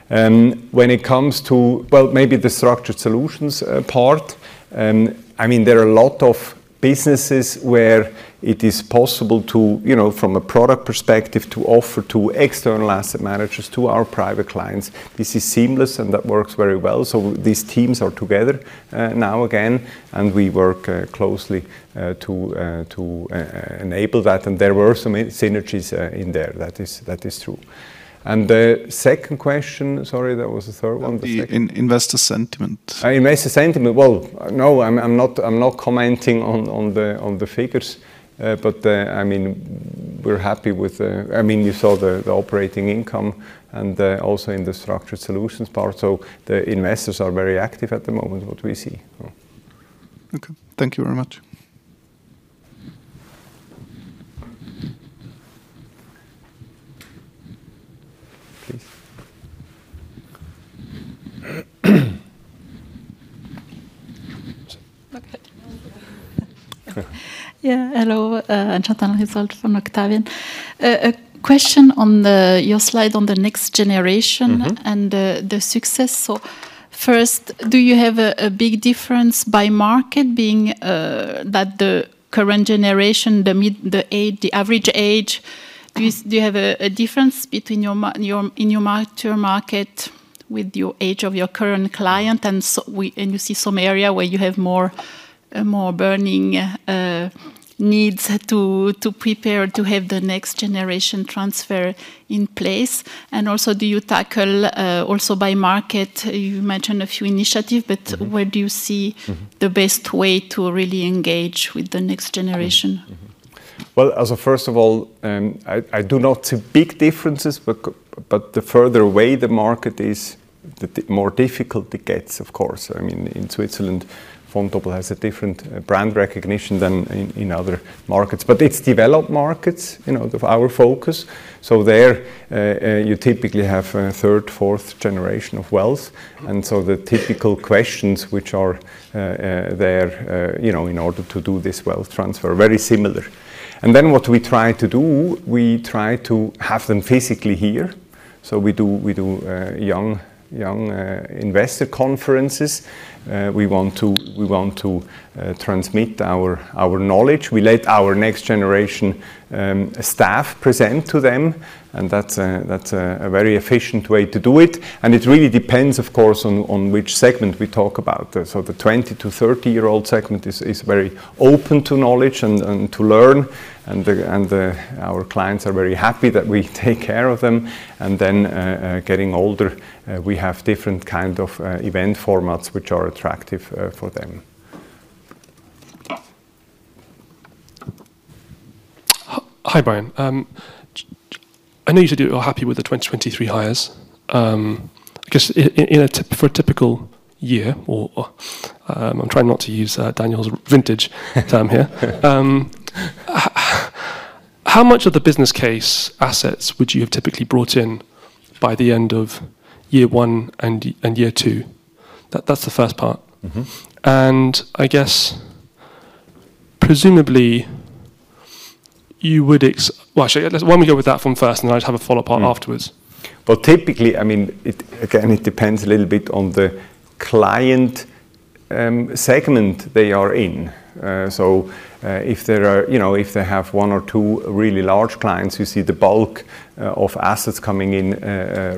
When it comes to, well, maybe the Structured Solutions part, I mean, there are a lot of businesses where it is possible from a product perspective to offer to external asset managers, to our private clients. This is seamless and that works very well. So these teams are together now again, and we work closely to enable that. And there were some synergies in there. That is true, and the second question, sorry, that was the third one. Investor sentiment. Investor sentiment, well, no, I'm not commenting on the figures, but I mean, we're happy with, I mean, you saw the operating income and also in the Structured Solutions part. So the investors are very active at the moment, what we see. Okay, thank you very much. Please. Yeah, hello from Octavian. A question on your slide on the next generation and the success. So first, do you have a big difference by market being that the current generation, the average age? Do you have a difference in your mature market with the age of your current client? And you see some area where you have more burning needs to prepare to have the next generation transfer in place. And also, do you tackle also by market? You mentioned a few initiatives, but where do you see the best way to really engage with the next generation? First of all, I do not see big differences, but the further away the market is, the more difficult it gets, of course, I mean, in Switzerland, Vontobel has a different brand recognition than in other markets, but it's developed markets of our focus, so there, you typically have a third, fourth generation of wealth, and so the typical questions which are there in order to do this wealth transfer are very similar, and then what we try to do, we try to have them physically here, so we do young investor conferences. We want to transmit our knowledge. We let our next generation staff present to them, and that's a very efficient way to do it, and it really depends, of course, on which segment we talk about. So the 20-30-year-old segment is very open to knowledge and to learn, and our clients are very happy that we take care of them. And then getting older, we have different kinds of event formats which are attractive for them. Hi, Brian. I know you said you're happy with the 2023 hires. I guess for a typical year, or I'm trying not to use Daniel's vintage term here, how much of the business case assets would you have typically brought in by the end of year one and year two? That's the first part. And I guess presumably you would, well, actually, let's go with that first, and then I'll just have a follow-up afterwards. Typically, I mean, again, it depends a little bit on the client segment they are in. If they have one or two really large clients, you see the bulk of assets coming in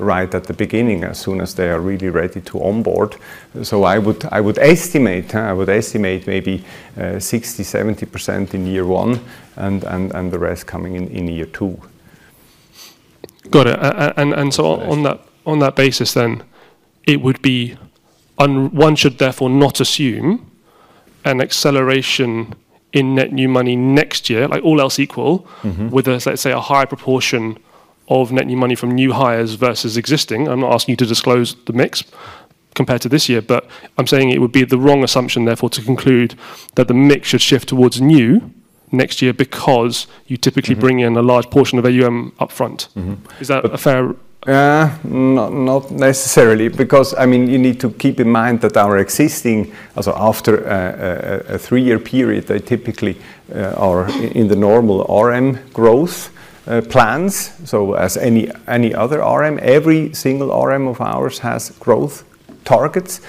right at the beginning as soon as they are really ready to onboard. I would estimate maybe 60%-70% in year one and the rest coming in year two. Got it. And so on that basis then, it would be one should therefore not assume an acceleration in net new money next year, like all else equal, with a, let's say, a high proportion of net new money from new hires versus existing. I'm not asking you to disclose the mix compared to this year, but I'm saying it would be the wrong assumption therefore to conclude that the mix should shift towards new next year because you typically bring in a large portion of AUM upfront. Is that fair? Not necessarily because, I mean, you need to keep in mind that our existing, so after a three-year period, they typically are in the normal RM growth plans. So as any other RM, every single RM of ours has growth targets.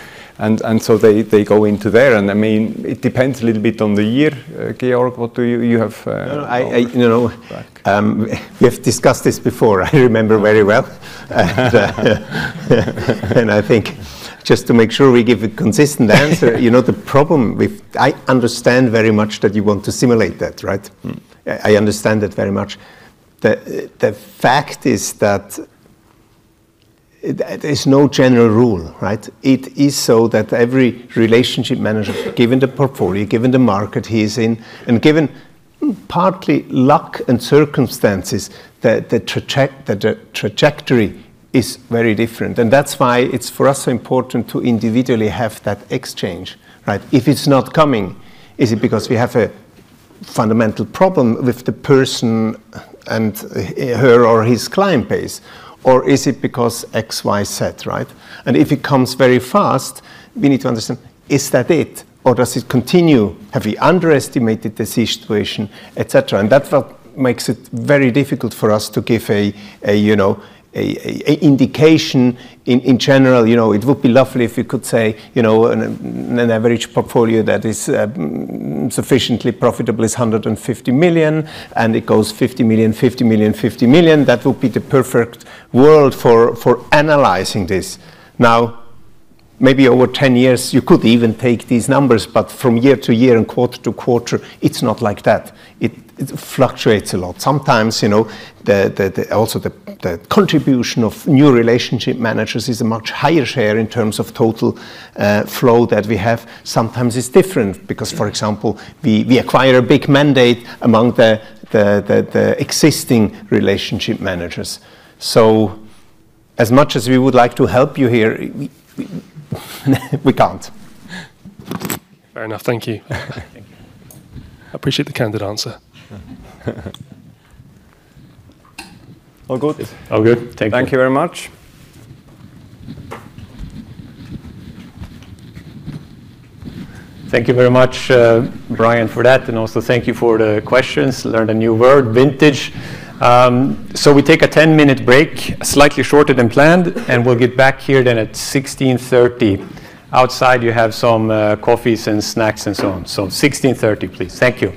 And so they go into there. And I mean, it depends a little bit on the year. Georg, what do you have? You have discussed this before. I remember very well. And I think just to make sure we give a consistent answer, you know the problem with, I understand very much that you want to simulate that, right? I understand that very much. The fact is that there's no general rule, right? It is so that every relationship manager, given the portfolio, given the market he is in, and given partly luck and circumstances, the trajectory is very different. That's why it's for us so important to individually have that exchange, right? If it's not coming, is it because we have a fundamental problem with the person and her or his client base, or is it because X, Y, Z, right? If it comes very fast, we need to understand, is that it, or does it continue? Have we underestimated the situation, et cetera? That makes it very difficult for us to give an indication in general. It would be lovely if we could say an average portfolio that is sufficiently profitable is 150 million, and it goes 50 million, 50 million, 50 million. That would be the perfect world for analyzing this. Now, maybe over 10 years, you could even take these numbers, but from year to year and quarter to quarter, it's not like that. It fluctuates a lot. Sometimes also the contribution of new relationship managers is a much higher share in terms of total flow that we have. Sometimes it's different because, for example, we acquire a big mandate among the existing relationship managers. So as much as we would like to help you here, we can't. Fair enough. Thank you. I appreciate the candid answer. All good? All good. Thank you. Thank you very much. Thank you very much, Brian, for that. And also thank you for the questions. Learned a new word, vintage. We take a 10-minute break, slightly shorter than planned, and we'll get back here then at 4:30 P.M. Outside, you have some coffees and snacks and so on. 4:30 P.M., please. Thank you.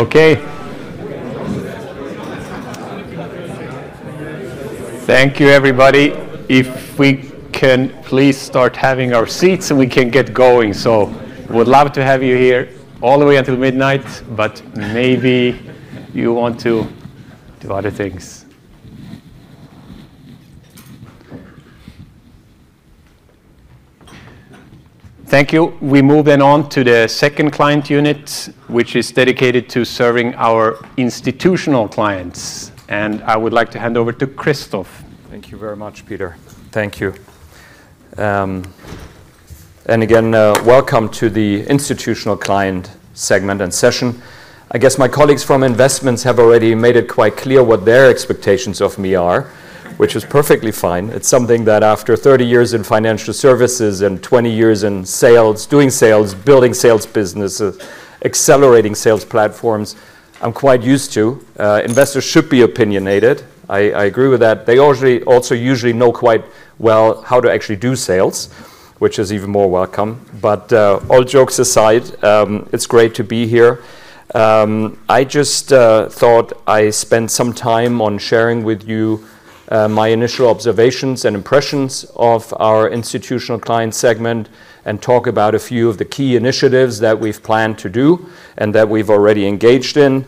Okay. Thank you, everybody. If we can please start having our seats and we can get going. We'd love to have you here all the way until midnight, but maybe you want to do other things. Thank you. We move then on to the second client unit, which is dedicated to serving our institutional clients. I would like to hand over to Christoph. Thank you very much, Peter. Thank you, and again, welcome to the institutional client segment and session. I guess my colleagues from investments have already made it quite clear what their expectations of me are, which is perfectly fine. It's something that after 30 years in financial services and 20 years in sales, doing sales, building sales businesses, accelerating sales platforms, I'm quite used to. Investors should be opinionated. I agree with that. They also usually know quite well how to actually do sales, which is even more welcome, but all jokes aside, it's great to be here. I just thought I'd spend some time on sharing with you my initial observations and impressions of our institutional client segment and talk about a few of the key initiatives that we've planned to do and that we've already engaged in.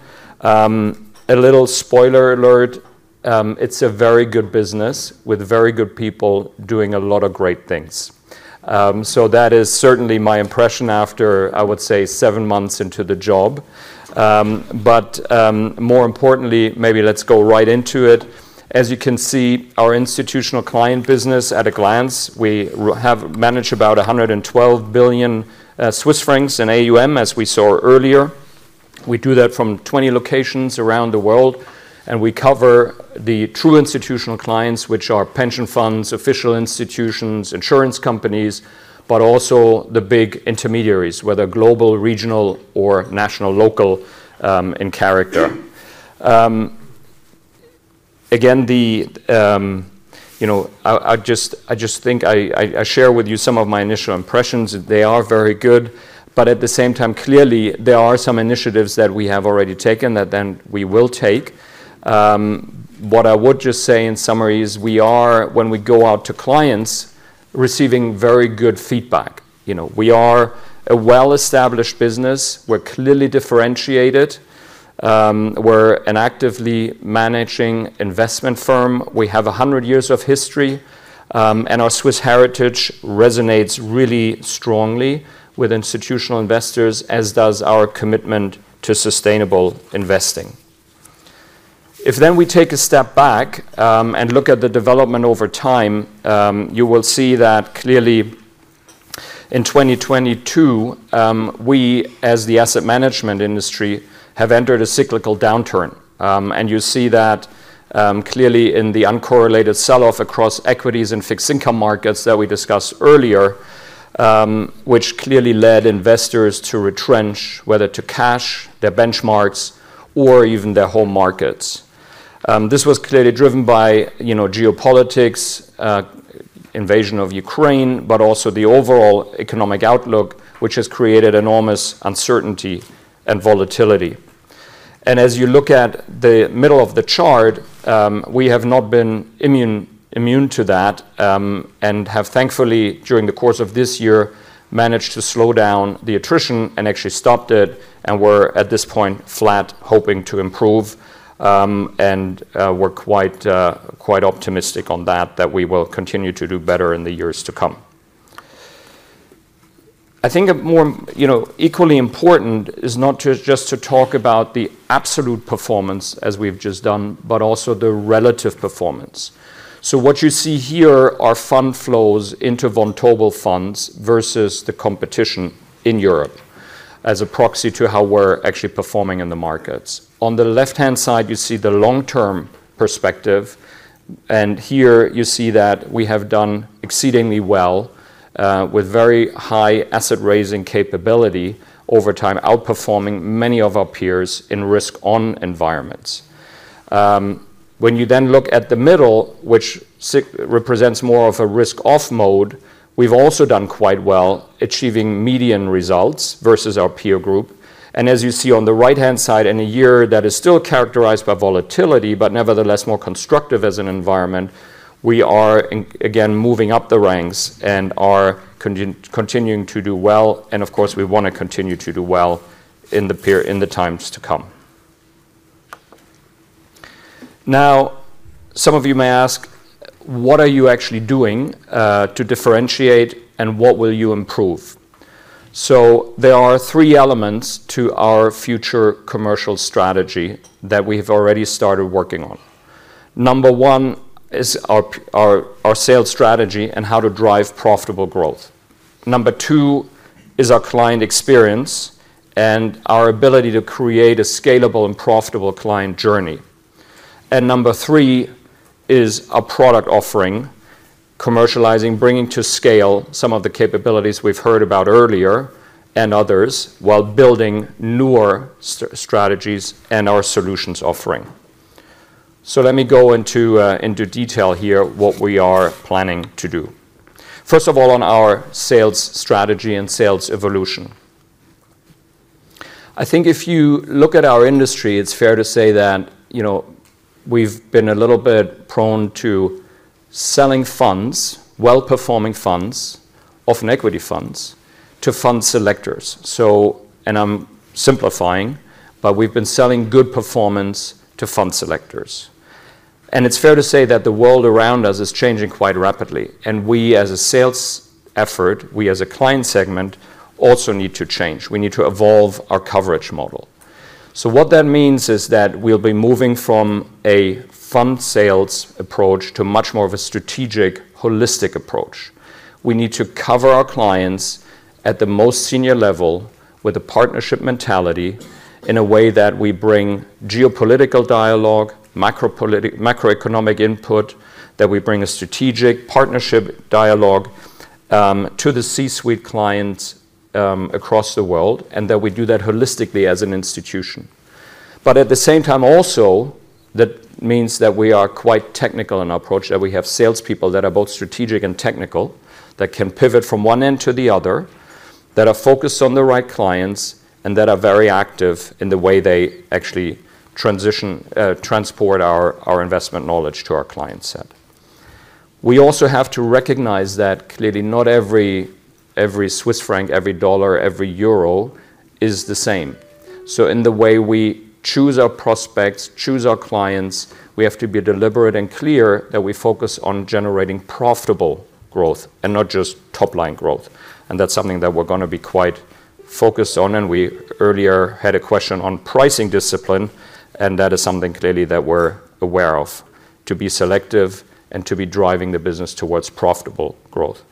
A little spoiler alert: it's a very good business with very good people doing a lot of great things. So that is certainly my impression after, I would say, seven months into the job. But more importantly, maybe let's go right into it. As you can see, our institutional client business, at a glance, we have managed about 112 billion Swiss francs in AUM, as we saw earlier. We do that from 20 locations around the world. And we cover the true institutional clients, which are pension funds, official institutions, insurance companies, but also the big intermediaries, whether global, regional, or national, local in character. Again, I just think I share with you some of my initial impressions. They are very good. But at the same time, clearly, there are some initiatives that we have already taken that then we will take. What I would just say in summary is we are, when we go out to clients, receiving very good feedback. We are a well-established business. We're clearly differentiated. We're an actively managing investment firm. We have 100 years of history. And our Swiss heritage resonates really strongly with institutional investors, as does our commitment to sustainable investing. If then we take a step back and look at the development over time, you will see that clearly in 2022, we, as the asset management industry, have entered a cyclical downturn. And you see that clearly in the uncorrelated selloff across equities and fixed income markets that we discussed earlier, which clearly led investors to retrench, whether to cash their benchmarks or even their home markets. This was clearly driven by geopolitics, invasion of Ukraine, but also the overall economic outlook, which has created enormous uncertainty and volatility. As you look at the middle of the chart, we have not been immune to that and have, thankfully, during the course of this year, managed to slow down the attrition and actually stopped it. We're at this point flat, hoping to improve. We're quite optimistic on that, that we will continue to do better in the years to come. I think equally important is not just to talk about the absolute performance, as we've just done, but also the relative performance. What you see here are fund flows into Vontobel funds versus the competition in Europe as a proxy to how we're actually performing in the markets. On the left-hand side, you see the long-term perspective. Here you see that we have done exceedingly well with very high asset raising capability over time, outperforming many of our peers in risk-on environments. When you then look at the middle, which represents more of a risk-off mode, we've also done quite well, achieving median results versus our peer group. And as you see on the right-hand side, in a year that is still characterized by volatility but nevertheless more constructive as an environment, we are again moving up the ranks and are continuing to do well. And of course, we want to continue to do well in the times to come. Now, some of you may ask, what are you actually doing to differentiate and what will you improve? So there are three elements to our future commercial strategy that we have already started working on. Number one is our sales strategy and how to drive profitable growth. Number two is our client experience and our ability to create a scalable and profitable client journey. And number three is our product offering, commercializing, bringing to scale some of the capabilities we've heard about earlier and others while building newer strategies and our solutions offering. So let me go into detail here what we are planning to do. First of all, on our sales strategy and sales evolution. I think if you look at our industry, it's fair to say that we've been a little bit prone to selling funds, well-performing funds, often equity funds, to fund selectors. And I'm simplifying, but we've been selling good performance to fund selectors. And it's fair to say that the world around us is changing quite rapidly. And we, as a sales effort, we, as a client segment, also need to change. We need to evolve our coverage model. What that means is that we'll be moving from a fund sales approach to much more of a strategic, holistic approach. We need to cover our clients at the most senior level with a partnership mentality in a way that we bring geopolitical dialogue, macroeconomic input, that we bring a strategic partnership dialogue to the C-suite clients across the world, and that we do that holistically as an institution. But at the same time, also, that means that we are quite technical in our approach, that we have salespeople that are both strategic and technical, that can pivot from one end to the other, that are focused on the right clients, and that are very active in the way they actually transport our investment knowledge to our client set. We also have to recognize that clearly not every Swiss franc, every dollar, every euro is the same. So in the way we choose our prospects, choose our clients, we have to be deliberate and clear that we focus on generating profitable growth and not just top-line growth. And that's something that we're going to be quite focused on. And we earlier had a question on pricing discipline, and that is something clearly that we're aware of, to be selective and to be driving the business towards profitable growth.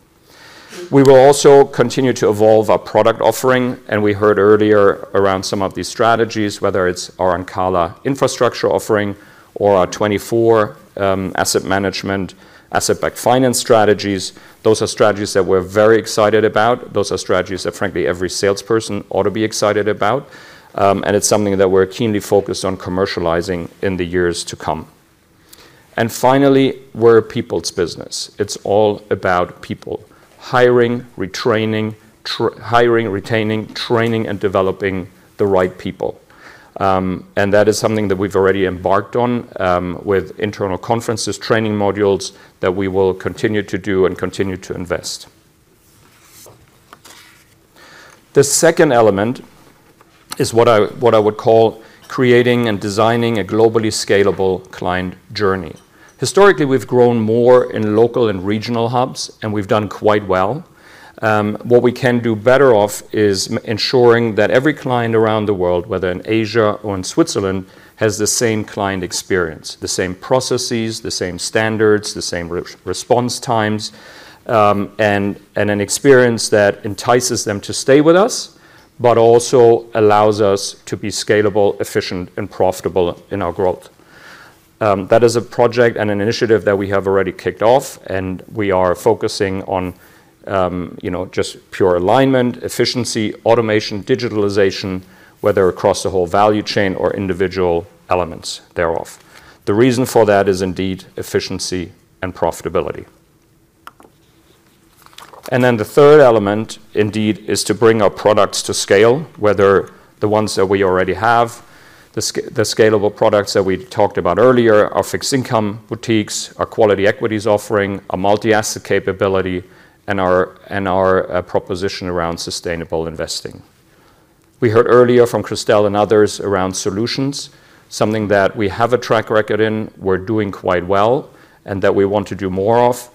We will also continue to evolve our product offering. And we heard earlier around some of these strategies, whether it's our Ancala infrastructure offering or our 24 Asset Management, asset-backed finance strategies. Those are strategies that we're very excited about. Those are strategies that, frankly, every salesperson ought to be excited about. And it's something that we're keenly focused on commercializing in the years to come. And finally, we're a people's business. It's all about people, hiring, retaining, training, and developing the right people. And that is something that we've already embarked on with internal conferences, training modules that we will continue to do and continue to invest. The second element is what I would call creating and designing a globally scalable client journey. Historically, we've grown more in local and regional hubs, and we've done quite well. What we can do better off is ensuring that every client around the world, whether in Asia or in Switzerland, has the same client experience, the same processes, the same standards, the same response times, and an experience that entices them to stay with us, but also allows us to be scalable, efficient, and profitable in our growth. That is a project and an initiative that we have already kicked off. And we are focusing on just pure alignment, efficiency, automation, digitalization, whether across the whole value chain or individual elements thereof. The reason for that is indeed efficiency and profitability. And then the third element, indeed, is to bring our products to scale, whether the ones that we already have, the scalable products that we talked about earlier, our fixed income boutiques, our quality equities offering, our multi-asset capability, and our proposition around sustainable investing. We heard earlier from Christel and others around solutions, something that we have a track record in, we're doing quite well, and that we want to do more of,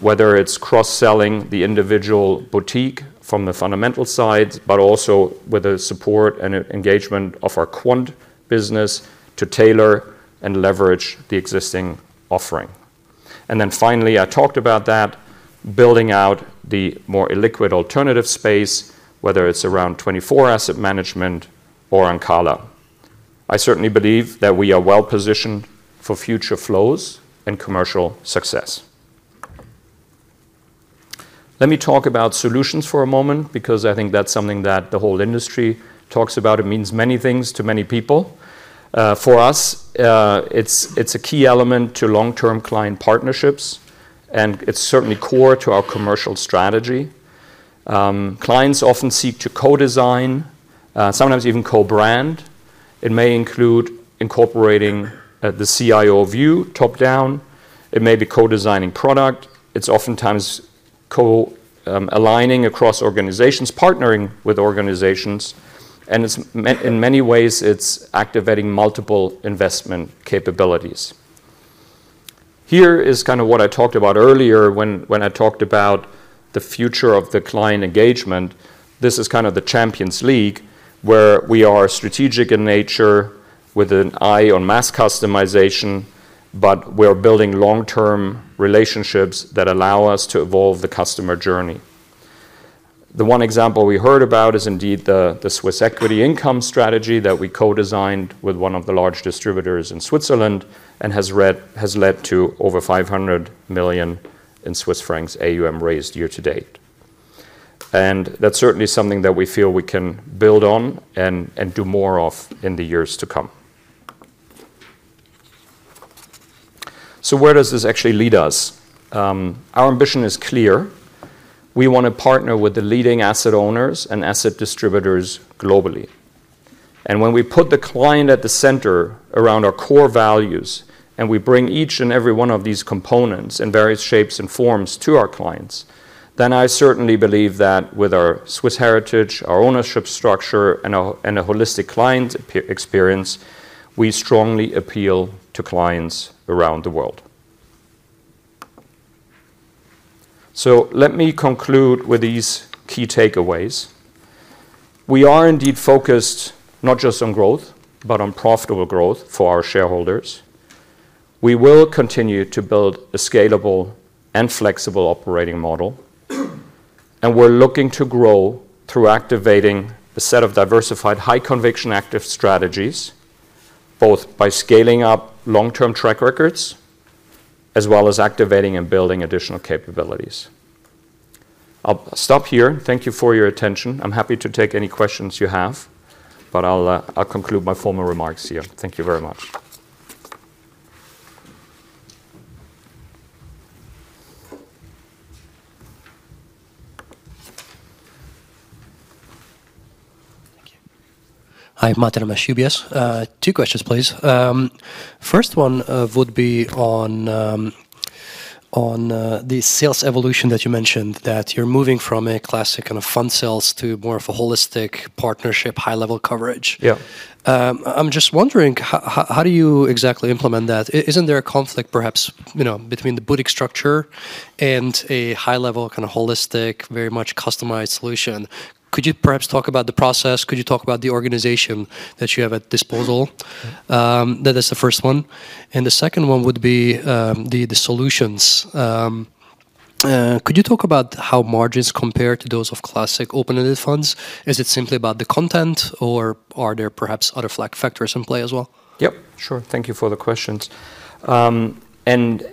whether it's cross-selling the individual boutique from the fundamental side, but also with the support and engagement of our quant business to tailor and leverage the existing offering. Then finally, I talked about that, building out the more illiquid alternative space, whether it's around 24 Asset Management or Ancala. I certainly believe that we are well positioned for future flows and commercial success. Let me talk about solutions for a moment because I think that's something that the whole industry talks about. It means many things to many people. For us, it's a key element to long-term client partnerships, and it's certainly core to our commercial strategy. Clients often seek to co-design, sometimes even co-brand. It may include incorporating the CIO view top-down. It may be co-designing product. It's oftentimes co-aligning across organizations, partnering with organizations. And in many ways, it's activating multiple investment capabilities. Here is kind of what I talked about earlier when I talked about the future of the client engagement. This is kind of the Champions League where we are strategic in nature with an eye on mass customization, but we're building long-term relationships that allow us to evolve the customer journey. The one example we heard about is indeed the Swiss equity income strategy that we co-designed with one of the large distributors in Switzerland and has led to over 500 million in AUM raised year to date. And that's certainly something that we feel we can build on and do more of in the years to come. So where does this actually lead us? Our ambition is clear. We want to partner with the leading asset owners and asset distributors globally. When we put the client at the center around our core values and we bring each and every one of these components in various shapes and forms to our clients, then I certainly believe that with our Swiss heritage, our ownership structure, and a holistic client experience, we strongly appeal to clients around the world. So let me conclude with these key takeaways. We are indeed focused not just on growth, but on profitable growth for our shareholders. We will continue to build a scalable and flexible operating model. And we're looking to grow through activating a set of diversified, high-conviction active strategies, both by scaling up long-term track records as well as activating and building additional capabilities. I'll stop here. Thank you for your attention. I'm happy to take any questions you have, but I'll conclude my formal remarks here. Thank you very much. Hi, Martin Emch. Two questions, please. First one would be on the sales evolution that you mentioned, that you're moving from a classic kind of fund sales to more of a holistic partnership, high-level coverage. I'm just wondering, how do you exactly implement that? Isn't there a conflict perhaps between the boutique structure and a high-level kind of holistic, very much customized solution? Could you perhaps talk about the process? Could you talk about the organization that you have at disposal? That is the first one. And the second one would be the solutions. Could you talk about how margins compare to those of classic open-ended funds? Is it simply about the content, or are there perhaps other factors in play as well? Yep. Sure. Thank you for the questions, and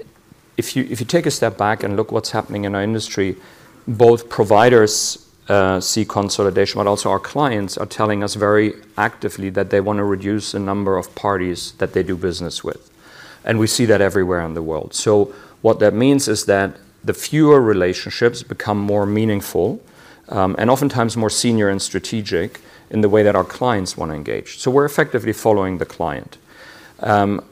if you take a step back and look at what's happening in our industry, both providers see consolidation, but also our clients are telling us very actively that they want to reduce the number of parties that they do business with, and we see that everywhere in the world, so what that means is that the fewer relationships become more meaningful and oftentimes more senior and strategic in the way that our clients want to engage, so we're effectively following the client.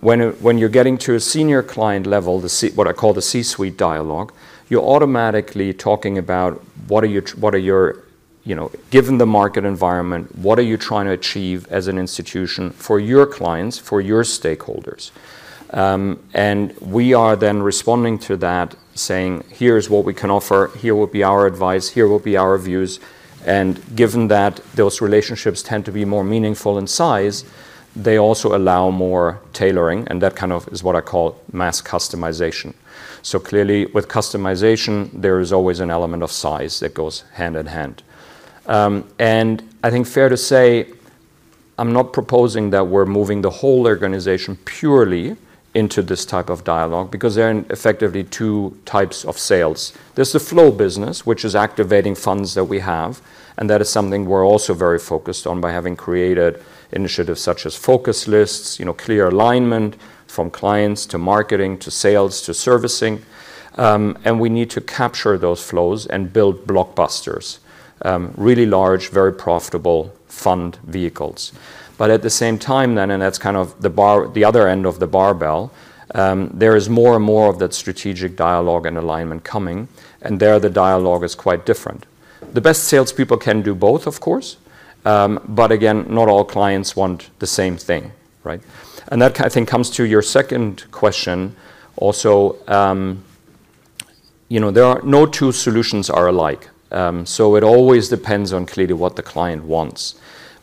When you're getting to a senior client level, what I call the C-suite dialogue, you're automatically talking about, given the market environment, what are you trying to achieve as an institution for your clients, for your stakeholders, and we are then responding to that, saying, here's what we can offer. Here will be our advice. Here will be our views. And given that those relationships tend to be more meaningful in size, they also allow more tailoring. And that kind of is what I call mass customization. So clearly, with customization, there is always an element of size that goes hand in hand. And I think fair to say, I'm not proposing that we're moving the whole organization purely into this type of dialogue because there are effectively two types of sales. There's the flow business, which is activating funds that we have. And that is something we're also very focused on by having created initiatives such as focus lists, clear alignment from clients to marketing to sales to servicing. And we need to capture those flows and build blockbusters, really large, very profitable fund vehicles. But at the same time then, and that's kind of the other end of the barbell, there is more and more of that strategic dialogue and alignment coming. And there, the dialogue is quite different. The best salespeople can do both, of course, but again, not all clients want the same thing. And that, I think, comes to your second question also. There are no two solutions that are alike. So it always depends on clearly what the client wants.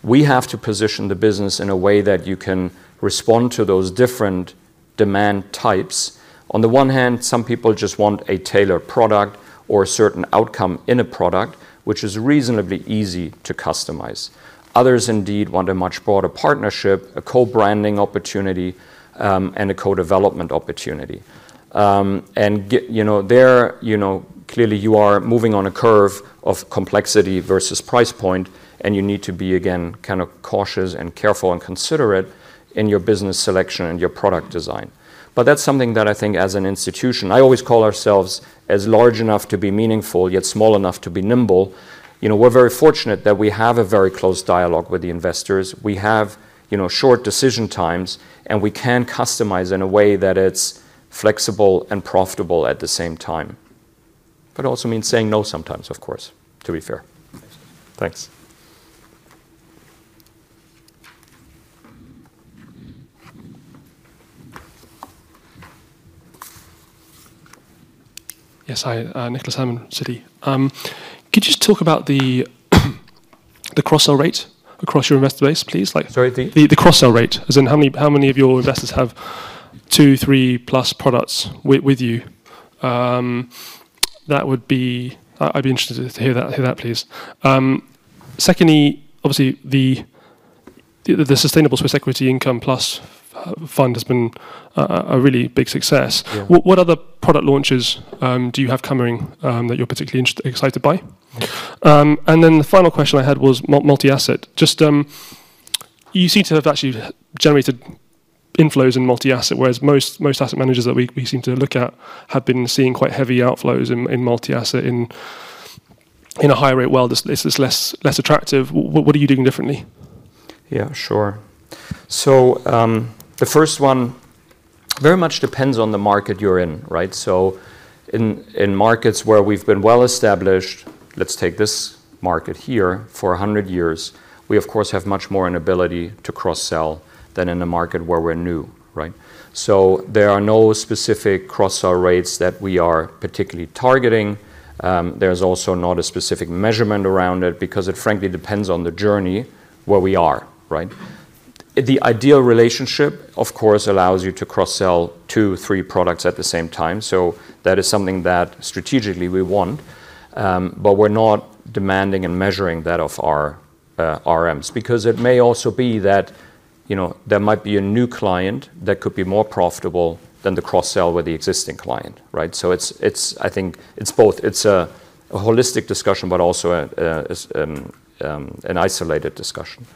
We have to position the business in a way that you can respond to those different demand types. On the one hand, some people just want a tailored product or a certain outcome in a product, which is reasonably easy to customize. Others indeed want a much broader partnership, a co-branding opportunity, and a co-development opportunity. There, clearly, you are moving on a curve of complexity versus price point, and you need to be, again, kind of cautious and careful and considerate in your business selection and your product design. But that's something that I think, as an institution, I always call ourselves as large enough to be meaningful yet small enough to be nimble. We're very fortunate that we have a very close dialogue with the investors. We have short decision times, and we can customize in a way that it's flexible and profitable at the same time. But it also means saying no sometimes, of course, to be fair. Thanks. Yes, hi. Nicholas Herman, Citi. Could you just talk about the cross-sell rate across your investor base, please? Sorry? The cross-sell rate. As in, how many of your investors have two, three-plus products with you? I'd be interested to hear that, please. Secondly, obviously, the Swiss Sustainable Equity Income Plus Fund has been a really big success. What other product launches do you have coming that you're particularly excited by? And then the final question I had was multi-asset. You seem to have actually generated inflows in multi-asset, whereas most asset managers that we seem to look at have been seeing quite heavy outflows in multi-asset in a higher rate world. It's less attractive. What are you doing differently? Yeah, sure. So the first one very much depends on the market you're in. So in markets where we've been well established, let's take this market here, for 100 years, we, of course, have much more ability to cross-sell than in a market where we're new. So there are no specific cross-sell rates that we are particularly targeting. There's also not a specific measurement around it because it, frankly, depends on the journey where we are. The ideal relationship, of course, allows you to cross-sell two, three products at the same time. So that is something that, strategically, we want. But we're not demanding and measuring that of our RMs because it may also be that there might be a new client that could be more profitable than the cross-sell with the existing client. So I think it's both. It's a holistic discussion, but also an isolated discussion.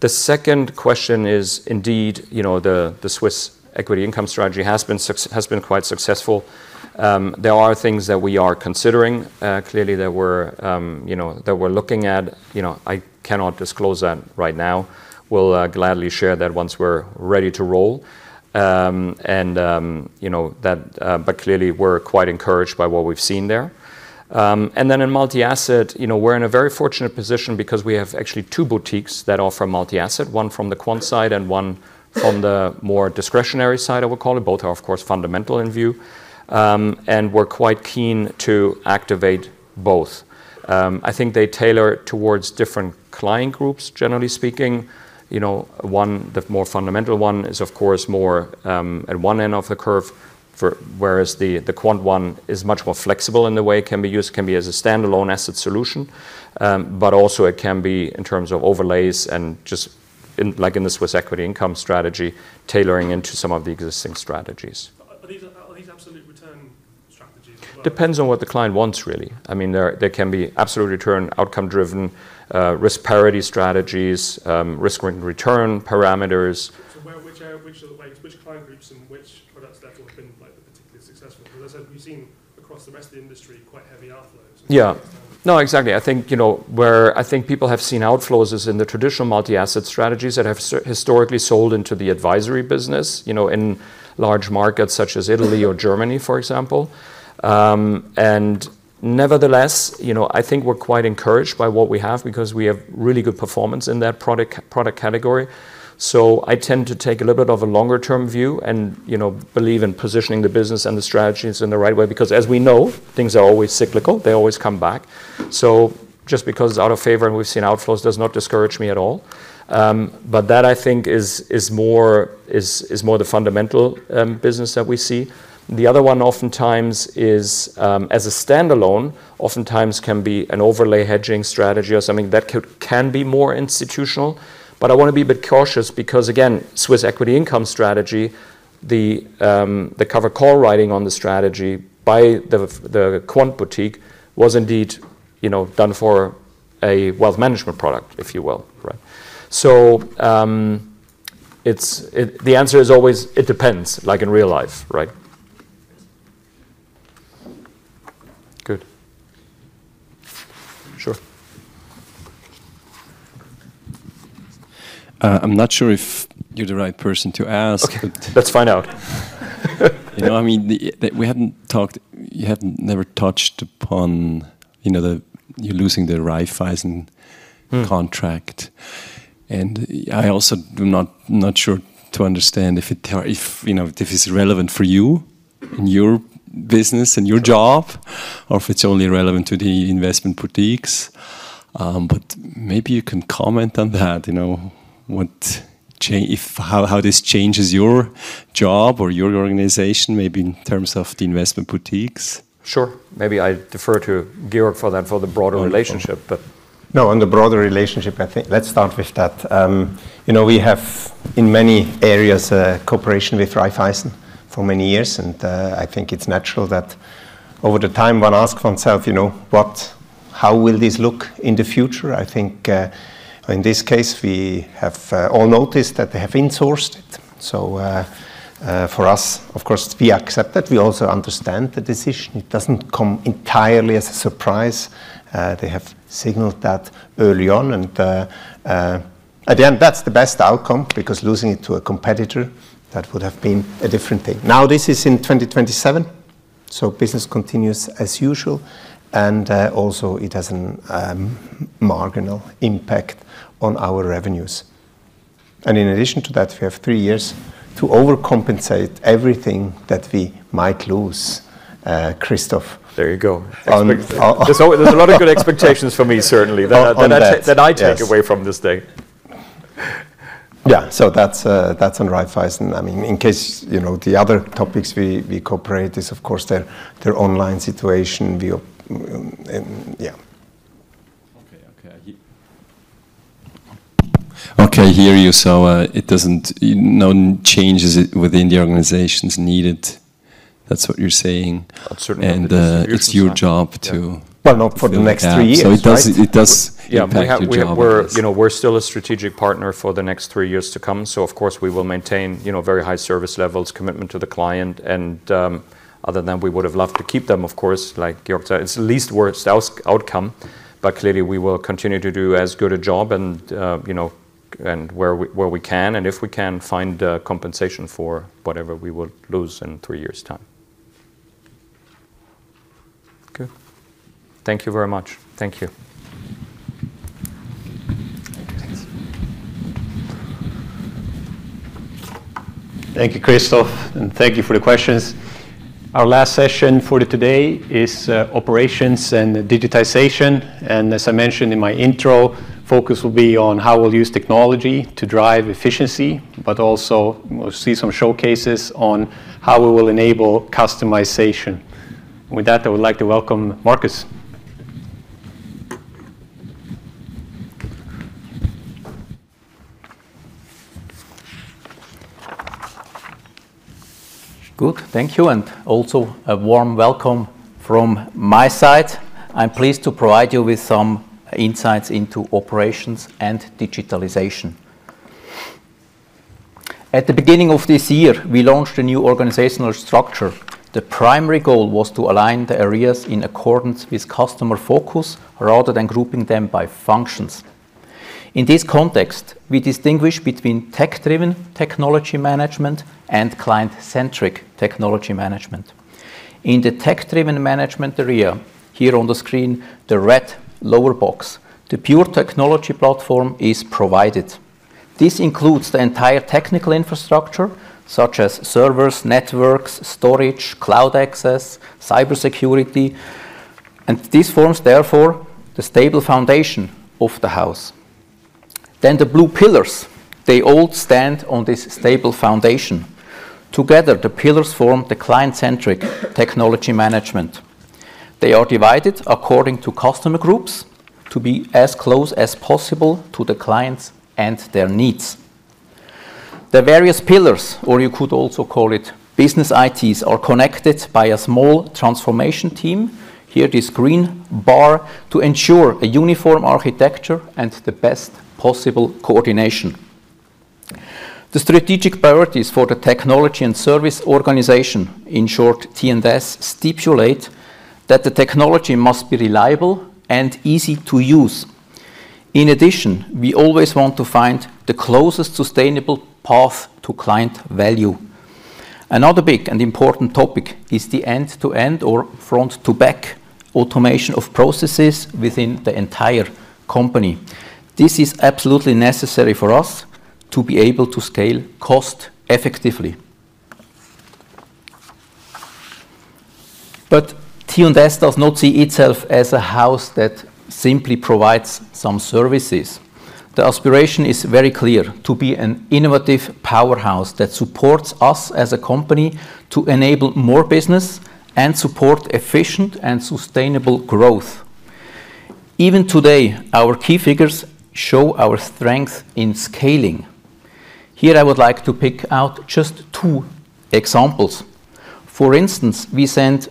The second question is, indeed, the Swiss equity income strategy has been quite successful. There are things that we are considering. Clearly, that we're looking at, I cannot disclose that right now. We'll gladly share that once we're ready to roll. But clearly, we're quite encouraged by what we've seen there. And then in multi-asset, we're in a very fortunate position because we have actually two boutiques that offer multi-asset, one from the quant side and one from the more discretionary side, I would call it. Both are, of course, fundamental in view. And we're quite keen to activate both. I think they tailor towards different client groups, generally speaking. The more fundamental one is, of course, more at one end of the curve, whereas the quant one is much more flexible in the way it can be used. It can be as a standalone asset solution, but also it can be in terms of overlays and just like in the Swiss equity income strategy, tailoring into some of the existing strategies. Are these absolute return strategies as well? It depends on what the client wants, really. I mean, there can be absolute return, outcome-driven, risk parity strategies, risk return parameters. So which client groups and which products level have been particularly successful? Because I said we've seen across the rest of the industry quite heavy outflows. Yeah. No, exactly. I think people have seen outflows in the traditional multi-asset strategies that have historically sold into the advisory business in large markets such as Italy or Germany, for example. And nevertheless, I think we're quite encouraged by what we have because we have really good performance in that product category. So I tend to take a little bit of a longer-term view and believe in positioning the business and the strategies in the right way because, as we know, things are always cyclical. They always come back. So just because it's out of favor and we've seen outflows does not discourage me at all. But that, I think, is more the fundamental business that we see. The other one oftentimes is, as a standalone, oftentimes can be an overlay hedging strategy or something that can be more institutional. But I want to be a bit cautious because, again, Swiss equity income strategy, the covered call writing on the strategy by the quant boutique was indeed done for a wealth management product, if you will. So the answer is always it depends, like in real life. Good. Sure. I'm not sure if you're the right person to ask. Okay. Let's find out. I mean, we haven't talked. You haven't never touched upon you losing the Raiffeisen contract. And I also am not sure to understand if it is relevant for you in your business and your job or if it's only relevant to the investment boutiques. But maybe you can comment on that, how this changes your job or your organization, maybe in terms of the investment boutiques. Sure. Maybe I defer to Georg for the broader relationship. No, on the broader relationship, let's start with that. We have, in many areas, a cooperation with Raiffeisen for many years, and I think it's natural that over the time, one asks oneself, how will this look in the future? I think in this case, we have all noticed that they have insourced it, so for us, of course, we accept that. We also understand the decision. It doesn't come entirely as a surprise. They have signaled that early on, and again, that's the best outcome because losing it to a competitor, that would have been a different thing. Now, this is in 2027, so business continues as usual, and also, it has a marginal impact on our revenues, and in addition to that, we have three years to overcompensate everything that we might lose. Christoph. There you go. There's a lot of good expectations for me, certainly, that I take away from this thing. Yeah, so that's on Raiffeisen. I mean, in case the other topics we cooperate is, of course, their online situation. Yeah. Okay. Okay. I hear you. So no changes within the organization is needed. That's what you're saying. That's certainly not the case. It's your job to. Not for the next three years. It does impact your job. We're still a strategic partner for the next three years to come. So, of course, we will maintain very high service levels, commitment to the client. And other than that, we would have loved to keep them, of course, like Georg said. It's least worst outcome. But clearly, we will continue to do as good a job and where we can. And if we can, find compensation for whatever we will lose in three years' time. Good. Thank you very much. Thank you. Thank you, Christoph, and thank you for the questions. Our last session for today is Operations and Digitization, and as I mentioned in my intro, focus will be on how we'll use technology to drive efficiency, but also we'll see some showcases on how we will enable customization. With that, I would like to welcome Markus. Good. Thank you. And also a warm welcome from my side. I'm pleased to provide you with some insights into operations and digitalization. At the beginning of this year, we launched a new organizational structure. The primary goal was to align the areas in accordance with customer focus rather than grouping them by functions. In this context, we distinguish between tech-driven technology management and client-centric technology management. In the tech-driven management area, here on the screen, the red lower box, the pure technology platform is provided. This includes the entire technical infrastructure, such as servers, networks, storage, cloud access, cybersecurity. And this forms, therefore, the stable foundation of the house. Then the blue pillars, they all stand on this stable foundation. Together, the pillars form the client-centric technology management. They are divided according to customer groups to be as close as possible to the clients and their needs. The various pillars, or you could also call it business ITs, are connected by a small transformation team, here this green bar, to ensure a uniform architecture and the best possible coordination. The strategic priorities for the technology and service organization, in short, T&S, stipulate that the technology must be reliable and easy to use. In addition, we always want to find the closest sustainable path to client value. Another big and important topic is the end-to-end or front-to-back automation of processes within the entire company. This is absolutely necessary for us to be able to scale cost-effectively. But T&S does not see itself as a house that simply provides some services. The aspiration is very clear: to be an innovative powerhouse that supports us as a company to enable more business and support efficient and sustainable growth. Even today, our key figures show our strength in scaling. Here, I would like to pick out just two examples. For instance, we send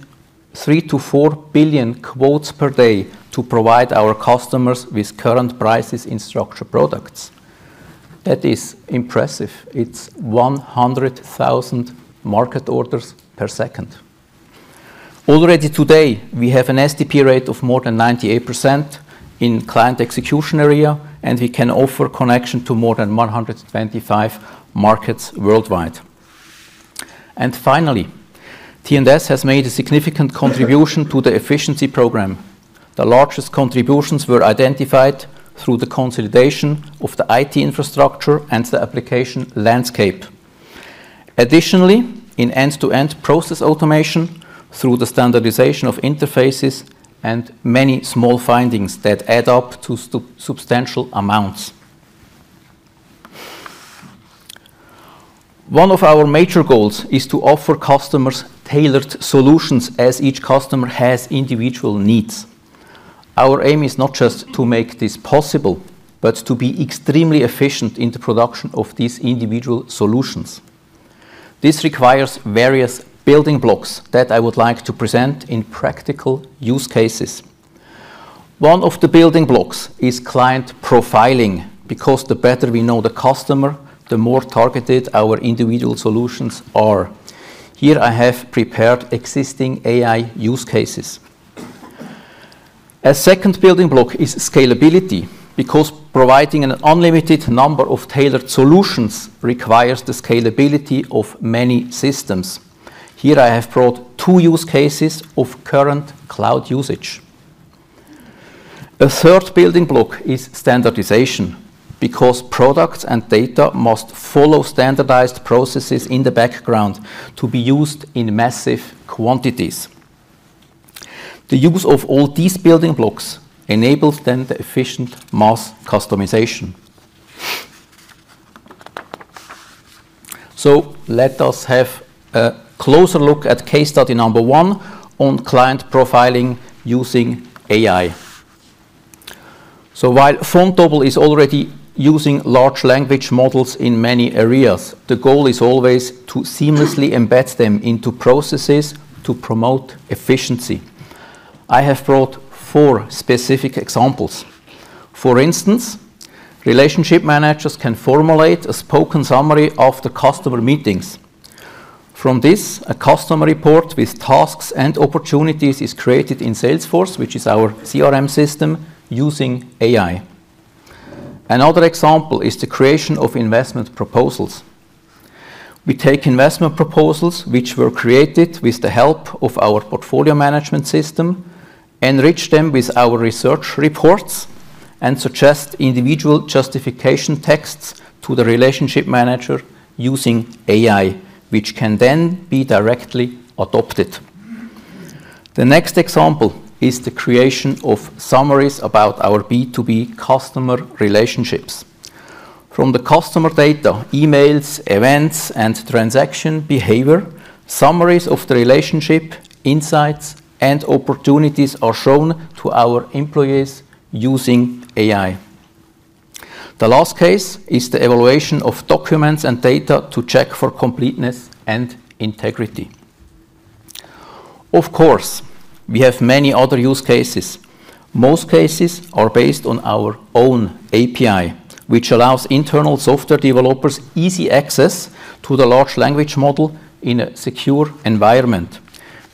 three to four billion quotes per day to provide our customers with current prices in structured products. That is impressive. It's 100,000 market orders per second. Already today, we have an SDP rate of more than 98% in client execution area, and we can offer connection to more than 125 markets worldwide, and finally, T&S has made a significant contribution to the efficiency program. The largest contributions were identified through the consolidation of the IT infrastructure and the application landscape. Additionally, in end-to-end process automation through the standardization of interfaces and many small findings that add up to substantial amounts. One of our major goals is to offer customers tailored solutions as each customer has individual needs. Our aim is not just to make this possible, but to be extremely efficient in the production of these individual solutions. This requires various building blocks that I would like to present in practical use cases. One of the building blocks is client profiling because the better we know the customer, the more targeted our individual solutions are. Here, I have prepared existing AI use cases. A second building block is scalability because providing an unlimited number of tailored solutions requires the scalability of many systems. Here, I have brought two use cases of current cloud usage. A third building block is standardization because products and data must follow standardized processes in the background to be used in massive quantities. The use of all these building blocks enables then the efficient mass customization. So let us have a closer look at case study number one on client profiling using AI. While Vontobel is already using large language models in many areas, the goal is always to seamlessly embed them into processes to promote efficiency. I have brought four specific examples. For instance, relationship managers can formulate a spoken summary of the customer meetings. From this, a customer report with tasks and opportunities is created in Salesforce, which is our CRM system using AI. Another example is the creation of investment proposals. We take investment proposals, which were created with the help of our portfolio management system, enrich them with our research reports, and suggest individual justification texts to the relationship manager using AI, which can then be directly adopted. The next example is the creation of summaries about our B2B customer relationships. From the customer data, emails, events, and transaction behavior, summaries of the relationship, insights, and opportunities are shown to our employees using AI. The last case is the evaluation of documents and data to check for completeness and integrity. Of course, we have many other use cases. Most cases are based on our own API, which allows internal software developers easy access to the large language model in a secure environment.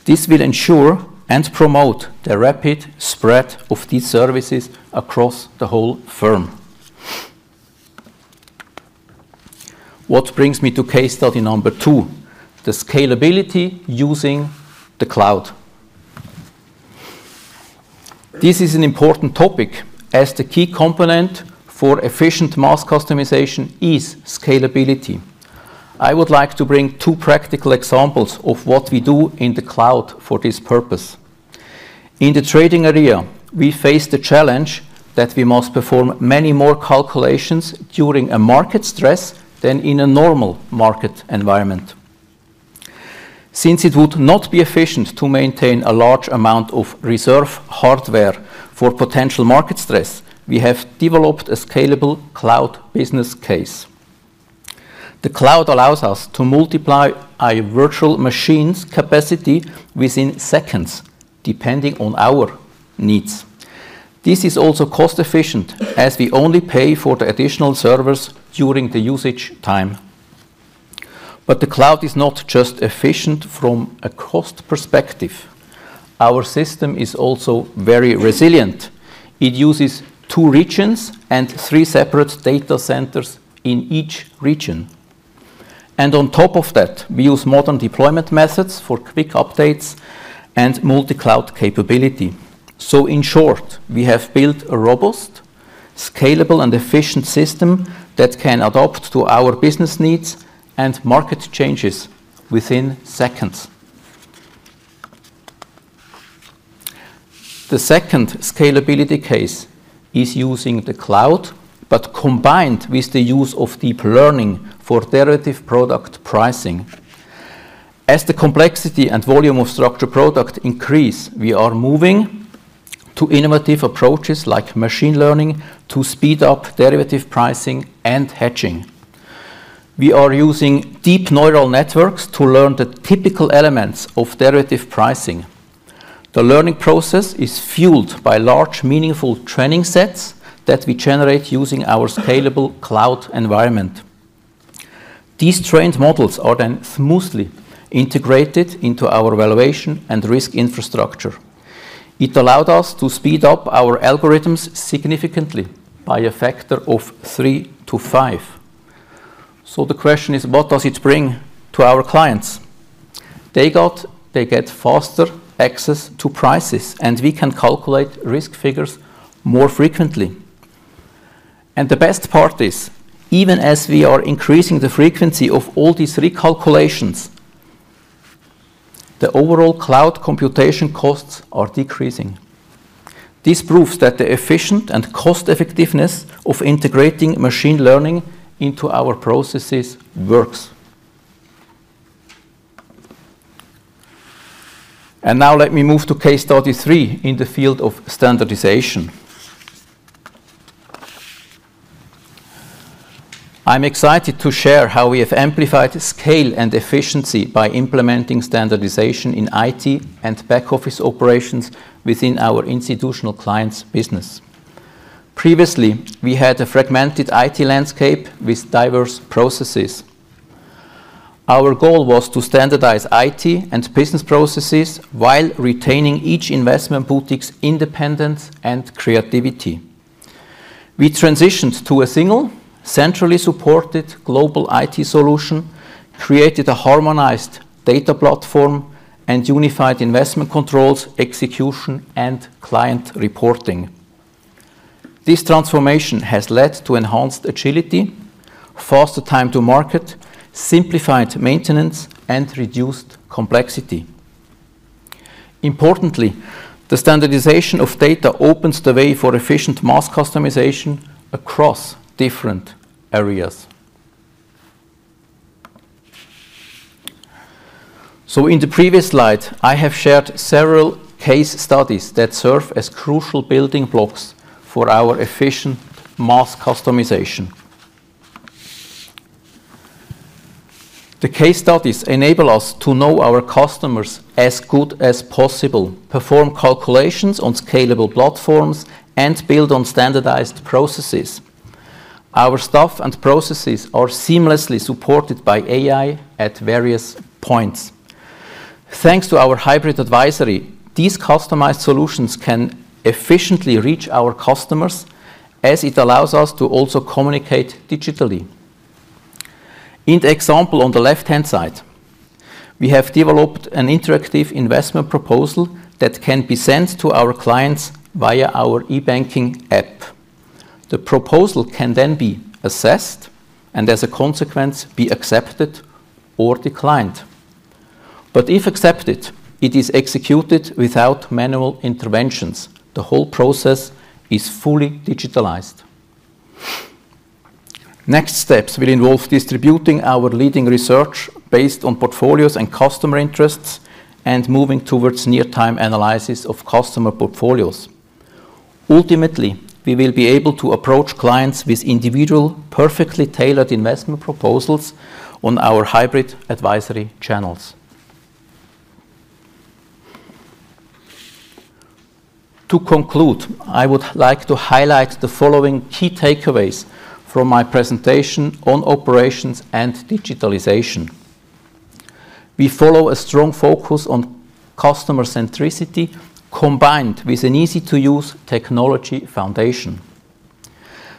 This will ensure and promote the rapid spread of these services across the whole firm. What brings me to case study number two, the scalability using the cloud. This is an important topic as the key component for efficient mass customization is scalability. I would like to bring two practical examples of what we do in the cloud for this purpose. In the trading area, we face the challenge that we must perform many more calculations during a market stress than in a normal market environment. Since it would not be efficient to maintain a large amount of reserve hardware for potential market stress, we have developed a scalable cloud business case. The cloud allows us to multiply our virtual machines' capacity within seconds, depending on our needs. This is also cost-efficient as we only pay for the additional servers during the usage time, but the cloud is not just efficient from a cost perspective. Our system is also very resilient. It uses two regions and three separate data centers in each region, and on top of that, we use modern deployment methods for quick updates and multi-cloud capability. So in short, we have built a robust, scalable, and efficient system that can adapt to our business needs and market changes within seconds. The second scalability case is using the cloud, but combined with the use of deep learning for derivative product pricing. As the complexity and volume of structured product increase, we are moving to innovative approaches like machine learning to speed up derivative pricing and hedging. We are using deep neural networks to learn the typical elements of derivative pricing. The learning process is fueled by large, meaningful training sets that we generate using our scalable cloud environment. These trained models are then smoothly integrated into our valuation and risk infrastructure. It allowed us to speed up our algorithms significantly by a factor of three to five. So the question is, what does it bring to our clients? They get faster access to prices, and we can calculate risk figures more frequently. And the best part is, even as we are increasing the frequency of all these recalculations, the overall cloud computation costs are decreasing. This proves that the efficient and cost-effectiveness of integrating machine learning into our processes works. And now let me move to case study three in the field of standardization. I'm excited to share how we have amplified scale and efficiency by implementing standardization in IT and back-office operations within our institutional clients' business. Previously, we had a fragmented IT landscape with diverse processes. Our goal was to standardize IT and business processes while retaining each investment boutique's independence and creativity. We transitioned to a single, centrally supported global IT solution, created a harmonized data platform, and unified investment controls, execution, and client reporting. This transformation has led to enhanced agility, faster time to market, simplified maintenance, and reduced complexity. Importantly, the standardization of data opens the way for efficient mass customization across different areas. So in the previous slide, I have shared several case studies that serve as crucial building blocks for our efficient mass customization. The case studies enable us to know our customers as good as possible, perform calculations on scalable platforms, and build on standardized processes. Our staff and processes are seamlessly supported by AI at various points. Thanks to our hybrid advisory, these customized solutions can efficiently reach our customers as it allows us to also communicate digitally. In the example on the left-hand side, we have developed an interactive investment proposal that can be sent to our clients via our e-banking app. The proposal can then be assessed and, as a consequence, be accepted or declined. But if accepted, it is executed without manual interventions. The whole process is fully digitalized. Next steps will involve distributing our leading research based on portfolios and customer interests and moving towards near-time analysis of customer portfolios. Ultimately, we will be able to approach clients with individual, perfectly tailored investment proposals on our hybrid advisory channels. To conclude, I would like to highlight the following key takeaways from my presentation on operations and digitalization. We follow a strong focus on customer centricity combined with an easy-to-use technology foundation.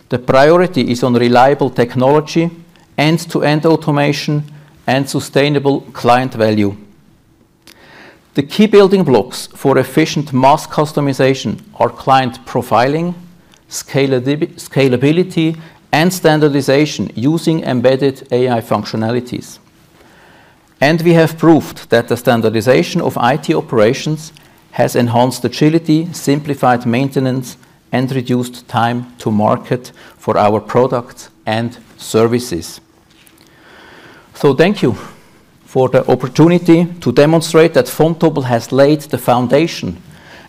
The priority is on reliable technology, end-to-end automation, and sustainable client value. The key building blocks for efficient mass customization are client profiling, scalability, and standardization using embedded AI functionalities. And we have proved that the standardization of IT operations has enhanced agility, simplified maintenance, and reduced time to market for our products and services. So thank you for the opportunity to demonstrate that Vontobel has laid the foundation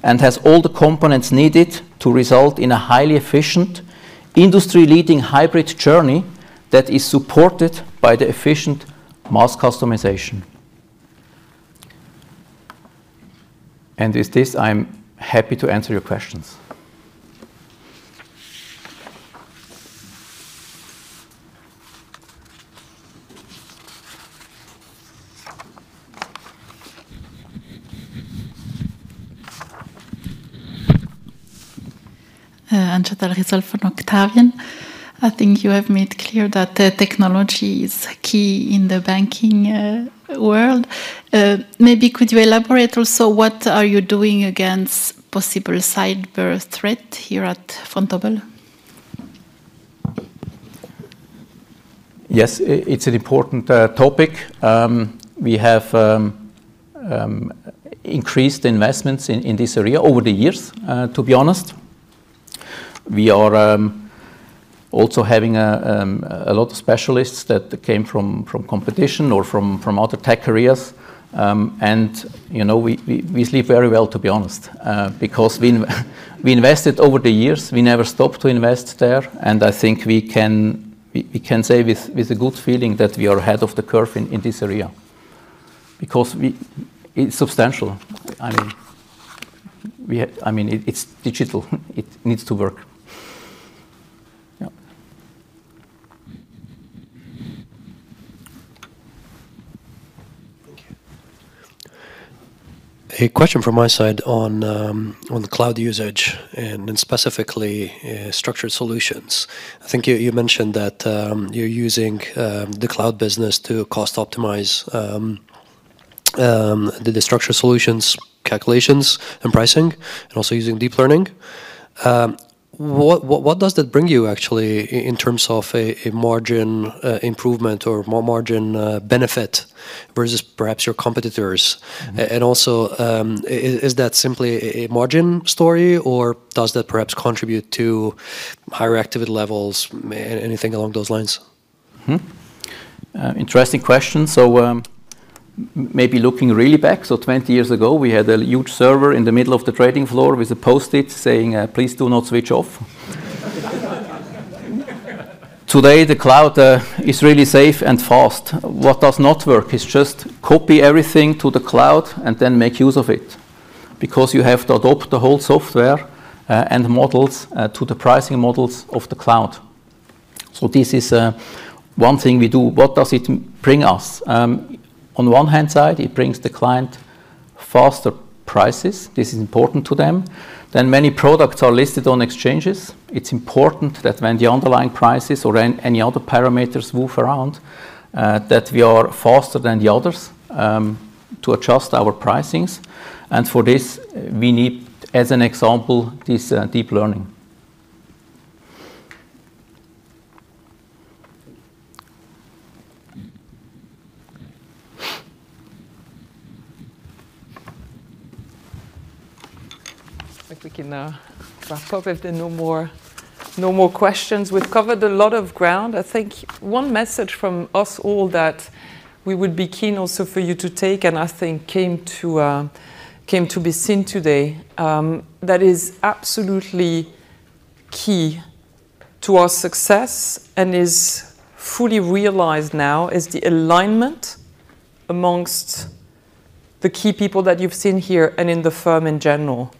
and has all the components needed to result in a highly efficient, industry-leading hybrid journey that is supported by the efficient mass customization. With this, I'm happy to answer your questions. I'm Chantal Ryser from Octavian. I think you have made clear that technology is key in the banking world. Maybe could you elaborate also what are you doing against possible cyber threat here at Vontobel? Yes, it's an important topic. We have increased investments in this area over the years, to be honest. We are also having a lot of specialists that came from competition or from other tech careers. And we sleep very well, to be honest, because we invested over the years. We never stopped to invest there. And I think we can say with a good feeling that we are ahead of the curve in this area because it's substantial. I mean, it's digital. It needs to work. A question from my side on the cloud usage and specifically structured solutions. I think you mentioned that you're using the cloud business to cost optimize the structured solutions, calculations, and pricing, and also using deep learning. What does that bring you actually in terms of a margin improvement or margin benefit versus perhaps your competitors? And also, is that simply a margin story, or does that perhaps contribute to higher activity levels, anything along those lines? Interesting question. So maybe looking really back, so 20 years ago, we had a huge server in the middle of the trading floor with a post-it saying, "Please do not switch off." Today, the cloud is really safe and fast. What does not work is just copy everything to the cloud and then make use of it because you have to adopt the whole software and models to the pricing models of the cloud. So this is one thing we do. What does it bring us? On one hand side, it brings the client faster prices. This is important to them. Then many products are listed on exchanges. It's important that when the underlying prices or any other parameters move around, that we are faster than the others to adjust our pricings. And for this, we need, as an example, this deep learning. I think we can wrap up if there are no more questions. We've covered a lot of ground. I think one message from us all that we would be keen also for you to take and I think came to be seen today that is absolutely key to our success and is fully realized now is the alignment amongst the key people that you've seen here and in the firm in general.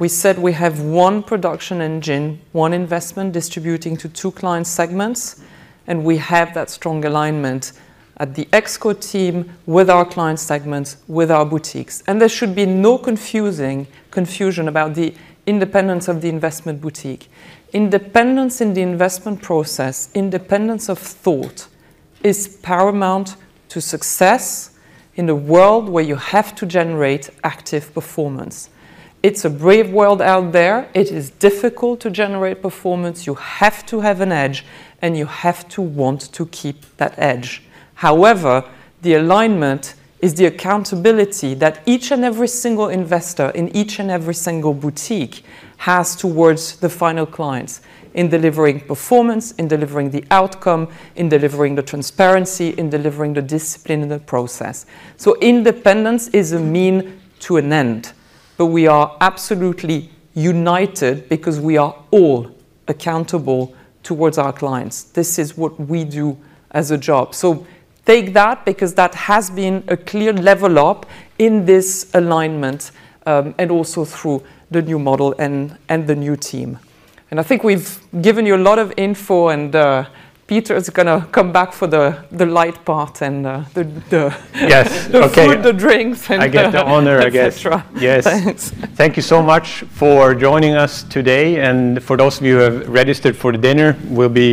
We said we have one production engine, one investment distributing to two client segments, and we have that strong alignment at the ExCo team with our client segments, with our boutiques. And there should be no confusion about the independence of the investment boutique. Independence in the investment process, independence of thought is paramount to success in a world where you have to generate active performance. It's a brave world out there. It is difficult to generate performance. You have to have an edge, and you have to want to keep that edge. However, the alignment is the accountability that each and every single investor in each and every single boutique has towards the final clients in delivering performance, in delivering the outcome, in delivering the transparency, in delivering the discipline in the process. So independence is a means to an end, but we are absolutely united because we are all accountable towards our clients. This is what we do as a job. So take that because that has been a clear level up in this alignment and also through the new model and the new team. And I think we've given you a lot of info, and Peter is going to come back for the light part and the. Yes. Okay. The drinks and. I get the honor, I guess. Et cetera. Yes. Thank you so much for joining us today. And for those of you who have registered for the dinner, we'll be.